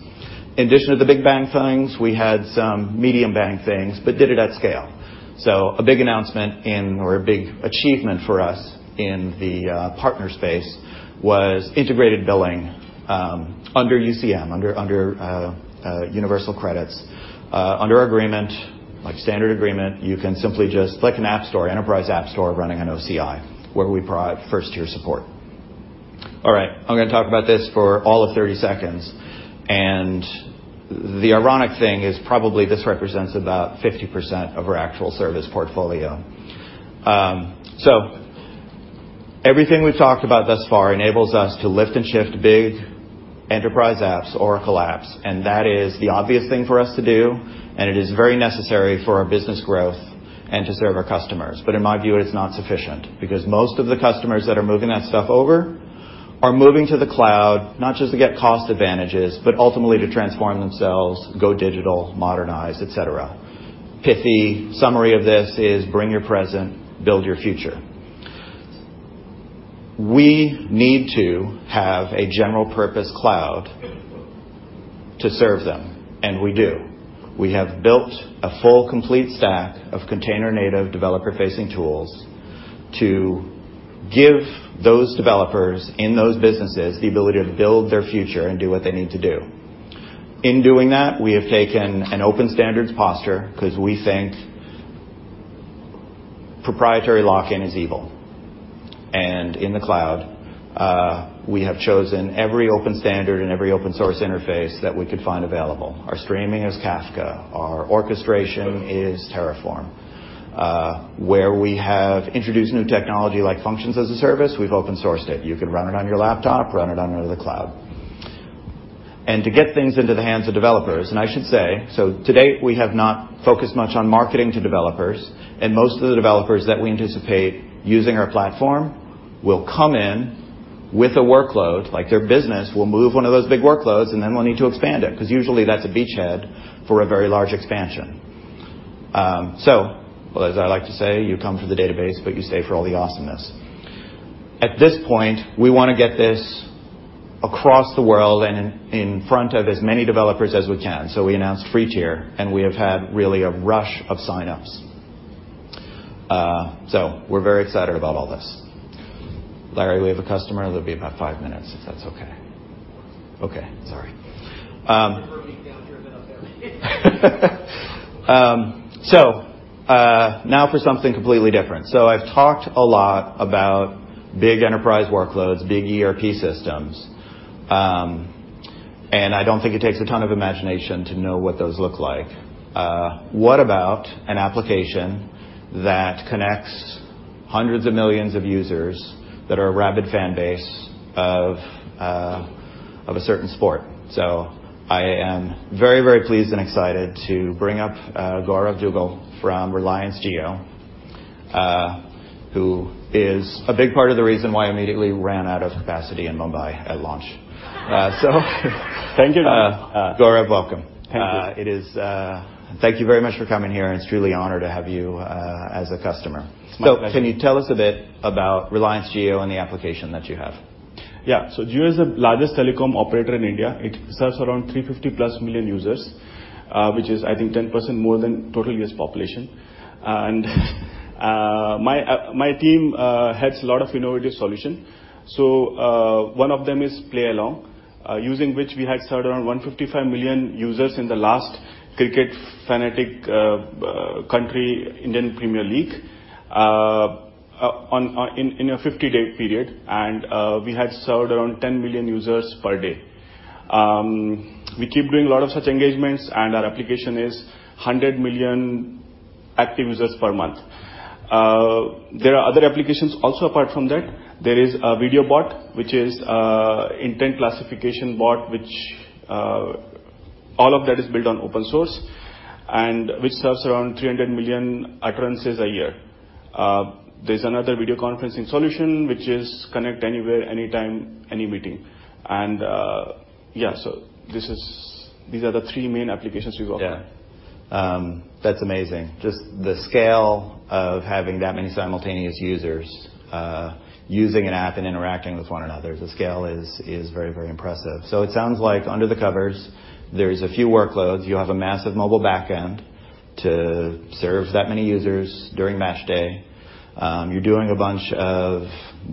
In addition to the big bang things, we had some medium bang things, did it at scale. A big announcement or a big achievement for us in the partner space was integrated billing under UCM, under universal credits, under agreement, like standard agreement. You can simply just like an app store, enterprise app store running on OCI, where we provide first-tier support. All right, I'm going to talk about this for all of 30 seconds. The ironic thing is probably this represents about 50% of our actual service portfolio. Everything we've talked about thus far enables us to lift and shift big enterprise apps, Oracle apps, and that is the obvious thing for us to do, and it is very necessary for our business growth and to serve our customers. In my view, it is not sufficient because most of the customers that are moving that stuff over are moving to the cloud, not just to get cost advantages, but ultimately to transform themselves, go digital, modernize, et cetera. Pithy summary of this is bring your present, build your future. We need to have a general purpose cloud to serve them, and we do. We have built a full, complete stack of container native developer-facing tools to give those developers in those businesses the ability to build their future and do what they need to do. In doing that, we have taken an open standards posture because we think proprietary lock-in is evil. In the cloud, we have chosen every open standard and every open source interface that we could find available. Our streaming is Kafka. Our orchestration is Terraform. Where we have introduced new technology like functions as a service, we've open sourced it. You can run it on your laptop, run it on the cloud. To get things into the hands of developers, and I should say, to date, we have not focused much on marketing to developers. Most of the developers that we anticipate using our platform will come in with a workload, like their business will move one of those big workloads, and then we'll need to expand it because usually that's a beachhead for a very large expansion. Well, as I like to say, you come for the database, but you stay for all the awesomeness. At this point, we want to get this across the world and in front of as many developers as we can. We announced free tier, and we have had really a rush of signups. We're very excited about all this. Larry, we have a customer that'll be about five minutes, if that's okay. Okay. Sorry. You can bring it down here a bit up there. Now for something completely different. I've talked a lot about big enterprise workloads, big ERP systems. I don't think it takes a ton of imagination to know what those look like. What about an application that connects hundreds of millions of users that are a rabid fan base of a certain sport? I am very, very pleased and excited to bring up Gaurav Duggal from Reliance Jio, who is a big part of the reason why immediately ran out of capacity in Mumbai at launch. Thank you. Gaurav, welcome. Thank you. Thank you very much for coming here, and it's truly an honor to have you as a customer. It's my pleasure. Can you tell us a bit about Reliance Jio and the application that you have? Jio is the largest telecom operator in India. It serves around 350 plus million users, which is, I think, 10% more than total U.S. population. My team has a lot of innovative solution. One of them is Play Along, using which we had served around 155 million users in the last Cricket Fanatic country, Indian Premier League, in a 50-day period. We had served around 10 million users per day. We keep doing a lot of such engagements, our application is 100 million active users per month. There are other applications also apart from that. There is a video bot, which is intent classification bot. All of that is built on open source, which serves around 300 million occurrences a year. There's another video conferencing solution, which is connect anywhere, anytime, any meeting. Yeah, these are the three main applications we work on. That's amazing. Just the scale of having that many simultaneous users using an app and interacting with one another. The scale is very impressive. It sounds like under the covers, there's a few workloads. You have a massive mobile back end to serve that many users during match day. You're doing a bunch of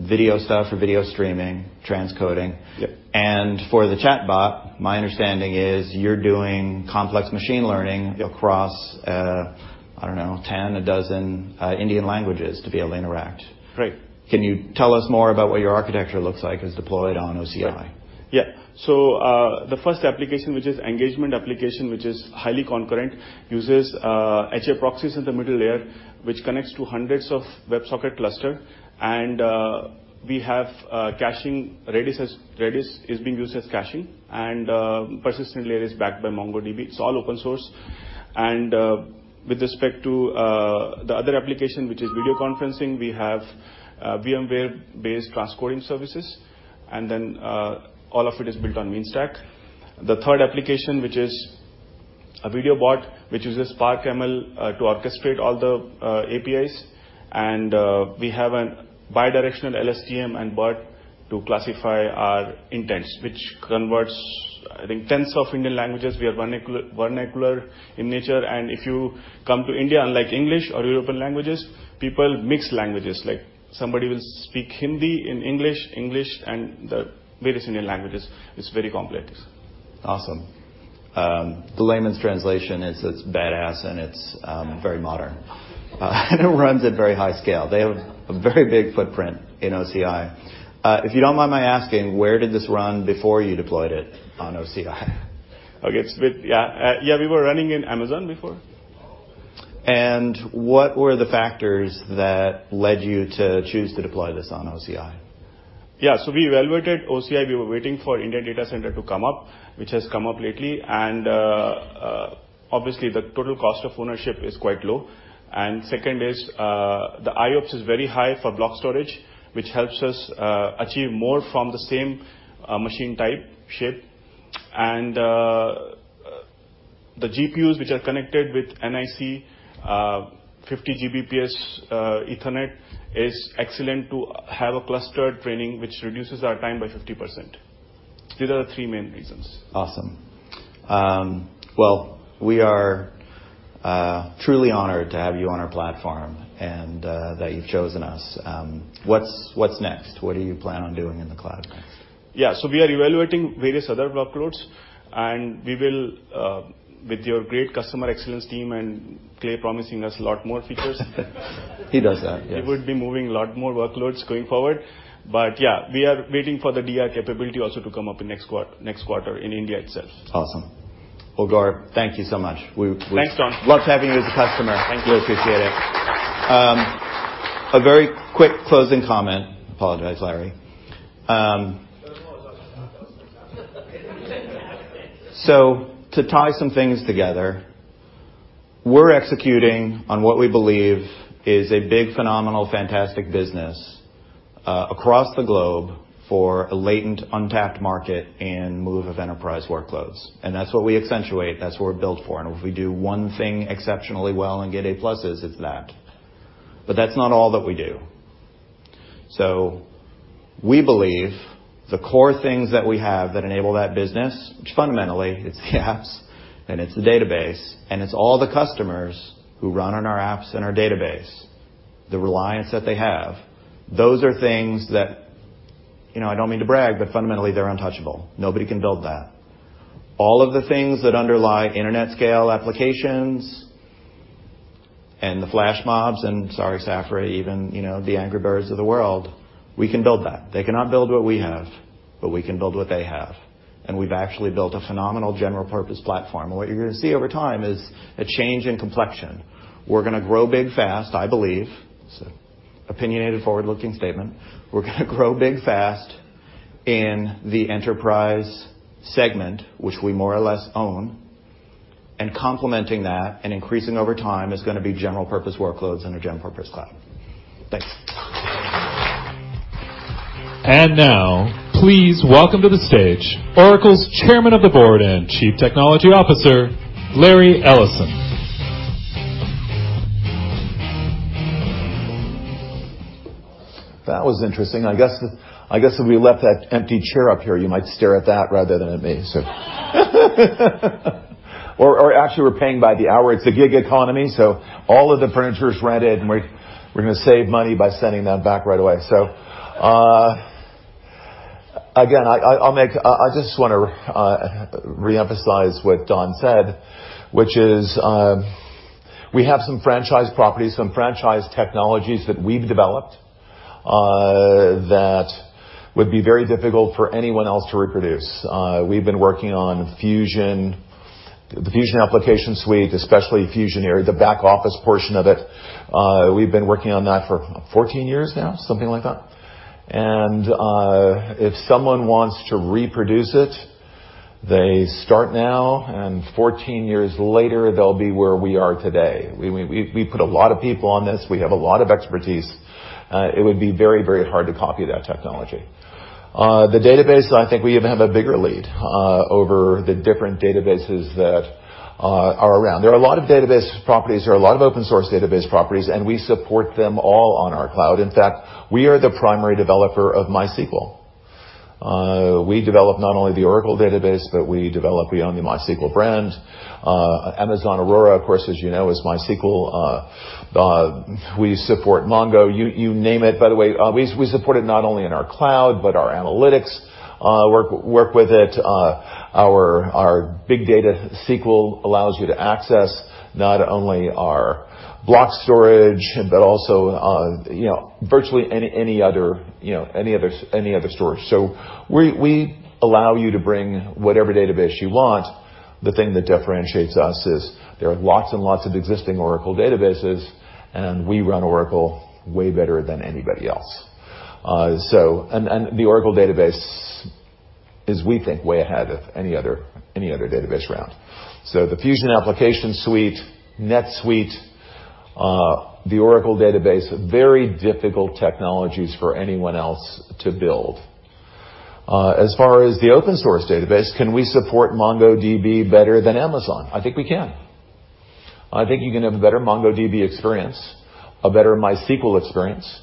video stuff or video streaming, transcoding. Yep. For the chatbot, my understanding is you're doing complex machine learning- Yep across, I don't know, 10, a dozen Indian languages to be able to interact. Right. Can you tell us more about what your architecture looks like as deployed on OCI? Sure. Yeah. The first application, which is engagement application, which is highly concurrent, uses HA proxies in the middle layer, which connects to hundreds of WebSocket cluster. We have caching. Redis is being used as caching and persistent layer is backed by MongoDB. It's all open source. With respect to the other application, which is video conferencing, we have VMware-based transcoding services, and then all of it is built on MEAN stack. The third application, which is a video bot, which uses Spark ML to orchestrate all the APIs. We have a bidirectional LSTM and BERT to classify our intents, which converts, I think, tens of Indian languages. We are vernacular in nature, and if you come to India, unlike English or European languages, people mix languages. Like somebody will speak Hindi in English, and the various Indian languages. It's very complex. Awesome. The layman's translation is it's badass and it's very modern. It runs at very high scale. They have a very big footprint in OCI. If you don't mind my asking, where did this run before you deployed it on OCI? Okay. Yeah. We were running in Amazon before. What were the factors that led you to choose to deploy this on OCI? Yeah. We evaluated OCI. We were waiting for Indian data center to come up, which has come up lately. Obviously, the total cost of ownership is quite low. Second is, the IOPS is very high for block storage, which helps us achieve more from the same machine type, shape. The GPUs, which are connected with NIC, 50Gbps Ethernet, is excellent to have a clustered training, which reduces our time by 50%. These are the three main reasons. Awesome. Well, we are truly honored to have you on our platform and that you've chosen us. What's next? What do you plan on doing in the cloud next? Yeah. We are evaluating various other workloads, and we will, with your great customer excellence team and Clay promising us a lot more features. He does that, yes. We would be moving a lot more workloads going forward. Yeah, we are waiting for the DR capability also to come up in next quarter in India itself. Awesome. Gaurav, thank you so much. Thanks, Don. Love having you as a customer. Thank you. Really appreciate it. A very quick closing comment. Apologize, Larry. No, no. That was fantastic. Fantastic. To tie some things together, we're executing on what we believe is a big, phenomenal, fantastic business, across the globe for a latent, untapped market and move of enterprise workloads. That's what we accentuate. That's what we're built for. If we do one thing exceptionally well and get A-pluses, it's that. That's not all that we do. We believe the core things that we have that enable that business, which fundamentally it's the apps and it's the database, and it's all the customers who run on our apps and our database, the reliance that they have. Those are things that, I don't mean to brag, but fundamentally they're untouchable. Nobody can build that. All of the things that underlie internet scale applications and the flash mobs, and sorry, Safra, even the Angry Birds of the world, we can build that. They cannot build what we have, but we can build what they have. We've actually built a phenomenal general purpose platform. What you're going to see over time is a change in complexion. We're going to grow big fast, I believe. It's an opinionated, forward-looking statement. We're going to grow big fast in the enterprise segment, which we more or less own. Complementing that and increasing over time is going to be general purpose workloads in a general purpose cloud. Thanks. Now please welcome to the stage Oracle's Chairman of the Board and Chief Technology Officer, Larry Ellison. That was interesting. I guess if we left that empty chair up here, you might stare at that rather than at me. Actually, we're paying by the hour. It's a gig economy, so all of the furniture's rented, and we're going to save money by sending that back right away. Again, I just want to re-emphasize what Don said, which is, we have some franchise properties, some franchise technologies that we've developed, that would be very difficult for anyone else to reproduce. We've been working on the Fusion application suite, especially Fusion, the back office portion of it. We've been working on that for 14 years now, something like that? If someone wants to reproduce it, they start now and 14 years later, they'll be where we are today. We put a lot of people on this. We have a lot of expertise. It would be very hard to copy that technology. The database, I think we even have a bigger lead over the different databases that are around. There are a lot of database properties, there are a lot of open source database properties, and we support them all on our cloud. In fact, we are the primary developer of MySQL. We develop not only the Oracle Database, but we develop, we own the MySQL brand. Amazon Aurora, of course, as you know, is MySQL. We support Mongo, you name it. By the way, we support it not only in our cloud, but our analytics work with it. Our Oracle Big Data SQL allows you to access not only our block storage, but also virtually any other storage. We allow you to bring whatever database you want. The thing that differentiates us is there are lots and lots of existing Oracle databases, and we run Oracle way better than anybody else. The Oracle Database is, we think, way ahead of any other database around. The Fusion Cloud Applications Suite, NetSuite, the Oracle Database, very difficult technologies for anyone else to build. As far as the open source database, can we support MongoDB better than Amazon? I think we can. I think you can have a better MongoDB experience, a better MySQL experience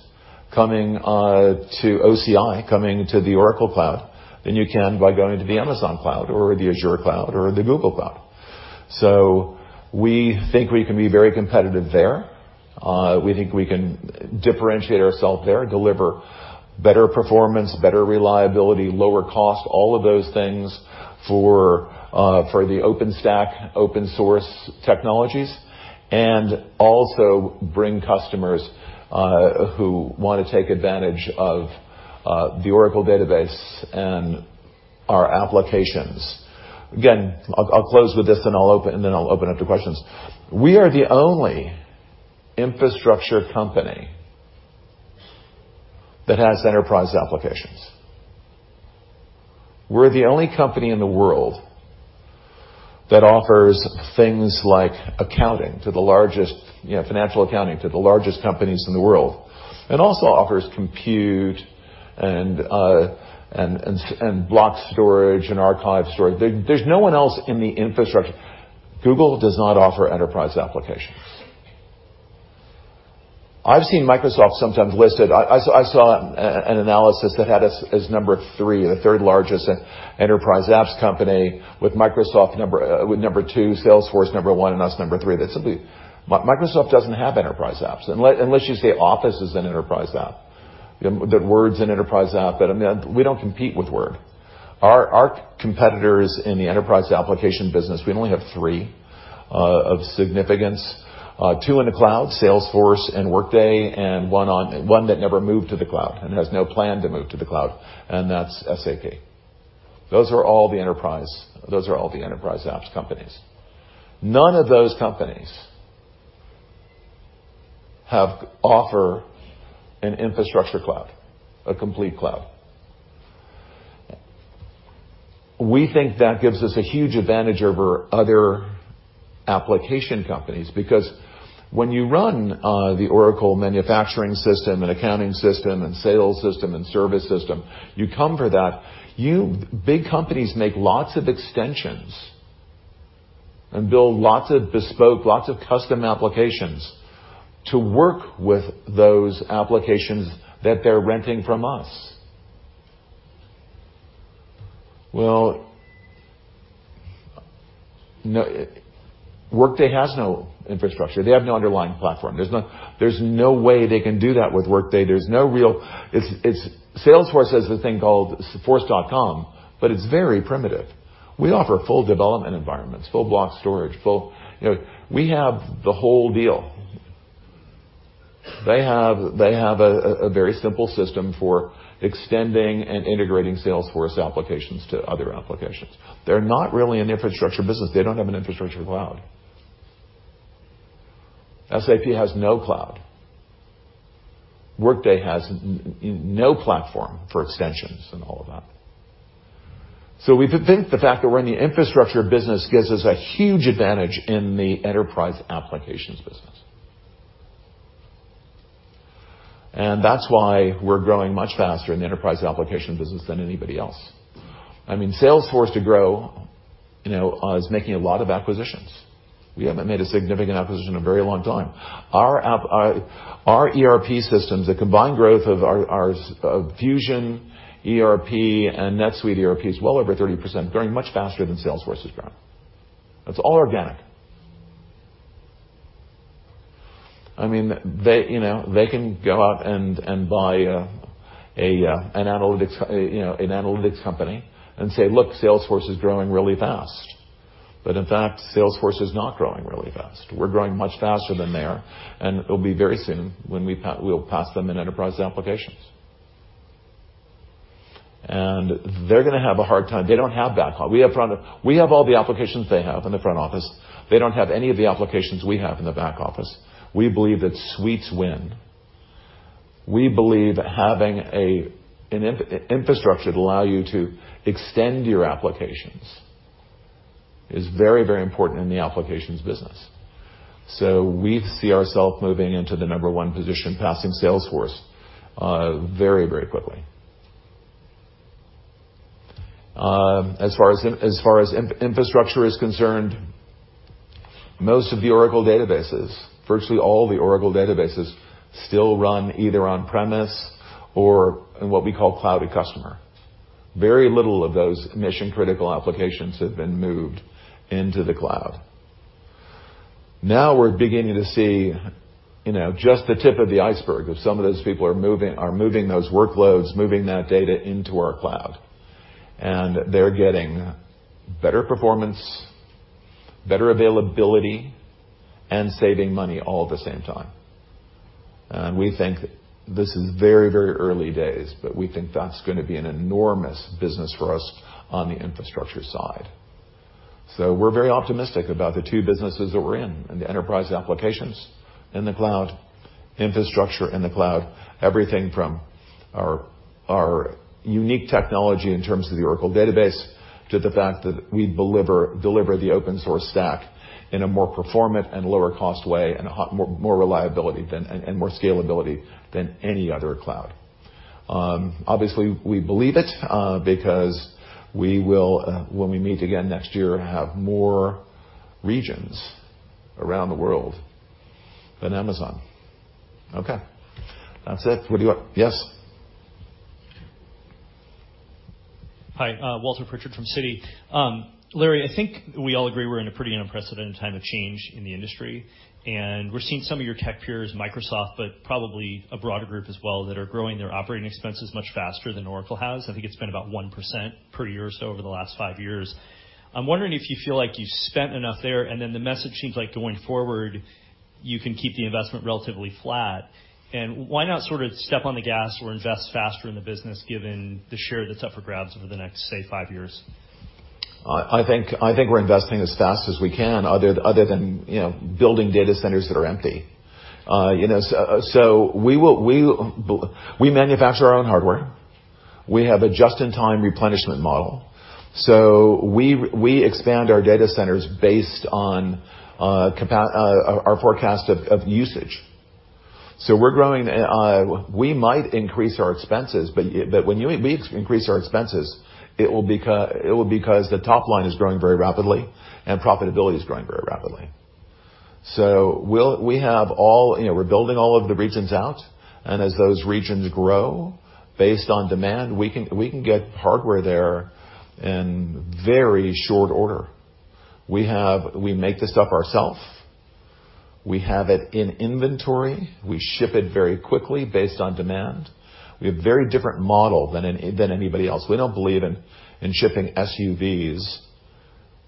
coming to OCI, coming to the Oracle Cloud, than you can by going to the Amazon cloud or the Azure cloud or the Google cloud. We think we can be very competitive there. We think we can differentiate ourselves there, deliver better performance, better reliability, lower cost, all of those things for the OpenStack open source technologies, and also bring customers who want to take advantage of the Oracle Database and our applications. Again, I'll close with this, and then I'll open up to questions. We are the only infrastructure company that has enterprise applications. We're the only company in the world that offers things like financial accounting to the largest companies in the world, and also offers compute and block storage and archive storage. There's no one else in the infrastructure. Google does not offer enterprise applications. I've seen Microsoft sometimes listed, I saw an analysis that had us as number 3, the third largest enterprise apps company with Microsoft number 2, Salesforce number 1, and us number 3. Microsoft doesn't have enterprise apps, unless you say Office is an enterprise app, that Word's an enterprise app. We don't compete with Word. Our competitors in the enterprise application business, we only have three of significance, two in the cloud, Salesforce and Workday, and one that never moved to the cloud and has no plan to move to the cloud, and that's SAP. Those are all the enterprise apps companies. None of those companies offer an infrastructure cloud, a complete cloud. We think that gives us a huge advantage over other application companies, because when you run the Oracle manufacturing system and accounting system and sales system and service system, you come for that. Big companies make lots of extensions and build lots of bespoke, lots of custom applications to work with those applications that they're renting from us. Workday has no infrastructure. They have no underlying platform. There's no way they can do that with Workday. Salesforce has a thing called Force.com, but it's very primitive. We offer full development environments, full block storage. We have the whole deal. They have a very simple system for extending and integrating Salesforce applications to other applications. They're not really an infrastructure business. They don't have an infrastructure cloud. SAP has no cloud. Workday has no platform for extensions and all of that. We think the fact that we're in the infrastructure business gives us a huge advantage in the enterprise applications business. That's why we're growing much faster in the enterprise application business than anybody else. Salesforce to grow is making a lot of acquisitions. We haven't made a significant acquisition in a very long time. Our ERP systems, the combined growth of our Fusion ERP and NetSuite ERP is well over 30%, growing much faster than Salesforce is growing. That's all organic. They can go out and buy an analytics company and say, "Look, Salesforce is growing really fast." In fact, Salesforce is not growing really fast. We're growing much faster than they are, and it'll be very soon when we'll pass them in enterprise applications. And they're going to have a hard time. They don't have. We have all the applications they have in the front office. They don't have any of the applications we have in the back office. We believe that suites win. We believe having an infrastructure that allow you to extend your applications is very important in the applications business. We see ourself moving into the number one position, passing Salesforce very quickly. As far as infrastructure is concerned, most of the Oracle databases, virtually all the Oracle databases still run either on-premise or in what we call Cloud@Customer. Very little of those mission-critical applications have been moved into the Cloud. We're beginning to see just the tip of the iceberg of some of those people are moving those workloads, moving that data into our Cloud, and they're getting better performance, better availability, and saving money all at the same time. We think this is very early days, but we think that's going to be an enormous business for us on the infrastructure side. We're very optimistic about the two businesses that we're in the enterprise applications in the cloud, infrastructure in the cloud, everything from our unique technology in terms of the Oracle Database, to the fact that we deliver the open source stack in a more performant and lower cost way and more reliability and more scalability than any other cloud. Obviously, we believe it because when we meet again next year have more regions around the world than Amazon. Okay, that's it. What do you want? Yes. Hi, Walter Pritchard from Citi. Larry, I think we all agree we're in a pretty unprecedented time of change in the industry, and we're seeing some of your tech peers, Microsoft, but probably a broader group as well, that are growing their operating expenses much faster than Oracle has. I think it's been about 1% per year or so over the last five years. I'm wondering if you feel like you've spent enough there, then the message seems like going forward, you can keep the investment relatively flat. Why not sort of step on the gas or invest faster in the business given the share that's up for grabs over the next, say, five years? I think we're investing as fast as we can other than building data centers that are empty. We manufacture our own hardware. We have a just-in-time replenishment model. We expand our data centers based on our forecast of usage. We might increase our expenses, but when we increase our expenses, it will be because the top line is growing very rapidly and profitability is growing very rapidly. We're building all of the regions out, and as those regions grow based on demand, we can get hardware there in very short order. We make the stuff ourself. We have it in inventory. We ship it very quickly based on demand. We have very different model than anybody else. We don't believe in shipping SUVs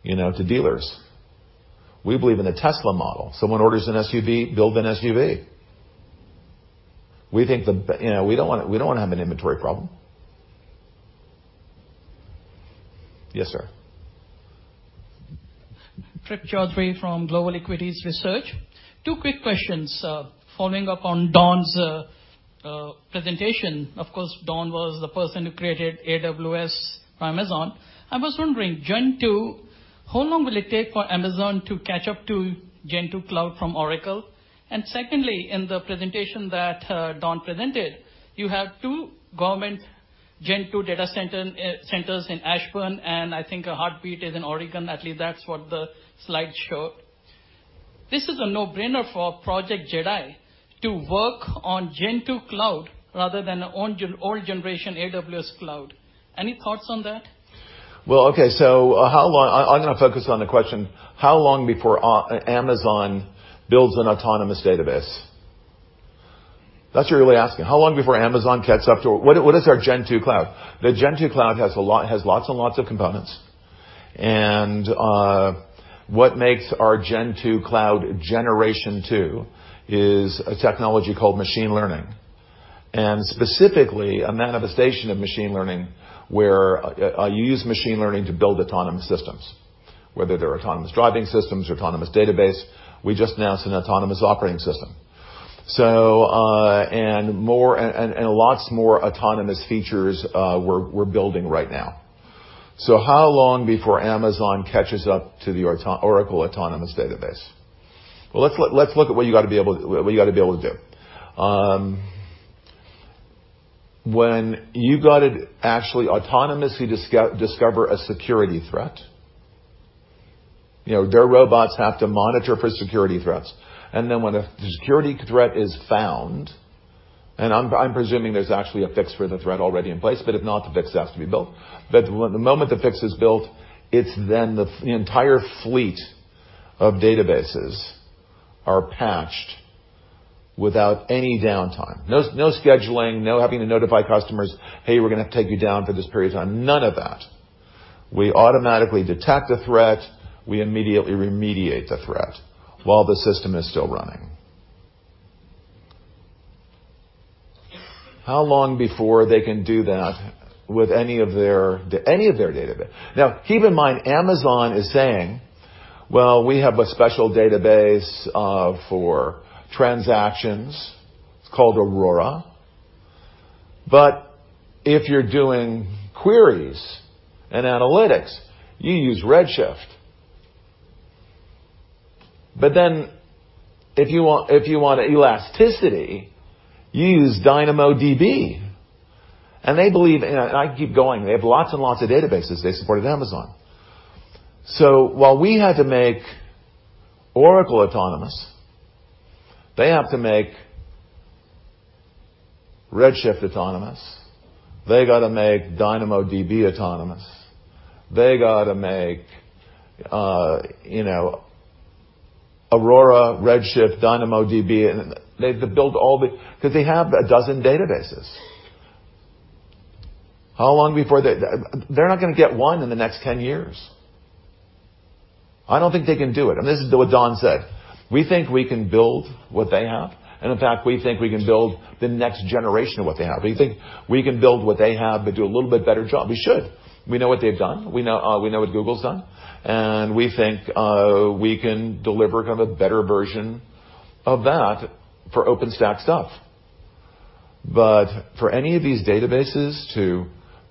to dealers. We believe in the Tesla model. Someone orders an SUV, build an SUV. We don't want to have an inventory problem. Yes, sir. Trip Chowdhry from Global Equities Research. Two quick questions. Following up on Don's presentation. Of course, Don was the person who created AWS for Amazon. I was wondering, Gen2, how long will it take for Amazon to catch up to Gen2 Cloud from Oracle? Secondly, in the presentation that Don presented, you have two government Gen2 data centers in Ashburn, and I think Heartbeat is in Oregon. At least that's what the slide showed. This is a no-brainer for Project JEDI to work on Gen2 Cloud rather than old generation AWS Cloud. Any thoughts on that? Well, okay. I'm going to focus on the question, how long before Amazon builds an Autonomous Database? That's what you're really asking. How long before Amazon catches up to What is our Gen 2 Cloud? The Gen 2 Cloud has lots and lots of components. What makes our Gen 2 Cloud generation two is a technology called machine learning, and specifically a manifestation of machine learning where you use machine learning to build autonomous systems, whether they're autonomous driving systems or Autonomous Database. We just announced an autonomous operating system. Lots more autonomous features we're building right now. How long before Amazon catches up to the Oracle Autonomous Database? Well, let's look at what you got to be able to do. When you got to actually autonomously discover a security threat, their robots have to monitor for security threats. When a security threat is found, I'm presuming there's actually a fix for the threat already in place, if not, the fix has to be built. The moment the fix is built, it's then the entire fleet of databases are patched without any downtime. No scheduling, no having to notify customers, "Hey, we're going to have to take you down for this period of time." None of that. We automatically detect a threat. We immediately remediate the threat while the system is still running. How long before they can do that with any of their database? Keep in mind, Amazon is saying, "Well, we have a special database for transactions." It's called Amazon Aurora. It's called Aurora. If you're doing queries and analytics, you use Amazon Redshift. If you want elasticity, you use Amazon DynamoDB. I can keep going. They have lots and lots of databases they support at Amazon. While we had to make Oracle autonomous, they have to make Redshift autonomous. They got to make DynamoDB autonomous. They got to make Aurora, Redshift, DynamoDB, they have to build because they have a dozen databases. They're not going to get one in the next 10 years. I don't think they can do it. This is what Don said. We think we can build what they have. In fact, we think we can build the next generation of what they have. We think we can build what they have, but do a little bit better job. We should. We know what they've done. We know what Google's done. We think we can deliver a better version of that for OpenStack stuff. For any of these databases to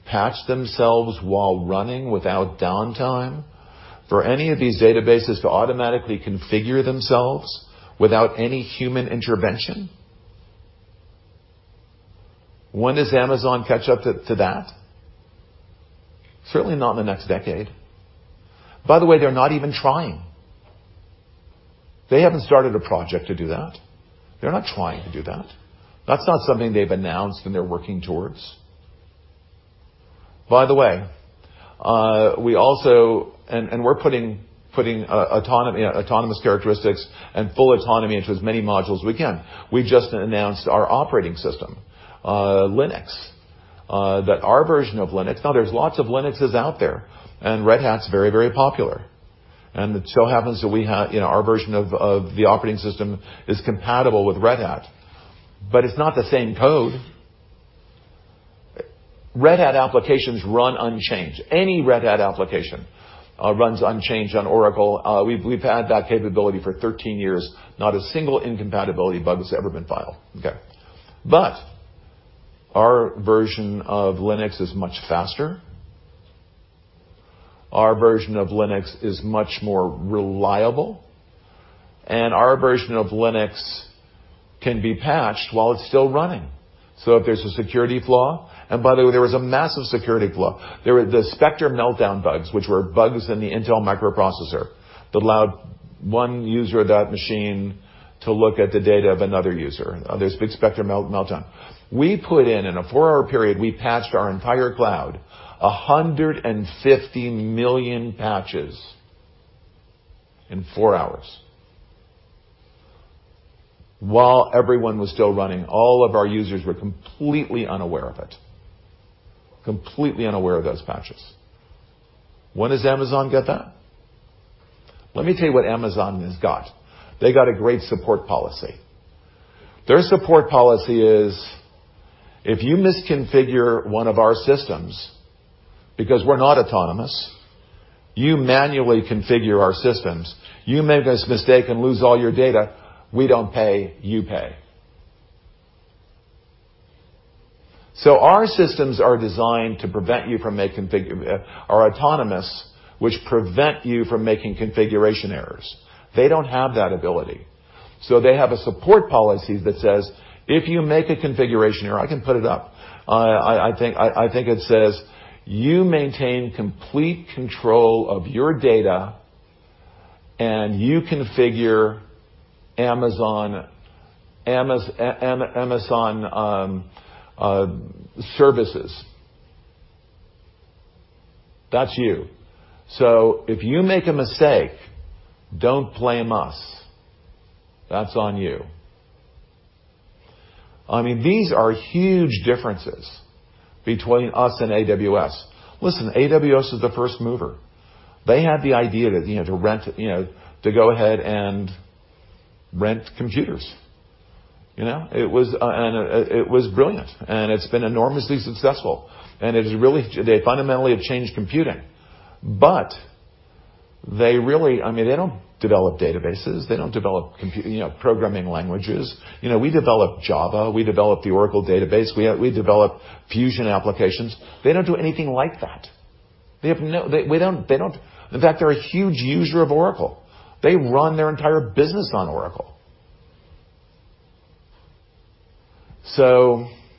patch themselves while running without downtime, for any of these databases to automatically configure themselves without any human intervention, when does Amazon catch up to that? Certainly not in the next decade. By the way, they're not even trying. They haven't started a project to do that. They're not trying to do that. That's not something they've announced and they're working towards. By the way, we're putting autonomous characteristics and full autonomy into as many modules as we can. We've just announced our operating system, Linux. Our version of Linux, now, there's lots of Linuxes out there, and Red Hat's very, very popular. It so happens that our version of the operating system is compatible with Red Hat, but it's not the same code. Red Hat applications run unchanged. Any Red Hat application runs unchanged on Oracle. We've had that capability for 13 years. Not a single incompatibility bug has ever been filed. Okay. Our version of Linux is much faster. Our version of Linux is much more reliable. Our version of Linux can be patched while it's still running. If there's a security flaw. By the way, there was a massive security flaw. There were the Spectre Meltdown bugs, which were bugs in the Intel microprocessor that allowed one user of that machine to look at the data of another user. This big Spectre Meltdown. We put in a four-hour period, we patched our entire cloud, 150 million patches in four hours while everyone was still running. All of our users were completely unaware of it. Completely unaware of those patches. When does Amazon get that? Let me tell you what Amazon has got. They got a great support policy. Their support policy is, if you misconfigure one of our systems because we're not autonomous, you manually configure our systems. You make this mistake and lose all your data, we don't pay, you pay. Our systems are designed to prevent you from making configuration errors. They are autonomous, which prevent you from making configuration errors. They don't have that ability. They have a support policy that says, if you make a configuration error. I can put it up. I think it says, "You maintain complete control of your data, and you configure Amazon services." That's you. If you make a mistake, don't blame us. That's on you. These are huge differences between us and AWS. Listen, AWS was the first mover. They had the idea to go ahead and rent computers. It was brilliant. It's been enormously successful. They fundamentally have changed computing. They don't develop databases. They don't develop programming languages. We developed Java. We developed the Oracle Database. We developed Fusion Applications. They don't do anything like that. In fact, they're a huge user of Oracle. They run their entire business on Oracle.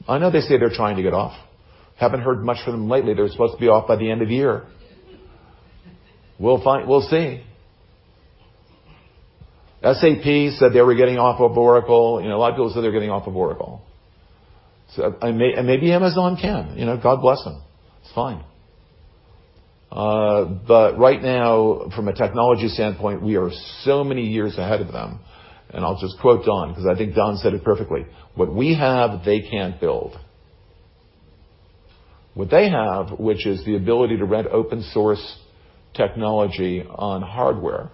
I know they say they're trying to get off. Haven't heard much from them lately. They're supposed to be off by the end of the year. We'll see. SAP said they were getting off of Oracle. A lot of people said they're getting off of Oracle. Maybe Amazon can. God bless them. It's fine. Right now, from a technology standpoint, we are so many years ahead of them. I'll just quote Don, because I think Don said it perfectly. What we have, they can't build. What they have, which is the ability to rent open source technology on hardware,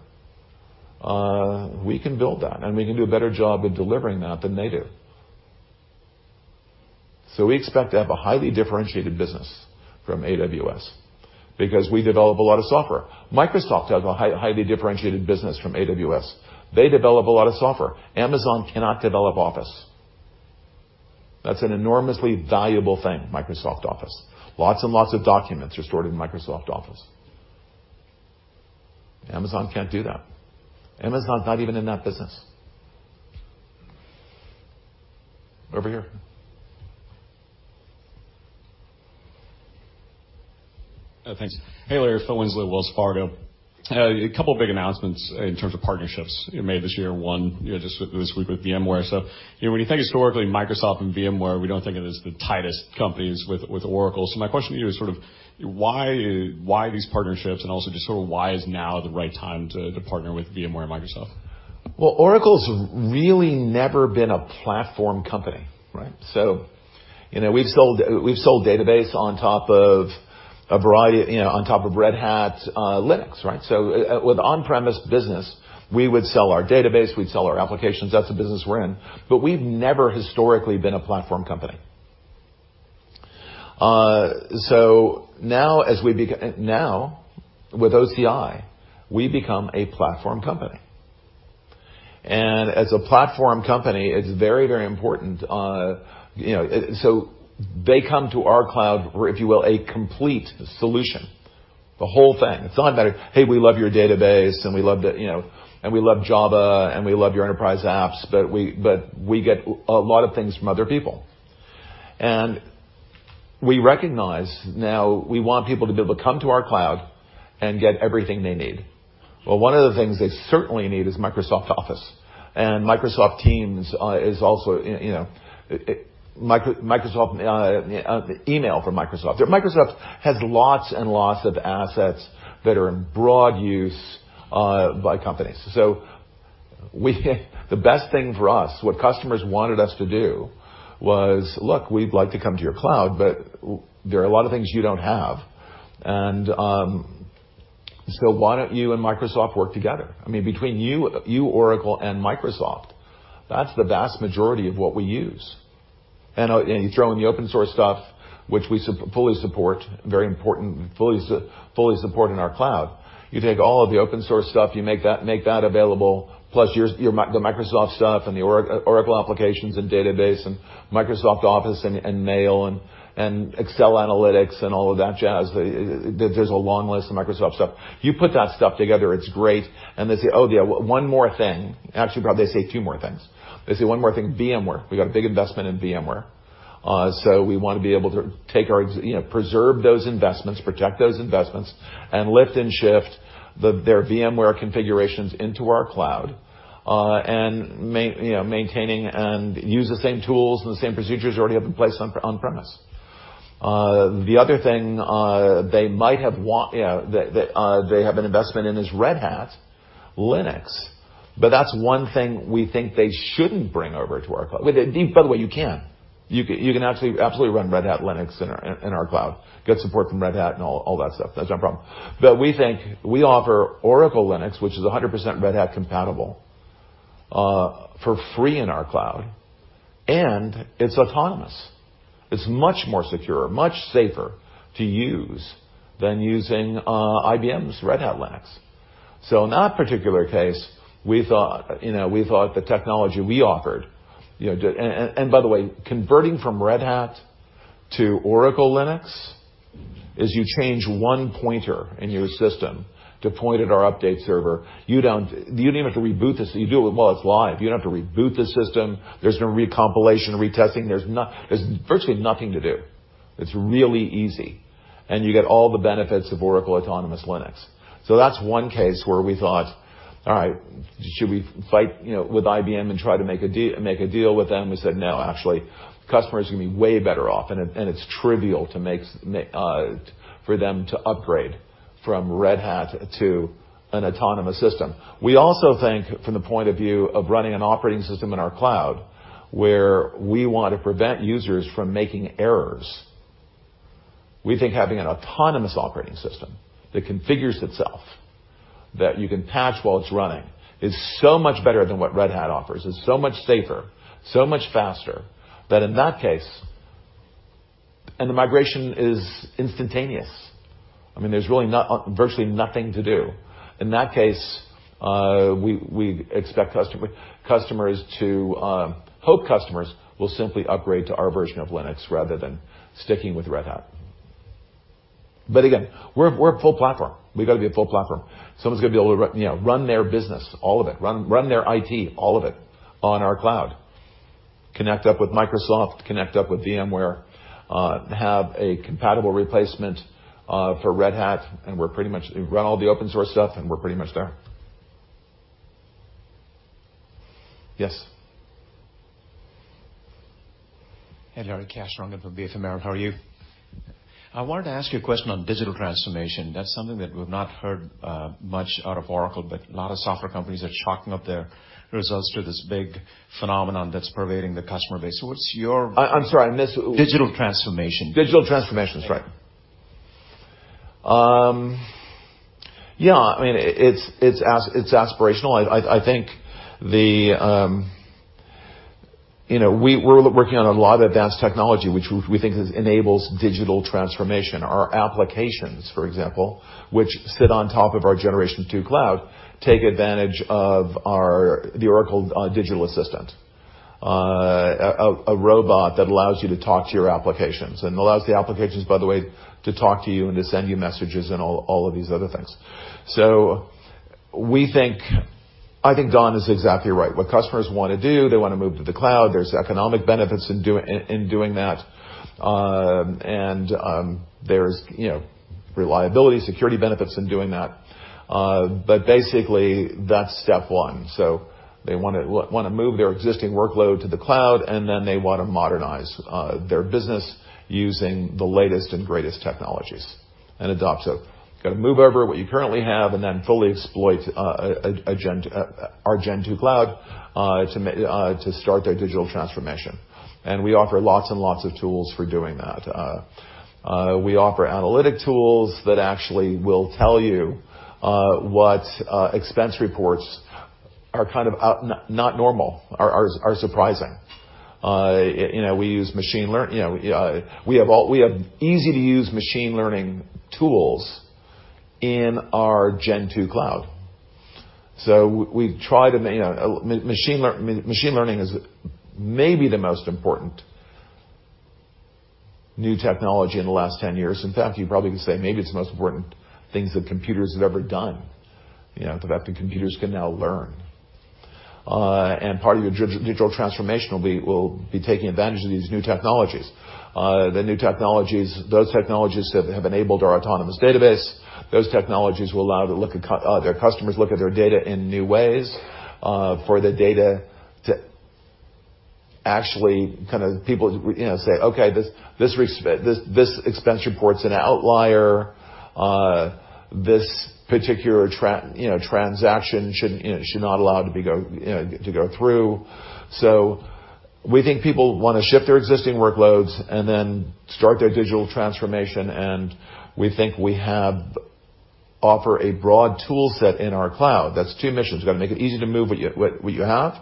we can build that, and we can do a better job of delivering that than they do. We expect to have a highly differentiated business from AWS because we develop a lot of software. Microsoft has a highly differentiated business from AWS. They develop a lot of software. Amazon cannot develop Office. That's an enormously valuable thing, Microsoft Office. Lots and lots of documents are stored in Microsoft Office. Amazon can't do that. Amazon's not even in that business. Over here. Thanks. Hey, Larry. Phil Winslow, Wells Fargo. A couple big announcements in terms of partnerships you made this year, one just this week with VMware. When you think historically, Microsoft and VMware, we don't think of it as the tightest companies with Oracle. My question to you is sort of why these partnerships and also just sort of why is now the right time to partner with VMware and Microsoft? Well, Oracle's really never been a platform company, right? We've sold database on top of Red Hat Linux, right? With on-premise business, we would sell our database, we'd sell our applications. That's the business we're in. But we've never historically been a platform company. Now, with OCI, we become a platform company. As a platform company, it's very, very important. They come to our cloud, if you will, a complete solution, the whole thing. It's not a matter, "Hey, we love your database, and we love Java, and we love your enterprise apps, but we get a lot of things from other people." We recognize now we want people to be able to come to our cloud and get everything they need. Well, one of the things they certainly need is Microsoft Office, and Microsoft Teams is also email from Microsoft. Microsoft has lots and lots of assets that are in broad use by companies. The best thing for us, what customers wanted us to do was, "Look, we'd like to come to your cloud, but there are a lot of things you don't have. Why don't you and Microsoft work together? I mean, between you, Oracle, and Microsoft, that's the vast majority of what we use." You throw in the open source stuff, which we fully support, very important, fully support in our cloud. You take all of the open source stuff, you make that available, plus the Microsoft stuff and the Oracle applications and database and Microsoft Office and Mail and Excel Analytics and all of that jazz. There's a long list of Microsoft stuff. You put that stuff together, it's great. They say, "Oh, yeah, one more thing." Actually, probably they say two more things. They say, "One more thing, VMware." We got a big investment in VMware. We want to be able to preserve those investments, protect those investments and lift and shift their VMware configurations into our cloud, and maintaining and use the same tools and the same procedures you already have in place on-premise. The other thing they have an investment in is Red Hat Linux. That's one thing we think they shouldn't bring over to our cloud. By the way, you can. You can absolutely run Red Hat Linux in our cloud, get support from Red Hat and all that stuff. That's not a problem. We think we offer Oracle Linux, which is 100% Red Hat compatible, for free in our cloud, and it's autonomous. It's much more secure, much safer to use than using IBM's Red Hat Linux. In that particular case, we thought the technology we offered. By the way, converting from Red Hat to Oracle Linux is you change one pointer in your system to point at our update server. You don't even have to reboot this. You do it while it's live. You don't have to reboot the system. There's no recompilation, retesting. There's virtually nothing to do. It's really easy. You get all the benefits of Oracle Autonomous Linux. That's one case where we thought, all right, should we fight with IBM and try to make a deal with them? We said, no, actually, customers are going to be way better off. It's trivial for them to upgrade from Red Hat to an autonomous system. We also think from the point of view of running an operating system in our cloud, where we want to prevent users from making errors. We think having an autonomous operating system that configures itself, that you can patch while it's running, is so much better than what Red Hat offers. It's so much safer, so much faster, that in that case. The migration is instantaneous. I mean, there's really virtually nothing to do. In that case, we hope customers will simply upgrade to our version of Linux rather than sticking with Red Hat. Again, we're a full platform. We've got to be a full platform. Someone's got to be able to run their business, all of it, run their IT, all of it, on our cloud. Connect up with Microsoft, connect up with VMware, have a compatible replacement for Red Hat, and run all the open source stuff, and we're pretty much there. Yes. Hey, Larry. Kash Rangan from BofA. How are you? I wanted to ask you a question on digital transformation. That's something that we've not heard much out of Oracle, but a lot of software companies are chalking up their results to this big phenomenon that's pervading the customer base. What's your- I'm sorry. Digital transformation. Digital transformation. That's right. Yeah. It's aspirational. We're working on a lot of advanced technology, which we think enables digital transformation. Our applications, for example, which sit on top of our Generation 2 Cloud, take advantage of the Oracle Digital Assistant, a robot that allows you to talk to your applications and allows the applications, by the way, to talk to you and to send you messages and all of these other things. I think Don is exactly right. What customers want to do, they want to move to the cloud. There's economic benefits in doing that, and there's reliability, security benefits in doing that. Basically, that's step one. They want to move their existing workload to the cloud, and then they want to modernize their business using the latest and greatest technologies and adopt. You got to move over what you currently have and then fully exploit our Gen 2 Cloud to start their digital transformation. We offer lots and lots of tools for doing that. We offer analytic tools that actually will tell you what expense reports are not normal, are surprising. We have easy-to-use machine learning tools in our Gen 2 Cloud. Machine learning is maybe the most important new technology in the last 10 years. In fact, you probably can say maybe it's the most important thing that computers have ever done. The fact that computers can now learn. Part of your digital transformation will be taking advantage of these new technologies. Those technologies have enabled our Autonomous Database. Those technologies will allow their customers look at their data in new ways, for the data to actually people say, "Okay, this expense report's an outlier. This particular transaction should not allow to go through. We think people want to shift their existing workloads and then start their digital transformation, and we think we offer a broad toolset in our cloud. That's two missions. We've got to make it easy to move what you have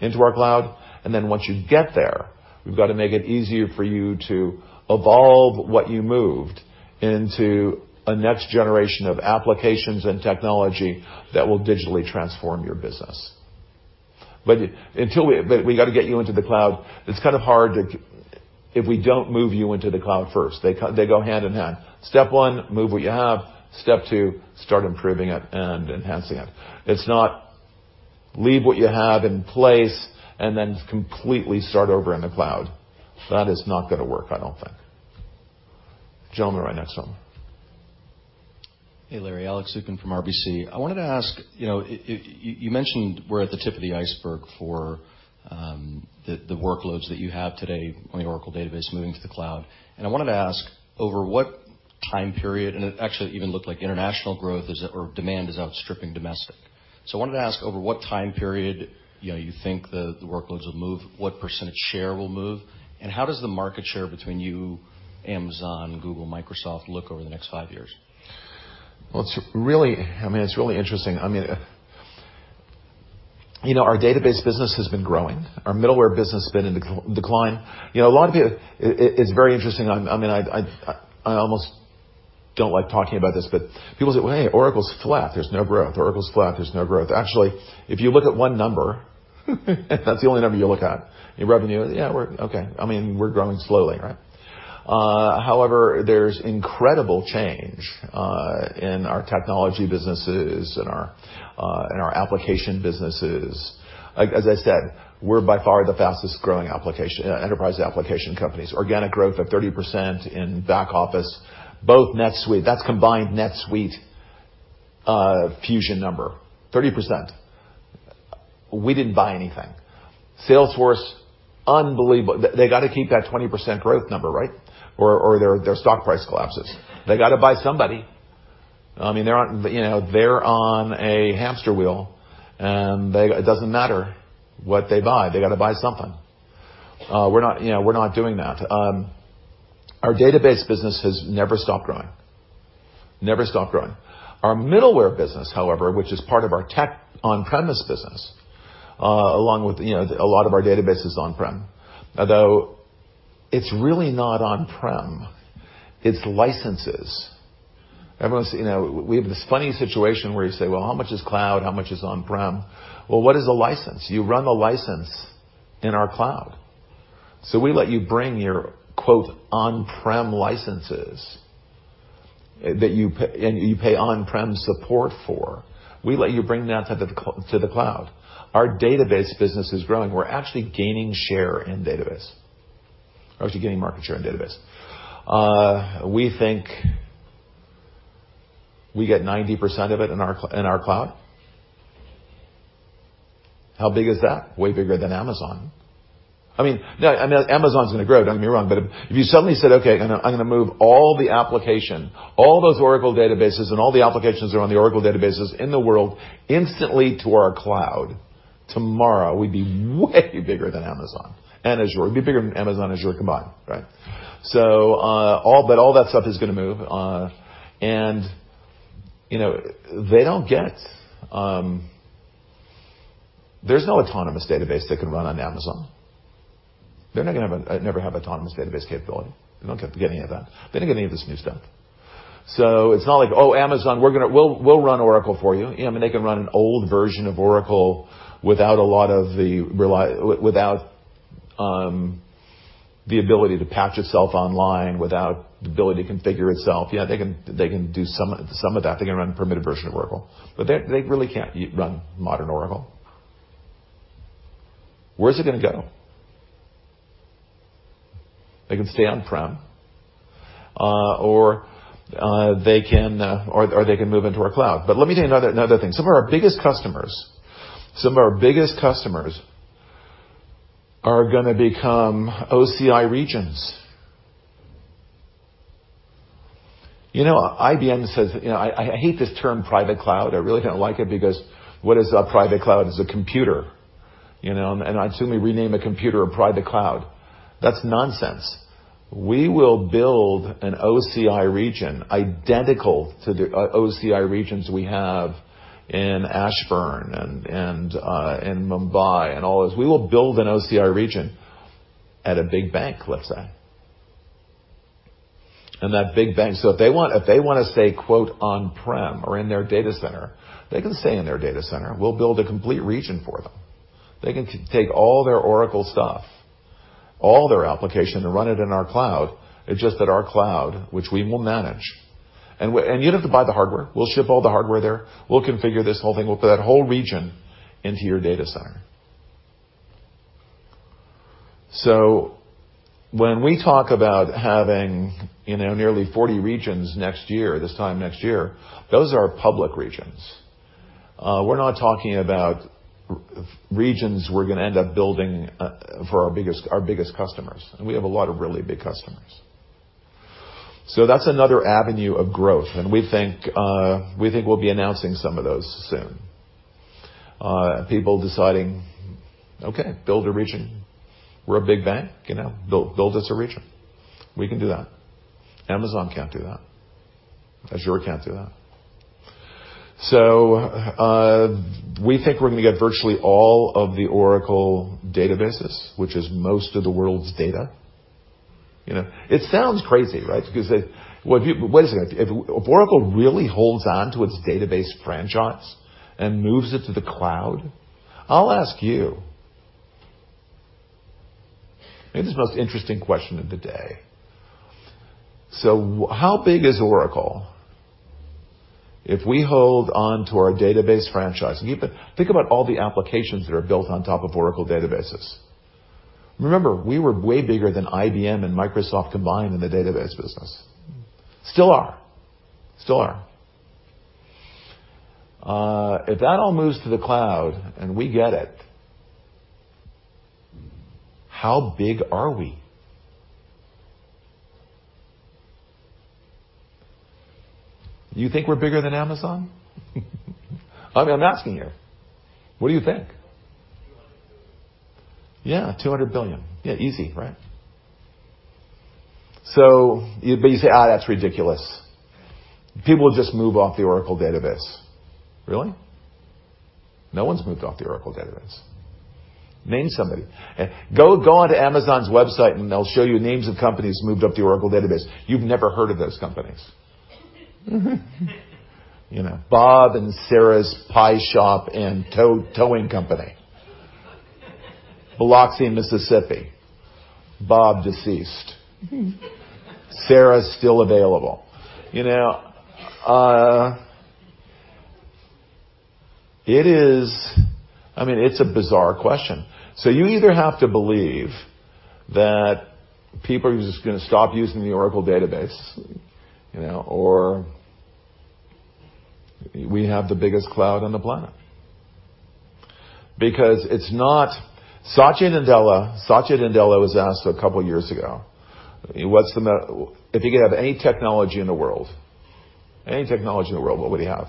into our cloud, and then once you get there, we've got to make it easier for you to evolve what you moved into a next generation of applications and technology that will digitally transform your business. We got to get you into the cloud. If we don't move you into the cloud first, they go hand in hand. Step one, move what you have. Step two, start improving it and enhancing it. It's not leave what you have in place and then completely start over in the cloud. That is not going to work, I don't think. Gentleman right next to him. Hey, Larry. Alex Zukin from RBC. You mentioned we're at the tip of the iceberg for the workloads that you have today on the Oracle database moving to the cloud. It actually even looked like international demand is outstripping domestic. I wanted to ask over what time period you think the workloads will move, what percentage share will move, and how does the market share between you, Amazon, Google, Microsoft look over the next five years? It's really interesting. Our database business has been growing. Our middleware business has been in decline. It's very interesting. I almost don't like talking about this. People say, "Oracle's flat. There's no growth. Oracle's flat. There's no growth." Actually, if you look at one number, that's the only number you look at in revenue. Yeah, okay. We're growing slowly, right? There's incredible change in our technology businesses and our application businesses. As I said, we're by far the fastest-growing enterprise application companies. Organic growth of 30% in back office, both NetSuite. That's combined NetSuite Fusion number, 30%. We didn't buy anything. Salesforce, unbelievable. They got to keep that 20% growth number, right? Their stock price collapses. They got to buy somebody. They're on a hamster wheel. It doesn't matter what they buy. They got to buy something. We're not doing that. Our database business has never stopped growing. Never stopped growing. Our middleware business, however, which is part of our tech on-premise business along with a lot of our database is on-prem. It's really not on-prem, it's licenses. We have this funny situation where you say, "Well, how much is cloud? How much is on-prem?" What is a license? You run the license in our cloud. We let you bring your "on-prem licenses" and you pay on-prem support for. We let you bring that to the cloud. Our database business is growing. We're actually gaining share in database. Actually gaining market share in database. We think we get 90% of it in our cloud. How big is that? Way bigger than Amazon. Amazon's going to grow. Don't get me wrong. If you suddenly said, "Okay, I'm going to move all the application, all those Oracle Database, and all the applications that are on the Oracle Database in the world instantly to our cloud." Tomorrow, we'd be way bigger than Amazon and Azure. We'd be bigger than Amazon and Azure combined. All that stuff is going to move. There's no Autonomous Database that can run on Amazon. They're not going to never have Autonomous Database capability. They don't get any of that. They don't get any of this new stuff. It's not like, "Oh, Amazon, we'll run Oracle for you." Yeah, they can run an old version of Oracle without the ability to patch itself online, without the ability to configure itself. Yeah, they can do some of that. They can run a permitted version of Oracle. They really can't run modern Oracle. Where's it going to go? They can stay on-prem, or they can move into our cloud. Let me tell you another thing. Some of our biggest customers are going to become OCI regions. IBM says I hate this term private cloud. I really don't like it because, what is a private cloud? It's a computer. I'd sooner rename a computer a private cloud. That's nonsense. We will build an OCI region identical to OCI regions we have in Ashburn and in Mumbai, and all those. We will build an OCI region at a big bank, let's say. If they want to stay, quote, "on-prem" or in their data center, they can stay in their data center. We'll build a complete region for them. They can take all their Oracle stuff, all their application, and run it in our cloud. It's just that our cloud, which we will manage, you'd have to buy the hardware. We'll ship all the hardware there. We'll configure this whole thing. We'll put that whole region into your data center. When we talk about having nearly 40 regions next year, this time next year, those are public regions. We're not talking about regions we're going to end up building for our biggest customers, and we have a lot of really big customers. That's another avenue of growth, and we think we'll be announcing some of those soon. People deciding, "Okay, build a region. We're a big bank. Build us a region." We can do that. Amazon can't do that. Azure can't do that. We think we're going to get virtually all of the Oracle databases, which is most of the world's data. It sounds crazy, right? Wait a second, if Oracle really holds onto its database franchise and moves it to the cloud, I'll ask you maybe it's the most interesting question of the day. How big is Oracle if we hold onto our database franchise? Think about all the applications that are built on top of Oracle databases. Remember, we were way bigger than IBM and Microsoft combined in the database business. Still are. If that all moves to the cloud and we get it, how big are we? You think we're bigger than Amazon? I'm asking you. What do you think? $200 billion. Yeah, $200 billion. Yeah, easy, right? You say, "That's ridiculous. People will just move off the Oracle database." Really? No one's moved off the Oracle database. Name somebody. Go onto Amazon's website, and they'll show you names of companies moved off the Oracle database. You've never heard of those companies. Bob and Sarah's Pie Shop and Towing Company. Biloxi, Mississippi. Bob, deceased. Sarah, still available. It's a bizarre question. You either have to believe that people are just going to stop using the Oracle Database, or we have the biggest cloud on the planet. Satya Nadella was asked a couple of years ago, if he could have any technology in the world, what would he have?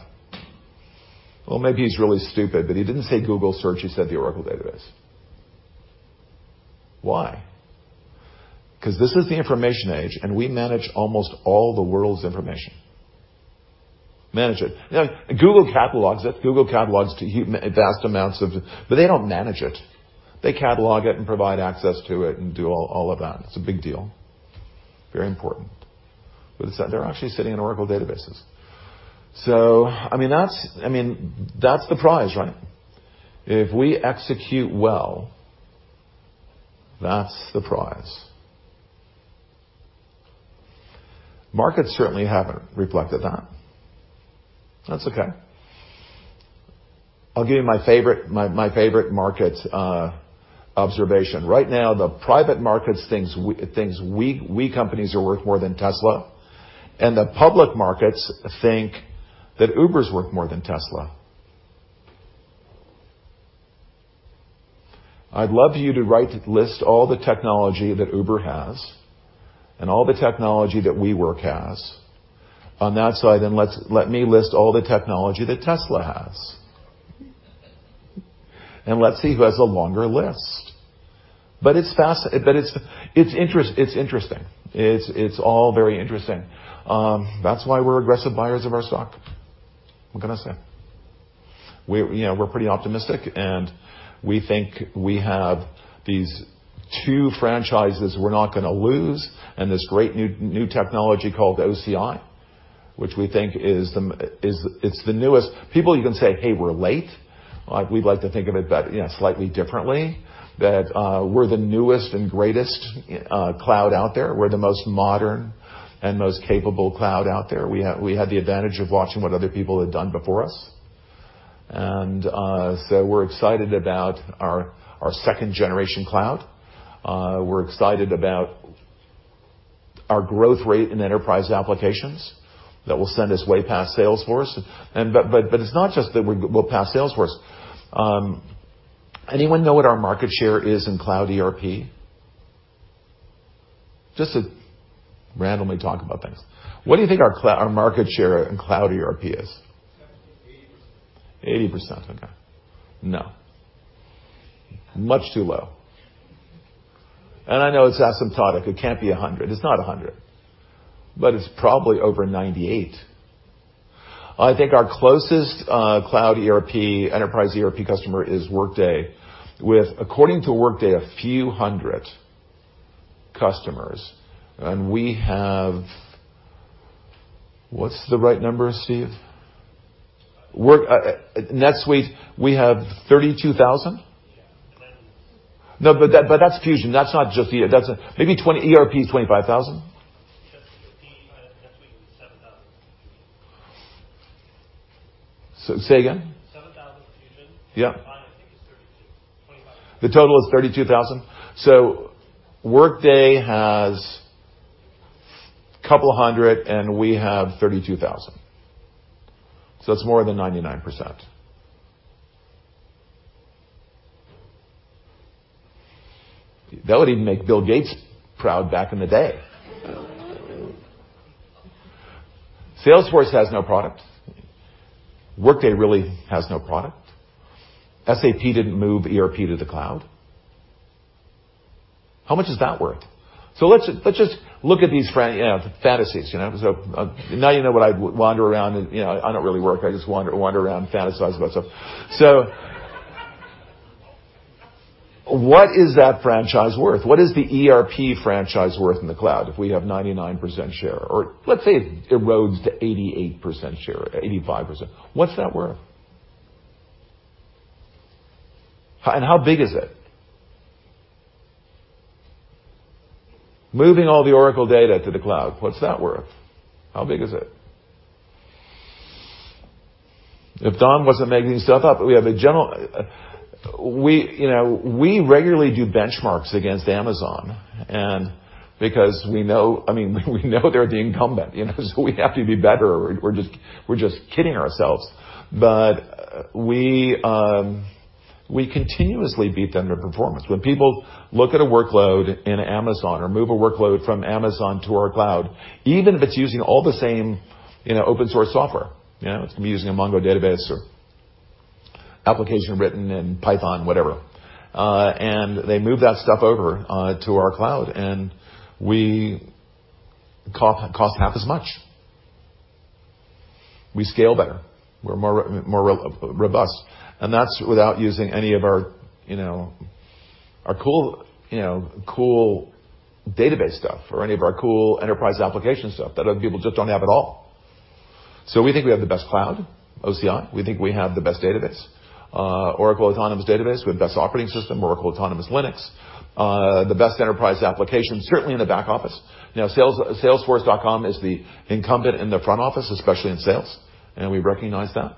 Maybe he's really stupid, but he didn't say Google search. He said the Oracle Database. Why? This is the information age, and we manage almost all the world's information. Manage it. Google catalogs it. They don't manage it. They catalog it and provide access to it and do all of that. It's a big deal. Very important. They're actually sitting in Oracle Databases. That's the prize right now. If we execute well, that's the prize. Markets certainly haven't reflected that. That's okay. I'll give you my favorite market observation. Right now, the private markets thinks we companies are worth more than Tesla, and the public markets think that Uber is worth more than Tesla. I'd love you to list all the technology that Uber has and all the technology that WeWork has on that side, and let me list all the technology that Tesla has. Let's see who has a longer list. It's interesting. It's all very interesting. That's why we're aggressive buyers of our stock. What can I say? We're pretty optimistic, and we think we have these two franchises we're not going to lose and this great new technology called OCI, which we think is the newest. People even say, "Hey, we're late." We'd like to think of it slightly differently. That we're the newest and greatest cloud out there. We're the most modern and most capable cloud out there. We had the advantage of watching what other people had done before us. We're excited about our Generation 2 Cloud. We're excited about our growth rate in enterprise applications that will send us way past Salesforce. It's not just that we'll pass Salesforce. Anyone know what our market share is in cloud ERP? Just to randomly talk about things. What do you think our market share in cloud ERP is? 70%-80%. 80%, okay. No. Much too low. I know it's asymptotic. It can't be 100. It's not 100. It's probably over 98. I think our closest cloud ERP, enterprise ERP customer is Workday, with, according to Workday, a few hundred customers. We have What's the right number, Steve? NetSuite, we have 32,000? Yeah. No, that's Fusion. Maybe ERP is $25,000. SAP, NetSuite was $7,000. Say again. 7,000 Fusion. Yeah. Combined, I think it's 32. 25,000. The total is 32,000. Workday has couple of hundred, and we have 32,000. It's more than 99%. That would even make Bill Gates proud back in the day. Salesforce has no product. Workday really has no product. SAP didn't move ERP to the cloud. How much is that worth? Let's just look at these fantasies. Now you know what I wander around. I don't really work. I just wander around and fantasize about stuff. What is that franchise worth? What is the ERP franchise worth in the cloud if we have 99% share? Let's say it erodes to 88% share or 85%. What's that worth? How big is it? Moving all the Oracle data to the cloud, what's that worth? How big is it? If Don wasn't making stuff up, we regularly do benchmarks against Amazon, and because we know they're the incumbent, so we have to be better or we're just kidding ourselves. We continuously beat them in performance. When people look at a workload in Amazon or move a workload from Amazon to our cloud, even if it's using all the same open-source software, it's going to be using a MongoDB or application written in Python, whatever. They move that stuff over to our cloud, and we cost half as much. We scale better. We're more robust. That's without using any of our cool database stuff or any of our cool enterprise application stuff that other people just don't have at all. We think we have the best cloud, OCI. We think we have the best database, Oracle Autonomous Database. We have the best operating system, Oracle Autonomous Linux. The best enterprise application, certainly in the back office. Salesforce.com is the incumbent in the front office, especially in sales, and we recognize that.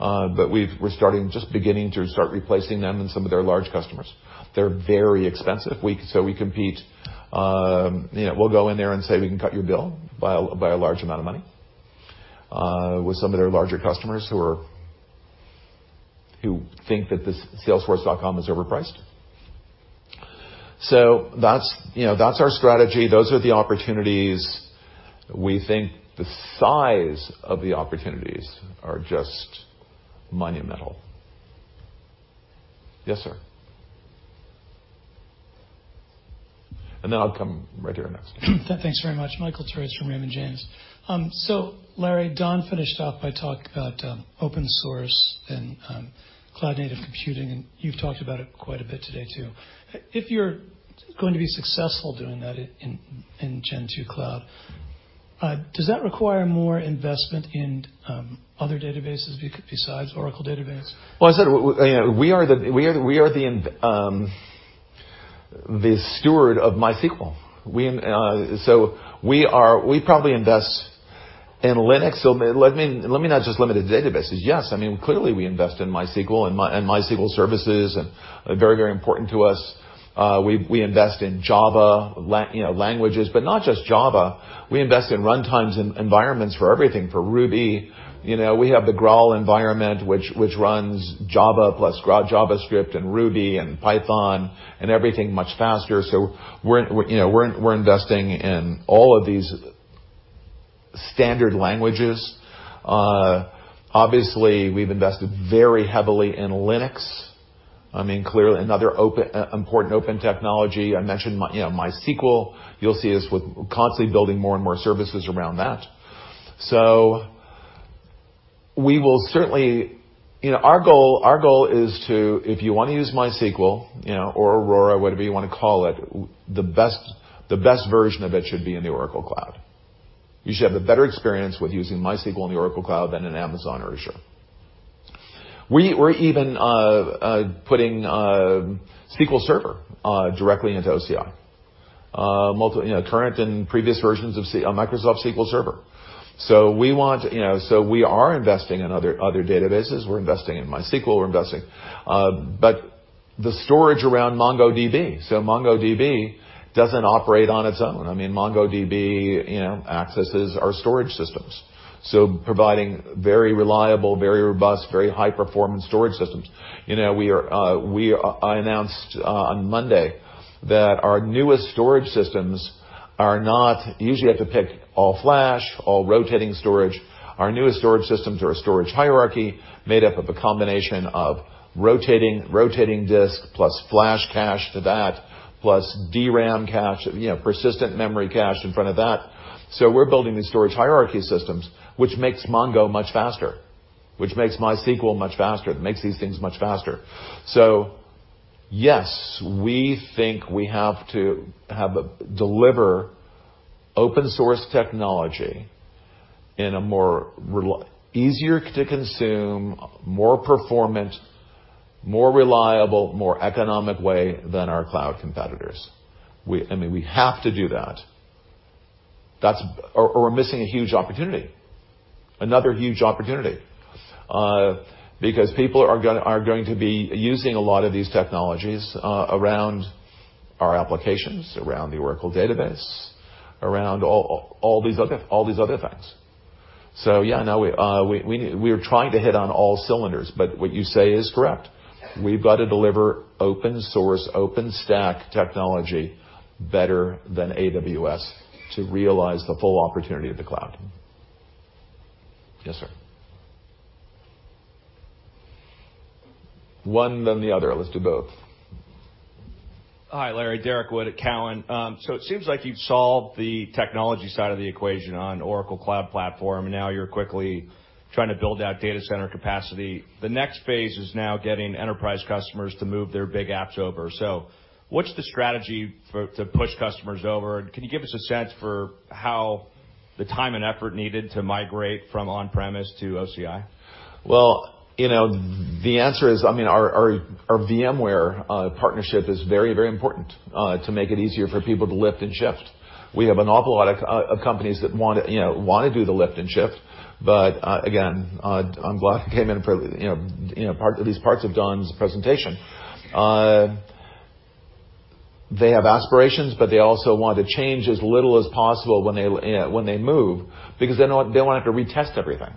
We're just beginning to start replacing them and some of their large customers. They're very expensive. We compete. We'll go in there and say, "We can cut your bill by a large amount of money," with some of their larger customers who think that Salesforce.com is overpriced. That's our strategy. Those are the opportunities. We think the size of the opportunities are just monumental. Yes, sir. I'll come right here next. Thanks very much. Michael Turits from Raymond James. Larry, Don finished off by talking about open source and cloud-native computing, and you've talked about it quite a bit today, too. If you're going to be successful doing that in Gen 2 Cloud, does that require more investment in other databases besides Oracle Database? Well, I said we are the steward of MySQL. We probably invest in Linux, let me not just limit it to databases. Yes, clearly we invest in MySQL and MySQL services, and very important to us. We invest in Java languages, but not just Java. We invest in runtimes, in environments for everything. For Ruby, we have the Graal environment, which runs Java plus JavaScript and Ruby and Python and everything much faster. We're investing in all of these standard languages. Obviously, we've invested very heavily in Linux. Another important open technology I mentioned, MySQL, you'll see us constantly building more and more services around that. Our goal is to, if you want to use MySQL or Aurora, whatever you want to call it, the best version of it should be in the Oracle Cloud. You should have a better experience with using MySQL in the Oracle Cloud than in Amazon or Azure. We're even putting SQL Server directly into OCI. Current and previous versions of Microsoft SQL Server. We are investing in other databases. We're investing in MySQL. The storage around MongoDB, so MongoDB doesn't operate on its own. MongoDB accesses our storage systems, so providing very reliable, very robust, very high-performance storage systems. I announced on Monday that our newest storage systems usually you have to pick all flash, all rotating storage. Our newest storage systems are a storage hierarchy made up of a combination of rotating disk plus flash cache to that, plus DRAM cache, persistent memory cache in front of that. We're building these storage hierarchy systems, which makes Mongo much faster, which makes MySQL much faster. It makes these things much faster. Yes, we think we have to deliver open source technology in a more easier to consume, more performant, more reliable, more economic way than our cloud competitors. We have to do that. We're missing a huge opportunity, another huge opportunity, because people are going to be using a lot of these technologies around our applications, around the Oracle Database, around all these other things. Yeah, no, we are trying to hit on all cylinders. What you say is correct, we've got to deliver open source, OpenStack technology better than AWS to realize the full opportunity of the cloud. Yes, sir. One, then the other. Let's do both. Hi, Larry. Derrick Wood at Cowen. It seems like you've solved the technology side of the equation on Oracle Cloud Platform, and now you're quickly trying to build out data center capacity. The next phase is now getting enterprise customers to move their big apps over. What's the strategy to push customers over, and can you give us a sense for how the time and effort needed to migrate from on-premise to OCI? Well, the answer is, our VMware partnership is very important to make it easier for people to lift and shift. We have an awful lot of companies that want to do the lift and shift, but again, I'm glad I came in for at least parts of Don's presentation. They have aspirations, but they also want to change as little as possible when they move, because they don't want to have to retest everything.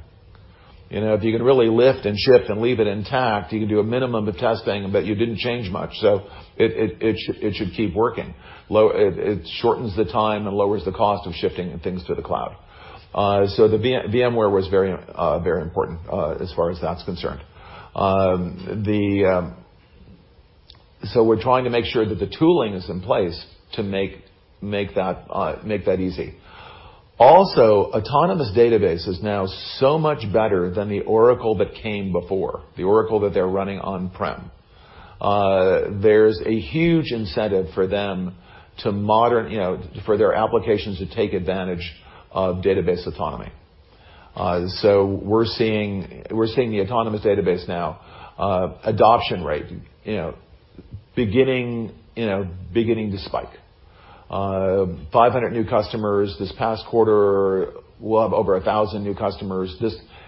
If you can really lift and shift and leave it intact, you can do a minimum of testing, but you didn't change much, so it should keep working. It shortens the time and lowers the cost of shifting things to the cloud. The VMware was very important as far as that's concerned. We're trying to make sure that the tooling is in place to make that easy. Autonomous Database is now so much better than the Oracle that came before, the Oracle that they're running on-prem. There's a huge incentive for them for their applications to take advantage of database autonomy. We're seeing the Autonomous Database now adoption rate beginning to spike. 500 new customers this past quarter. We'll have over 1,000 new customers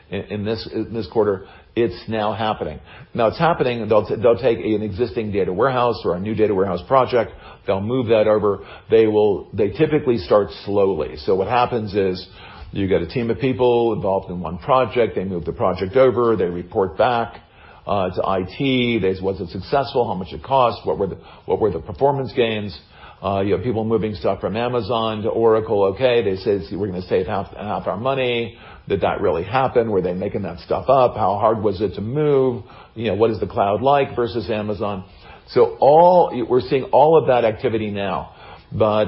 in this quarter. It's now happening. It's happening, they'll take an existing data warehouse or a new data warehouse project, they'll move that over. They typically start slowly. What happens is you get a team of people involved in one project. They move the project over, they report back to IT. Was it successful? How much it cost? What were the performance gains? You have people moving stuff from Amazon to Oracle. Okay, they say we're going to save half our money. Did that really happen? Were they making that stuff up? How hard was it to move? What is the cloud like versus Amazon? We're seeing all of that activity now, but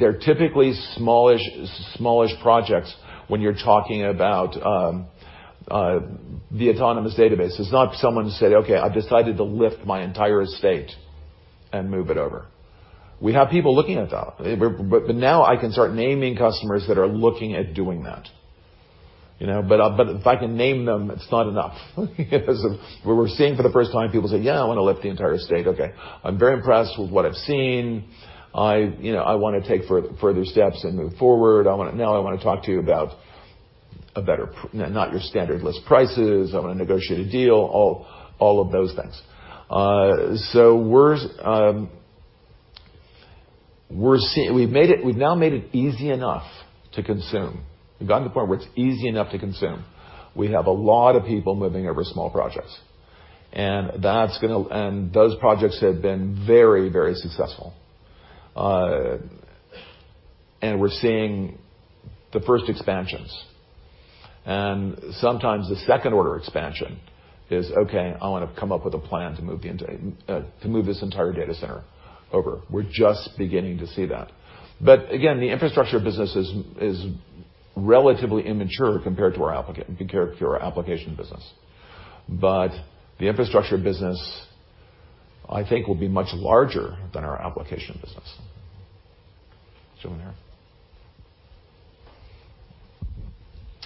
they're typically smallish projects when you're talking about the Autonomous Database. It's not someone who said, "Okay, I've decided to lift my entire estate and move it over." We have people looking at that. Now I can start naming customers that are looking at doing that. But if I can name them, it's not enough. We're seeing for the first time, people say, "Yeah, I want to lift the entire estate." Okay. "I'm very impressed with what I've seen. I want to take further steps and move forward. Now I want to talk to you about not your standard list prices. I want to negotiate a deal," all of those things. We've now made it easy enough to consume. We've gotten to the point where it's easy enough to consume. We have a lot of people moving over small projects, and those projects have been very successful. We're seeing the first expansions. Sometimes the second-order expansion is, okay, I want to come up with a plan to move this entire data center over. We're just beginning to see that. Again, the infrastructure business is relatively immature compared to our application business. The infrastructure business, I think, will be much larger than our application business. Gentleman here.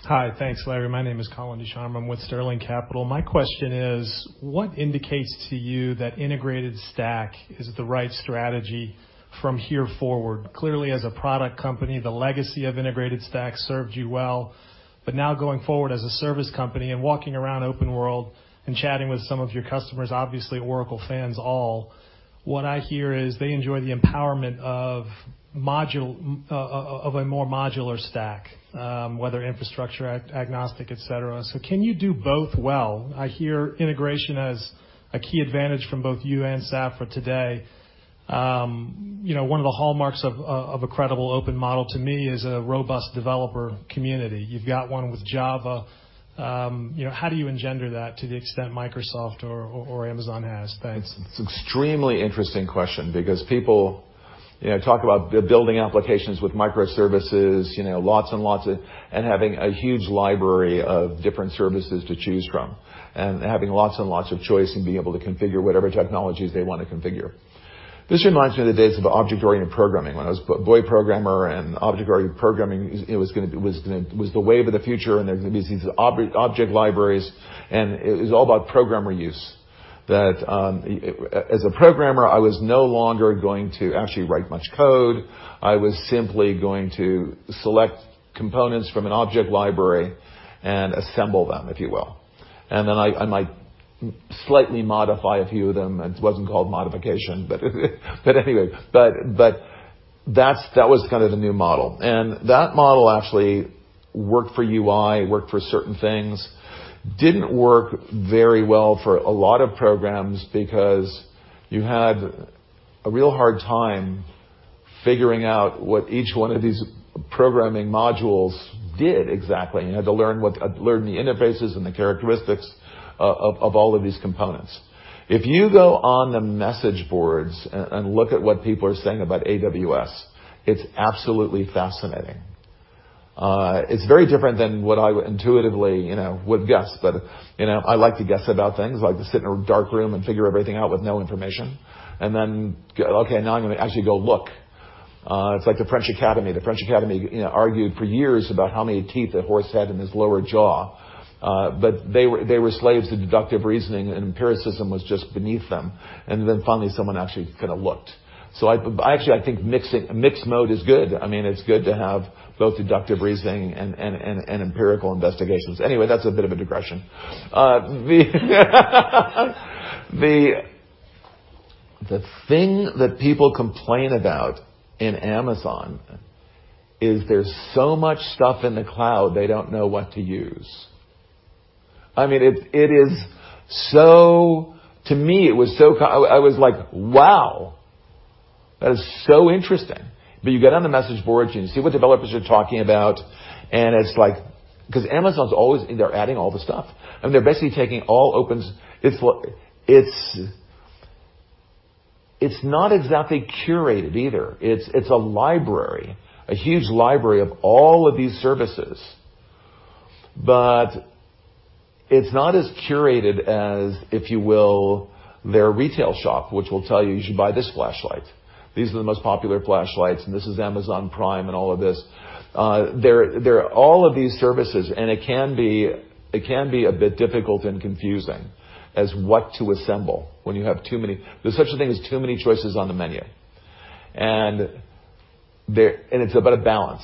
Hi. Thanks, Larry. My name is Colin Deschamps. I'm with Sterling Capital. My question is, what indicates to you that integrated stack is the right strategy from here forward? Clearly, as a product company, the legacy of integrated stack served you well. Now going forward as a service company and walking around Open World and chatting with some of your customers, obviously Oracle fans all, what I hear is they enjoy the empowerment of a more modular stack, whether infrastructure, agnostic, et cetera. Can you do both well? I hear integration as a key advantage from both you and Safra today. One of the hallmarks of a credible open model to me is a robust developer community. You've got one with Java. How do you engender that to the extent Microsoft or Amazon has? Thanks. It's extremely interesting question because people talk about building applications with microservices. Having a huge library of different services to choose from, and having lots and lots of choice, and being able to configure whatever technologies they want to configure. This reminds me of the days of object-oriented programming. When I was boy programmer and object-oriented programming was the wave of the future, and there's going to be these object libraries, and it was all about programmer use. As a programmer, I was no longer going to actually write much code. I was simply going to select components from an object library and assemble them, if you will. I might slightly modify a few of them. It wasn't called modification, but anyway. That was the new model. That model actually worked for UI, worked for certain things. Didn't work very well for a lot of programs because you had a real hard time figuring out what each one of these programming modules did exactly, and you had to learn the interfaces and the characteristics of all of these components. If you go on the message boards and look at what people are saying about AWS, it's absolutely fascinating. It's very different than what I intuitively would guess. I like to guess about things. I like to sit in a dark room and figure everything out with no information. Now I'm going to actually go look. It's like the French Academy. The French Academy argued for years about how many teeth a horse had in his lower jaw. They were slaves to deductive reasoning, and empiricism was just beneath them. Finally, someone actually looked. Actually, I think mixed mode is good. It's good to have both deductive reasoning and empirical investigations. Anyway, that's a bit of a digression. The thing that people complain about in Amazon is there's so much stuff in the cloud they don't know what to use. To me, I was like, "Wow, that is so interesting." You get on the message boards, and you see what developers are talking about, because Amazon's always, they're adding all the stuff. They're basically taking all opens. It's not exactly curated either. It's a library, a huge library of all of these services. It's not as curated as, if you will, their retail shop, which will tell you should buy this flashlight. These are the most popular flashlights, and this is Amazon Prime and all of this. There are all of these services, and it can be a bit difficult and confusing as what to assemble when you have too many. There's such a thing as too many choices on the menu. It's about a balance.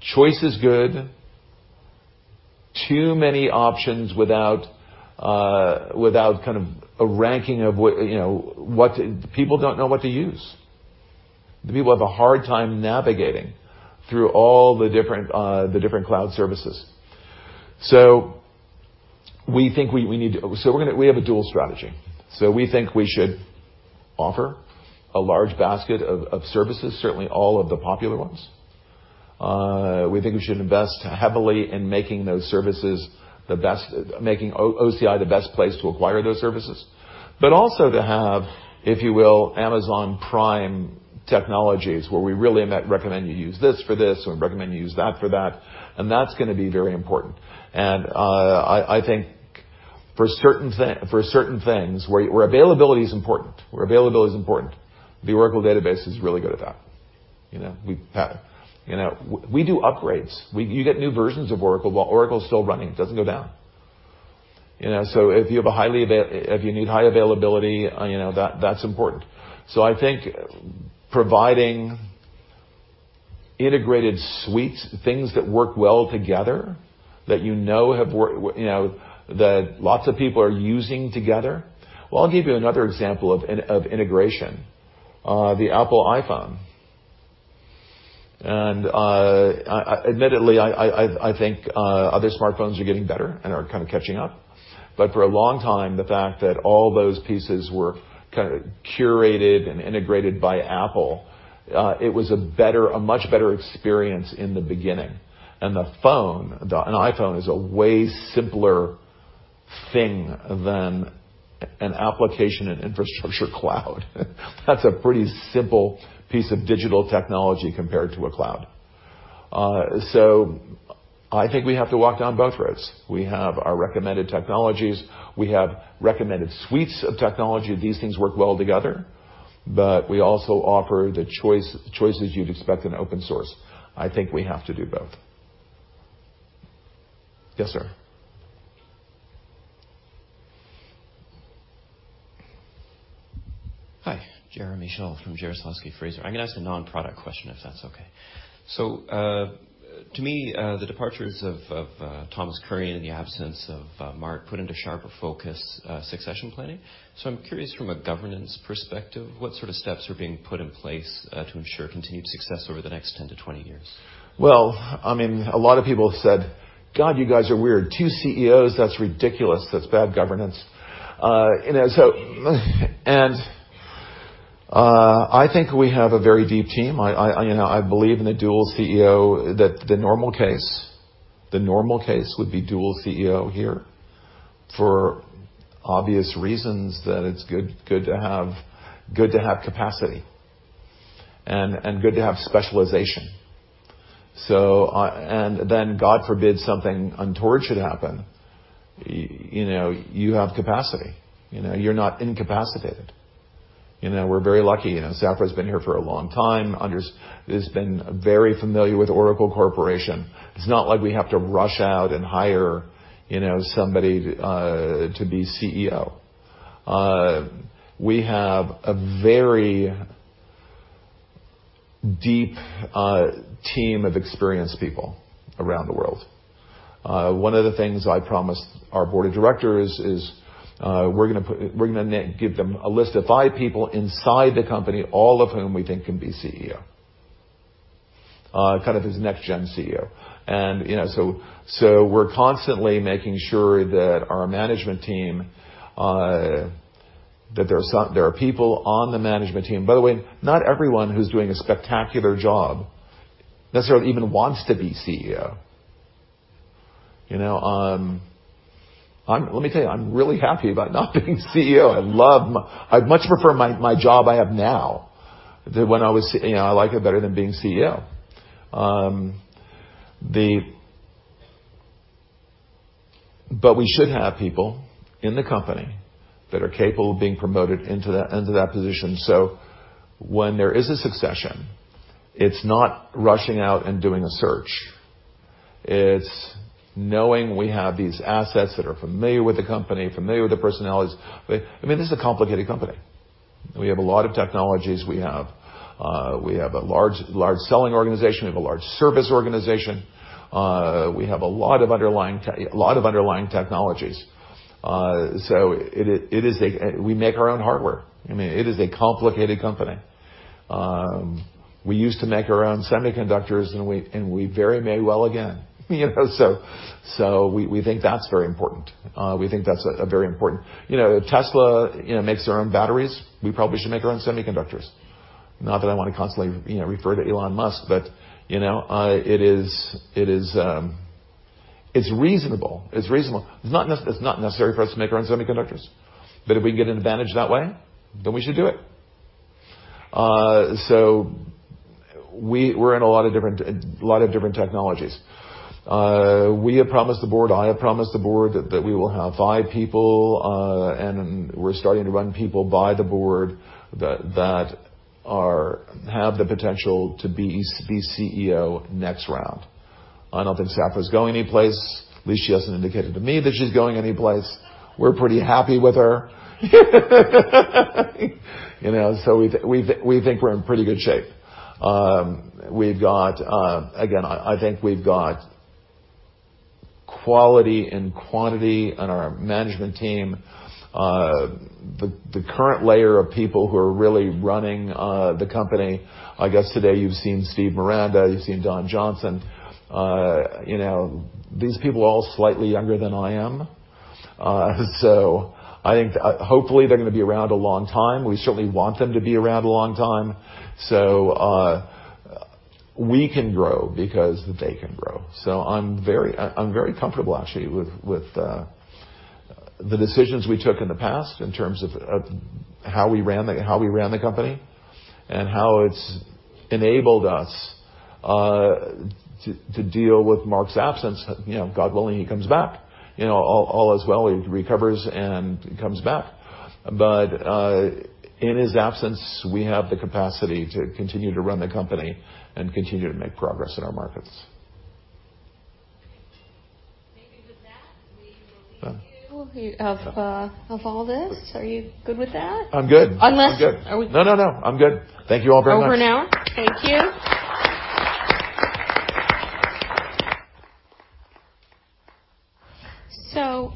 Choice is good. Too many options without a ranking. People don't know what to use. The people have a hard time navigating through all the different cloud services. We have a dual strategy. We think we should offer a large basket of services, certainly all of the popular ones. We think we should invest heavily in making OCI the best place to acquire those services. Also to have, if you will, Amazon Prime technologies, where we really recommend you use this for this, and we recommend you use that for that, and that's going to be very important. I think, for certain things where availability is important, the Oracle Database is really good at that. We do upgrades. You get new versions of Oracle while Oracle's still running. It doesn't go down. If you need high availability, that's important. I think providing integrated suites, things that work well together, that you know lots of people are using together. Well, I'll give you another example of integration. The Apple iPhone. Admittedly, I think other smartphones are getting better and are kind of catching up. For a long time, the fact that all those pieces were kind of curated and integrated by Apple, it was a much better experience in the beginning. The phone, an iPhone, is a way simpler thing than an application and infrastructure cloud. That's a pretty simple piece of digital technology compared to a cloud. I think we have to walk down both roads. We have our recommended technologies. We have recommended suites of technology. These things work well together. We also offer the choices you'd expect in open source. I think we have to do both. Yes, sir. Hi. Jeremy Schell from Jarislowsky Fraser. I'm going to ask a non-product question, if that's okay. To me, the departures of Thomas Kurian and the absence of Mark put into sharper focus succession planning. I'm curious from a governance perspective, what sort of steps are being put in place to ensure continued success over the next 10 to 20 years? A lot of people have said, "God, you guys are weird. Two CEOs? That's ridiculous. That's bad governance." I think we have a very deep team. I believe in the dual CEO, that the normal case would be dual CEO here for obvious reasons, that it's good to have capacity and good to have specialization. God forbid, something untoward should happen, you have capacity. You're not incapacitated. We're very lucky. Safra's been here for a long time, has been very familiar with Oracle Corporation. It's not like we have to rush out and hire somebody to be CEO. We have a very deep team of experienced people around the world. One of the things I promised our board of directors is we're going to give them a list of five people inside the company, all of whom we think can be CEO. Kind of this next-gen CEO. We're constantly making sure that there are people on the management team. By the way, not everyone who's doing a spectacular job necessarily even wants to be CEO. Let me tell you, I'm really happy about not being CEO. I much prefer my job I have now. I like it better than being CEO. We should have people in the company that are capable of being promoted into that position. When there is a succession, it's not rushing out and doing a search. It's knowing we have these assets that are familiar with the company, familiar with the personalities. This is a complicated company. We have a lot of technologies. We have a large selling organization. We have a large service organization. We have a lot of underlying technologies. We make our own hardware. It is a complicated company. We used to make our own semiconductors, and we very may well again. We think that's very important. Tesla makes their own batteries. We probably should make our own semiconductors. Not that I want to constantly refer to Elon Musk, but it's reasonable. It's not necessary for us to make our own semiconductors. If we can get an advantage that way, then we should do it. We're in a lot of different technologies. We have promised the board, I have promised the board, that we will have five people, and we're starting to run people by the board that have the potential to be CEO next round. I don't think Safra's going anyplace. At least she hasn't indicated to me that she's going anyplace. We're pretty happy with her. We think we're in pretty good shape. I think we've got quality and quantity on our management team. The current layer of people who are really running the company, I guess today you've seen Steve Miranda, you've seen Don Johnson. These people are all slightly younger than I am. I think, hopefully, they're going to be around a long time. We certainly want them to be around a long time. We can grow because they can grow. I'm very comfortable, actually, with the decisions we took in the past in terms of how we ran the company and how it's enabled us to deal with Mark's absence. God willing, he comes back. All is well, he recovers and comes back. In his absence, we have the capacity to continue to run the company and continue to make progress in our markets. Okay. Maybe with that, we will leave you of all this. Are you good with that? I'm good. Unless- I'm good. Are we- No, I'm good. Thank you all very much. Over an hour. Thank you.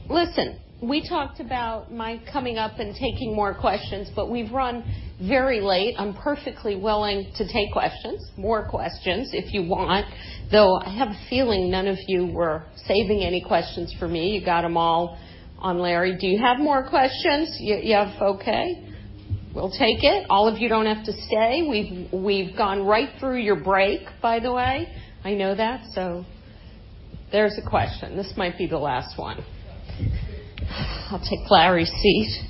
Listen, we talked about my coming up and taking more questions, but we've run very late. I'm perfectly willing to take questions, more questions if you want. I have a feeling none of you were saving any questions for me. You got them all on Larry. Do you have more questions? Okay. We'll take it. All of you don't have to stay. We've gone right through your break, by the way. I know that. There's a question. This might be the last one. I'll take Larry's seat.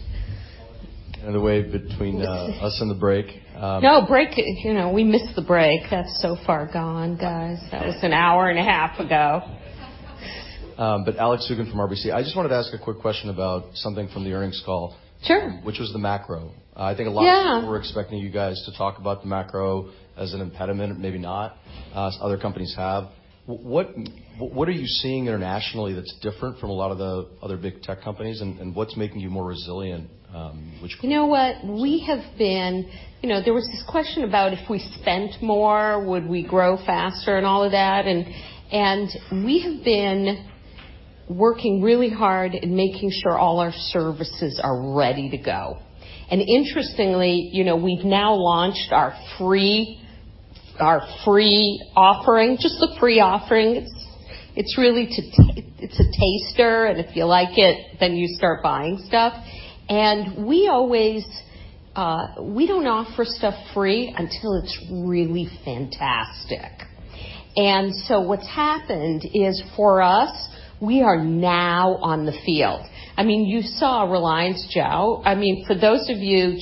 Kind of the way between us and the break. No, break. We missed the break. That's so far gone, guys. That was an hour and a half ago. Alex Zukin from RBC. I just wanted to ask a quick question about something from the earnings call. Sure which was the macro. Yeah people were expecting you guys to talk about the macro as an impediment or maybe not, as other companies have. What are you seeing internationally that's different from a lot of the other big tech companies, and what's making you more resilient? You know what? There was this question about if we spent more, would we grow faster and all of that, and we have been working really hard in making sure all our services are ready to go. Interestingly, we've now launched our free offering. Just a free offering. It's a taster, and if you like it, then you start buying stuff. We don't offer stuff free until it's really fantastic. What's happened is, for us, we are now on the field. You saw Reliance Jio. For those of you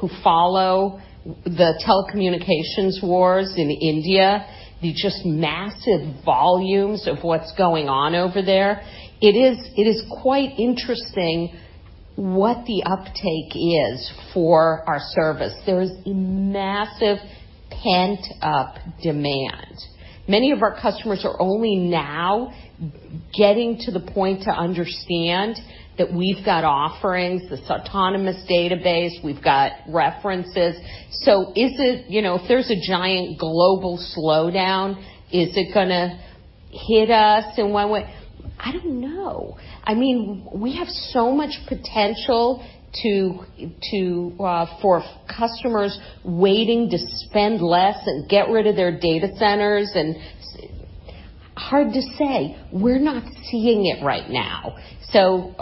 who follow the telecommunications wars in India, the just massive volumes of what's going on over there, it is quite interesting what the uptake is for our service. There is a massive pent-up demand. Many of our customers are only now getting to the point to understand that we've got offerings, this Autonomous Database, we've got references. If there's a giant global slowdown, is it going to hit us in one way? I don't know. We have so much potential for customers waiting to spend less and get rid of their data centers. Hard to say. We're not seeing it right now. Listen,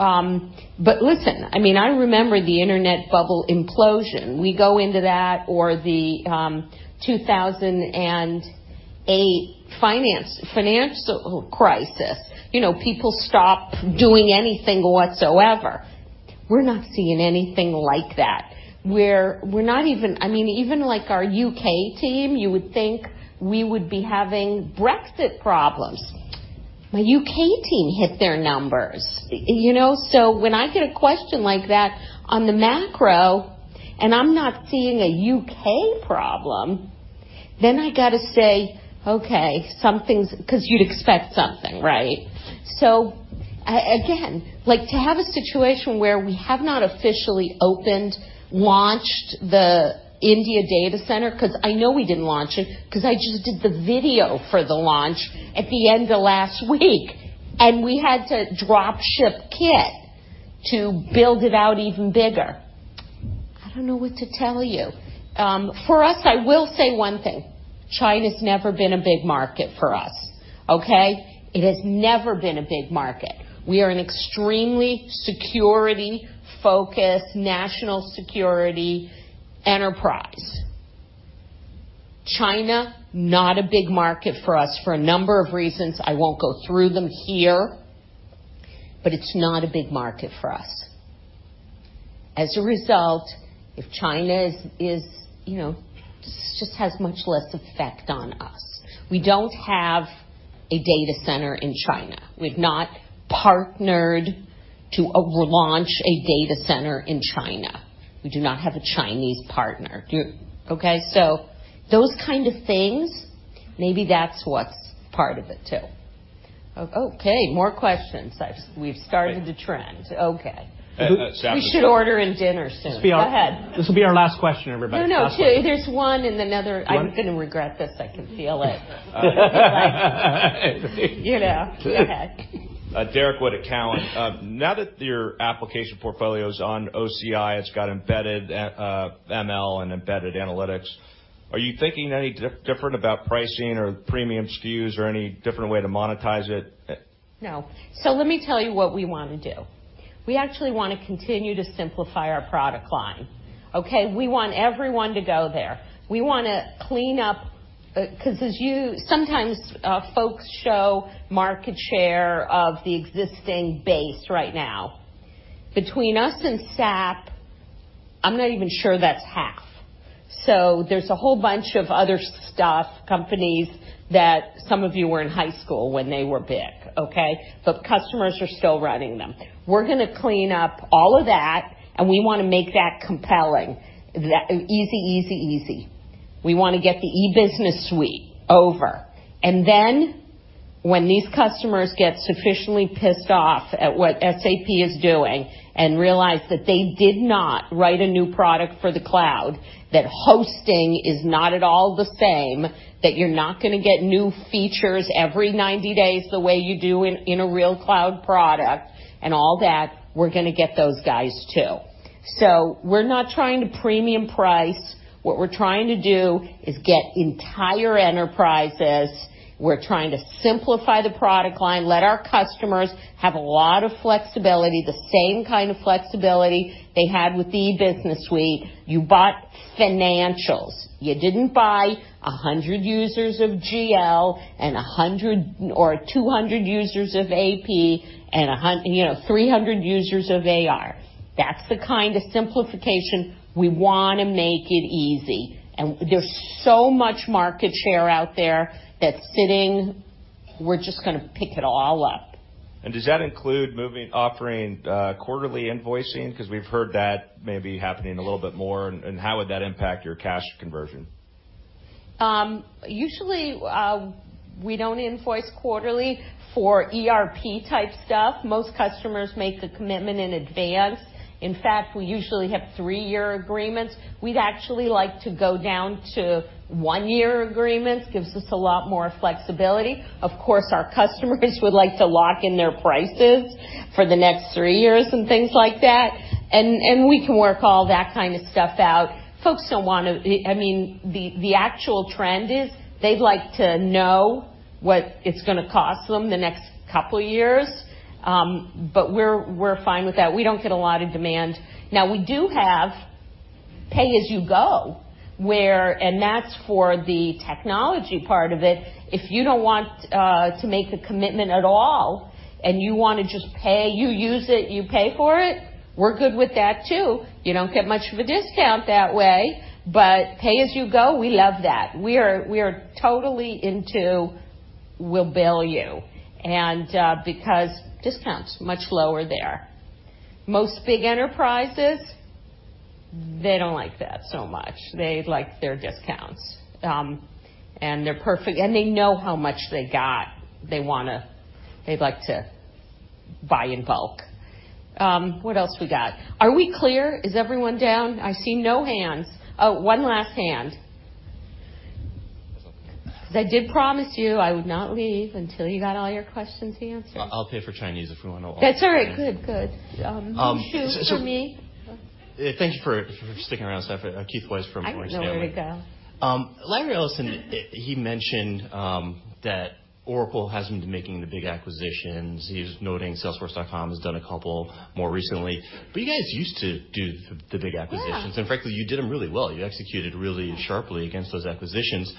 I remember the internet bubble implosion. We go into that, or the 2008 financial crisis. People stop doing anything whatsoever. We're not seeing anything like that, where we're not even like our U.K. team, you would think we would be having Brexit problems. My U.K. team hit their numbers. When I get a question like that on the macro, and I'm not seeing a U.K. problem, then I got to say, "Okay, something's." Because you'd expect something, right? Again, to have a situation where we have not officially opened, launched the India data center, because I know we didn't launch it, because I just did the video for the launch at the end of last week, and we had to drop ship kit to build it out even bigger. I don't know what to tell you. For us, I will say one thing. China's never been a big market for us. Okay? It has never been a big market. We are an extremely security-focused, national security enterprise. China, not a big market for us for a number of reasons. I won't go through them here, but it's not a big market for us. As a result, if China just has much less effect on us. We don't have a data center in China. We've not partnered to launch a data center in China. We do not have a Chinese partner. Okay. Those kind of things, maybe that's what's part of it, too. More questions. We've started a trend. Okay. That's. We should order in dinner soon. Go ahead. This will be our last question, everybody. No. There's one and One? I'm going to regret this, I can feel it. You know. Go ahead. Derrick Wood at Cowen. Now that your application portfolio is on OCI, it's got embedded ML and embedded analytics, are you thinking any different about pricing or premium SKUs or any different way to monetize it? No. Let me tell you what we want to do. We actually want to continue to simplify our product line. Okay. We want everyone to go there. We want to clean up because sometimes folks show market share of the existing base right now. Between us and SAP, I'm not even sure that's half. There's a whole bunch of other stuff, companies that some of you were in high school when they were big, okay. Customers are still running them. We're going to clean up all of that, and we want to make that compelling. Easy. We want to get the Oracle E-Business Suite over, and then when these customers get sufficiently pissed off at what SAP is doing and realize that they did not write a new product for the cloud, that hosting is not at all the same, that you're not going to get new features every 90 days the way you do in a real cloud product, and all that, we're going to get those guys, too. We're not trying to premium price. What we're trying to do is get entire enterprises. We're trying to simplify the product line, let our customers have a lot of flexibility, the same kind of flexibility they had with the Oracle E-Business Suite. You bought financials. You didn't buy 100 users of GL and 100 or 200 users of AP and 300 users of AR. That's the kind of simplification. We want to make it easy. There's so much market share out there that's sitting. We're just going to pick it all up. Does that include offering quarterly invoicing? Because we've heard that may be happening a little bit more, and how would that impact your cash conversion? Usually, we don't invoice quarterly for ERP-type stuff. Most customers make a commitment in advance. In fact, we usually have three-year agreements. We'd actually like to go down to one-year agreements, gives us a lot more flexibility. Of course, our customers would like to lock in their prices for the next three years and things like that, and we can work all that kind of stuff out. The actual trend is, they'd like to know what it's going to cost them the next couple of years. We're fine with that. We don't get a lot of demand. Now, we do have pay-as-you-go, and that's for the technology part of it. If you don't want to make a commitment at all and you want to just pay, you use it, you pay for it, we're good with that, too. You don't get much of a discount that way. Pay-as-you-go, we love that. We are totally into, we'll bill you, and because discount's much lower there. Most big enterprises, they don't like that so much. They like their discounts. They're perfect, and they know how much they got. They like to buy in bulk. What else we got? Are we clear? Is everyone down? I see no hands. Oh, one last hand. That's okay. I did promise you I would not leave until you got all your questions answered. I'll pay for Chinese if we want. That's all right. Good. So- Shoe for me. Thank you for sticking around, Safra. Keith Weiss from- I don't know where to go. Larry Ellison, he mentioned that Oracle hasn't been making the big acquisitions. He was noting salesforce.com has done a couple more recently. You guys used to do the big acquisitions. Yeah. Frankly, you did them really well. You executed really sharply against those acquisitions.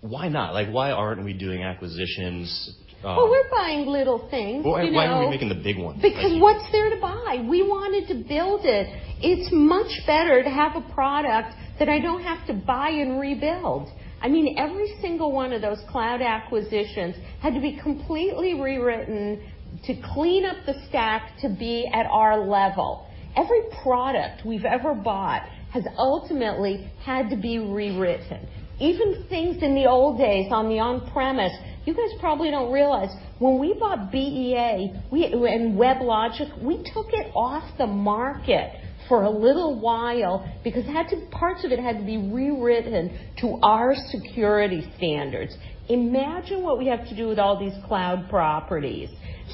Why not? Why aren't we doing acquisitions? Well, we're buying little things. Why aren't we making the big ones? What's there to buy? We wanted to build it. It's much better to have a product that I don't have to buy and rebuild. Every single one of those cloud acquisitions had to be completely rewritten to clean up the stack to be at our level. Every product we've ever bought has ultimately had to be rewritten. Even things in the old days on the on-premise, you guys probably don't realize, when we bought BEA and WebLogic, we took it off the market for a little while because parts of it had to be rewritten to our security standards. Imagine what we have to do with all these cloud properties.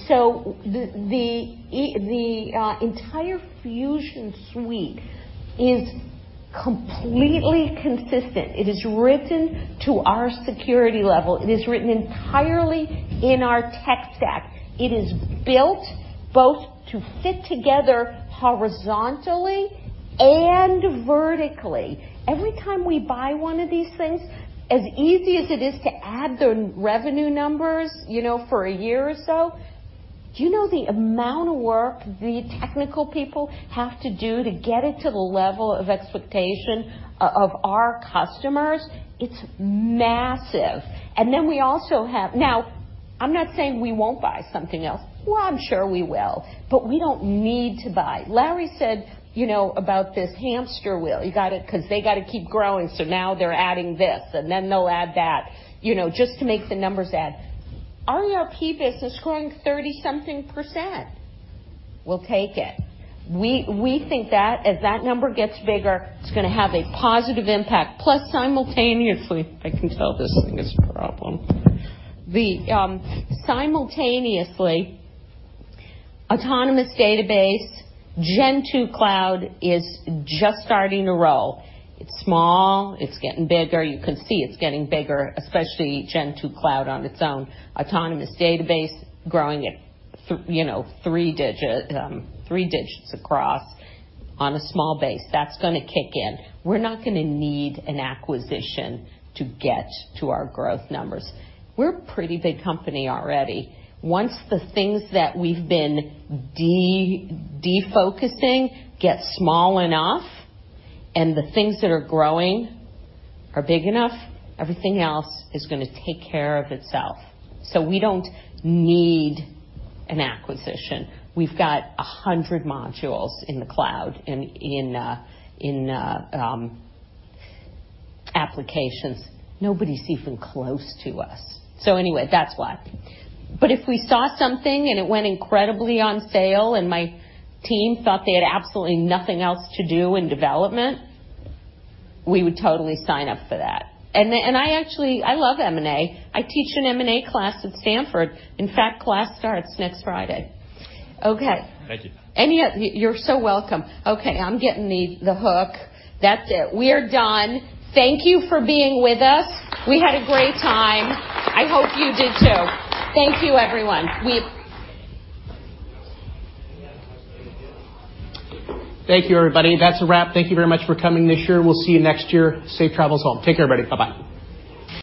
The entire Fusion suite is completely consistent. It is written to our security level. It is written entirely in our tech stack. It is built both to fit together horizontally and vertically. Every time we buy one of these things, as easy as it is to add the revenue numbers, for a year or so, do you know the amount of work the technical people have to do to get it to the level of expectation of our customers? It's massive. Now, I'm not saying we won't buy something else. Well, I'm sure we will, but we don't need to buy. Larry said about this hamster wheel, because they got to keep growing, so now they're adding this, and then they'll add that, just to make the numbers add. Our ERP business is growing 30-something%. We'll take it. We think that as that number gets bigger, it's going to have a positive impact. Plus, simultaneously, I can tell this thing is a problem. Simultaneously, Autonomous Database, Gen 2 Cloud is just starting to roll. It's small. It's getting bigger. You can see it's getting bigger, especially Gen 2 Cloud on its own. Autonomous Database growing at 3 digits across on a small base. That's going to kick in. We're not going to need an acquisition to get to our growth numbers. We're a pretty big company already. Once the things that we've been defocusing get small enough and the things that are growing are big enough, everything else is going to take care of itself. We don't need an acquisition. We've got 100 modules in the cloud in applications. Nobody's even close to us. Anyway, that's why. If we saw something and it went incredibly on sale and my team thought they had absolutely nothing else to do in development, we would totally sign up for that. I actually, I love M&A. I teach an M&A class at Stanford. In fact, class starts next Friday. Okay. Thank you. You're so welcome. Okay, I'm getting the hook. That's it. We are done. Thank you for being with us. We had a great time. I hope you did, too. Thank you, everyone. Thank you, everybody. That's a wrap. Thank you very much for coming this year. We'll see you next year. Safe travels home. Take care, everybody. Bye-bye.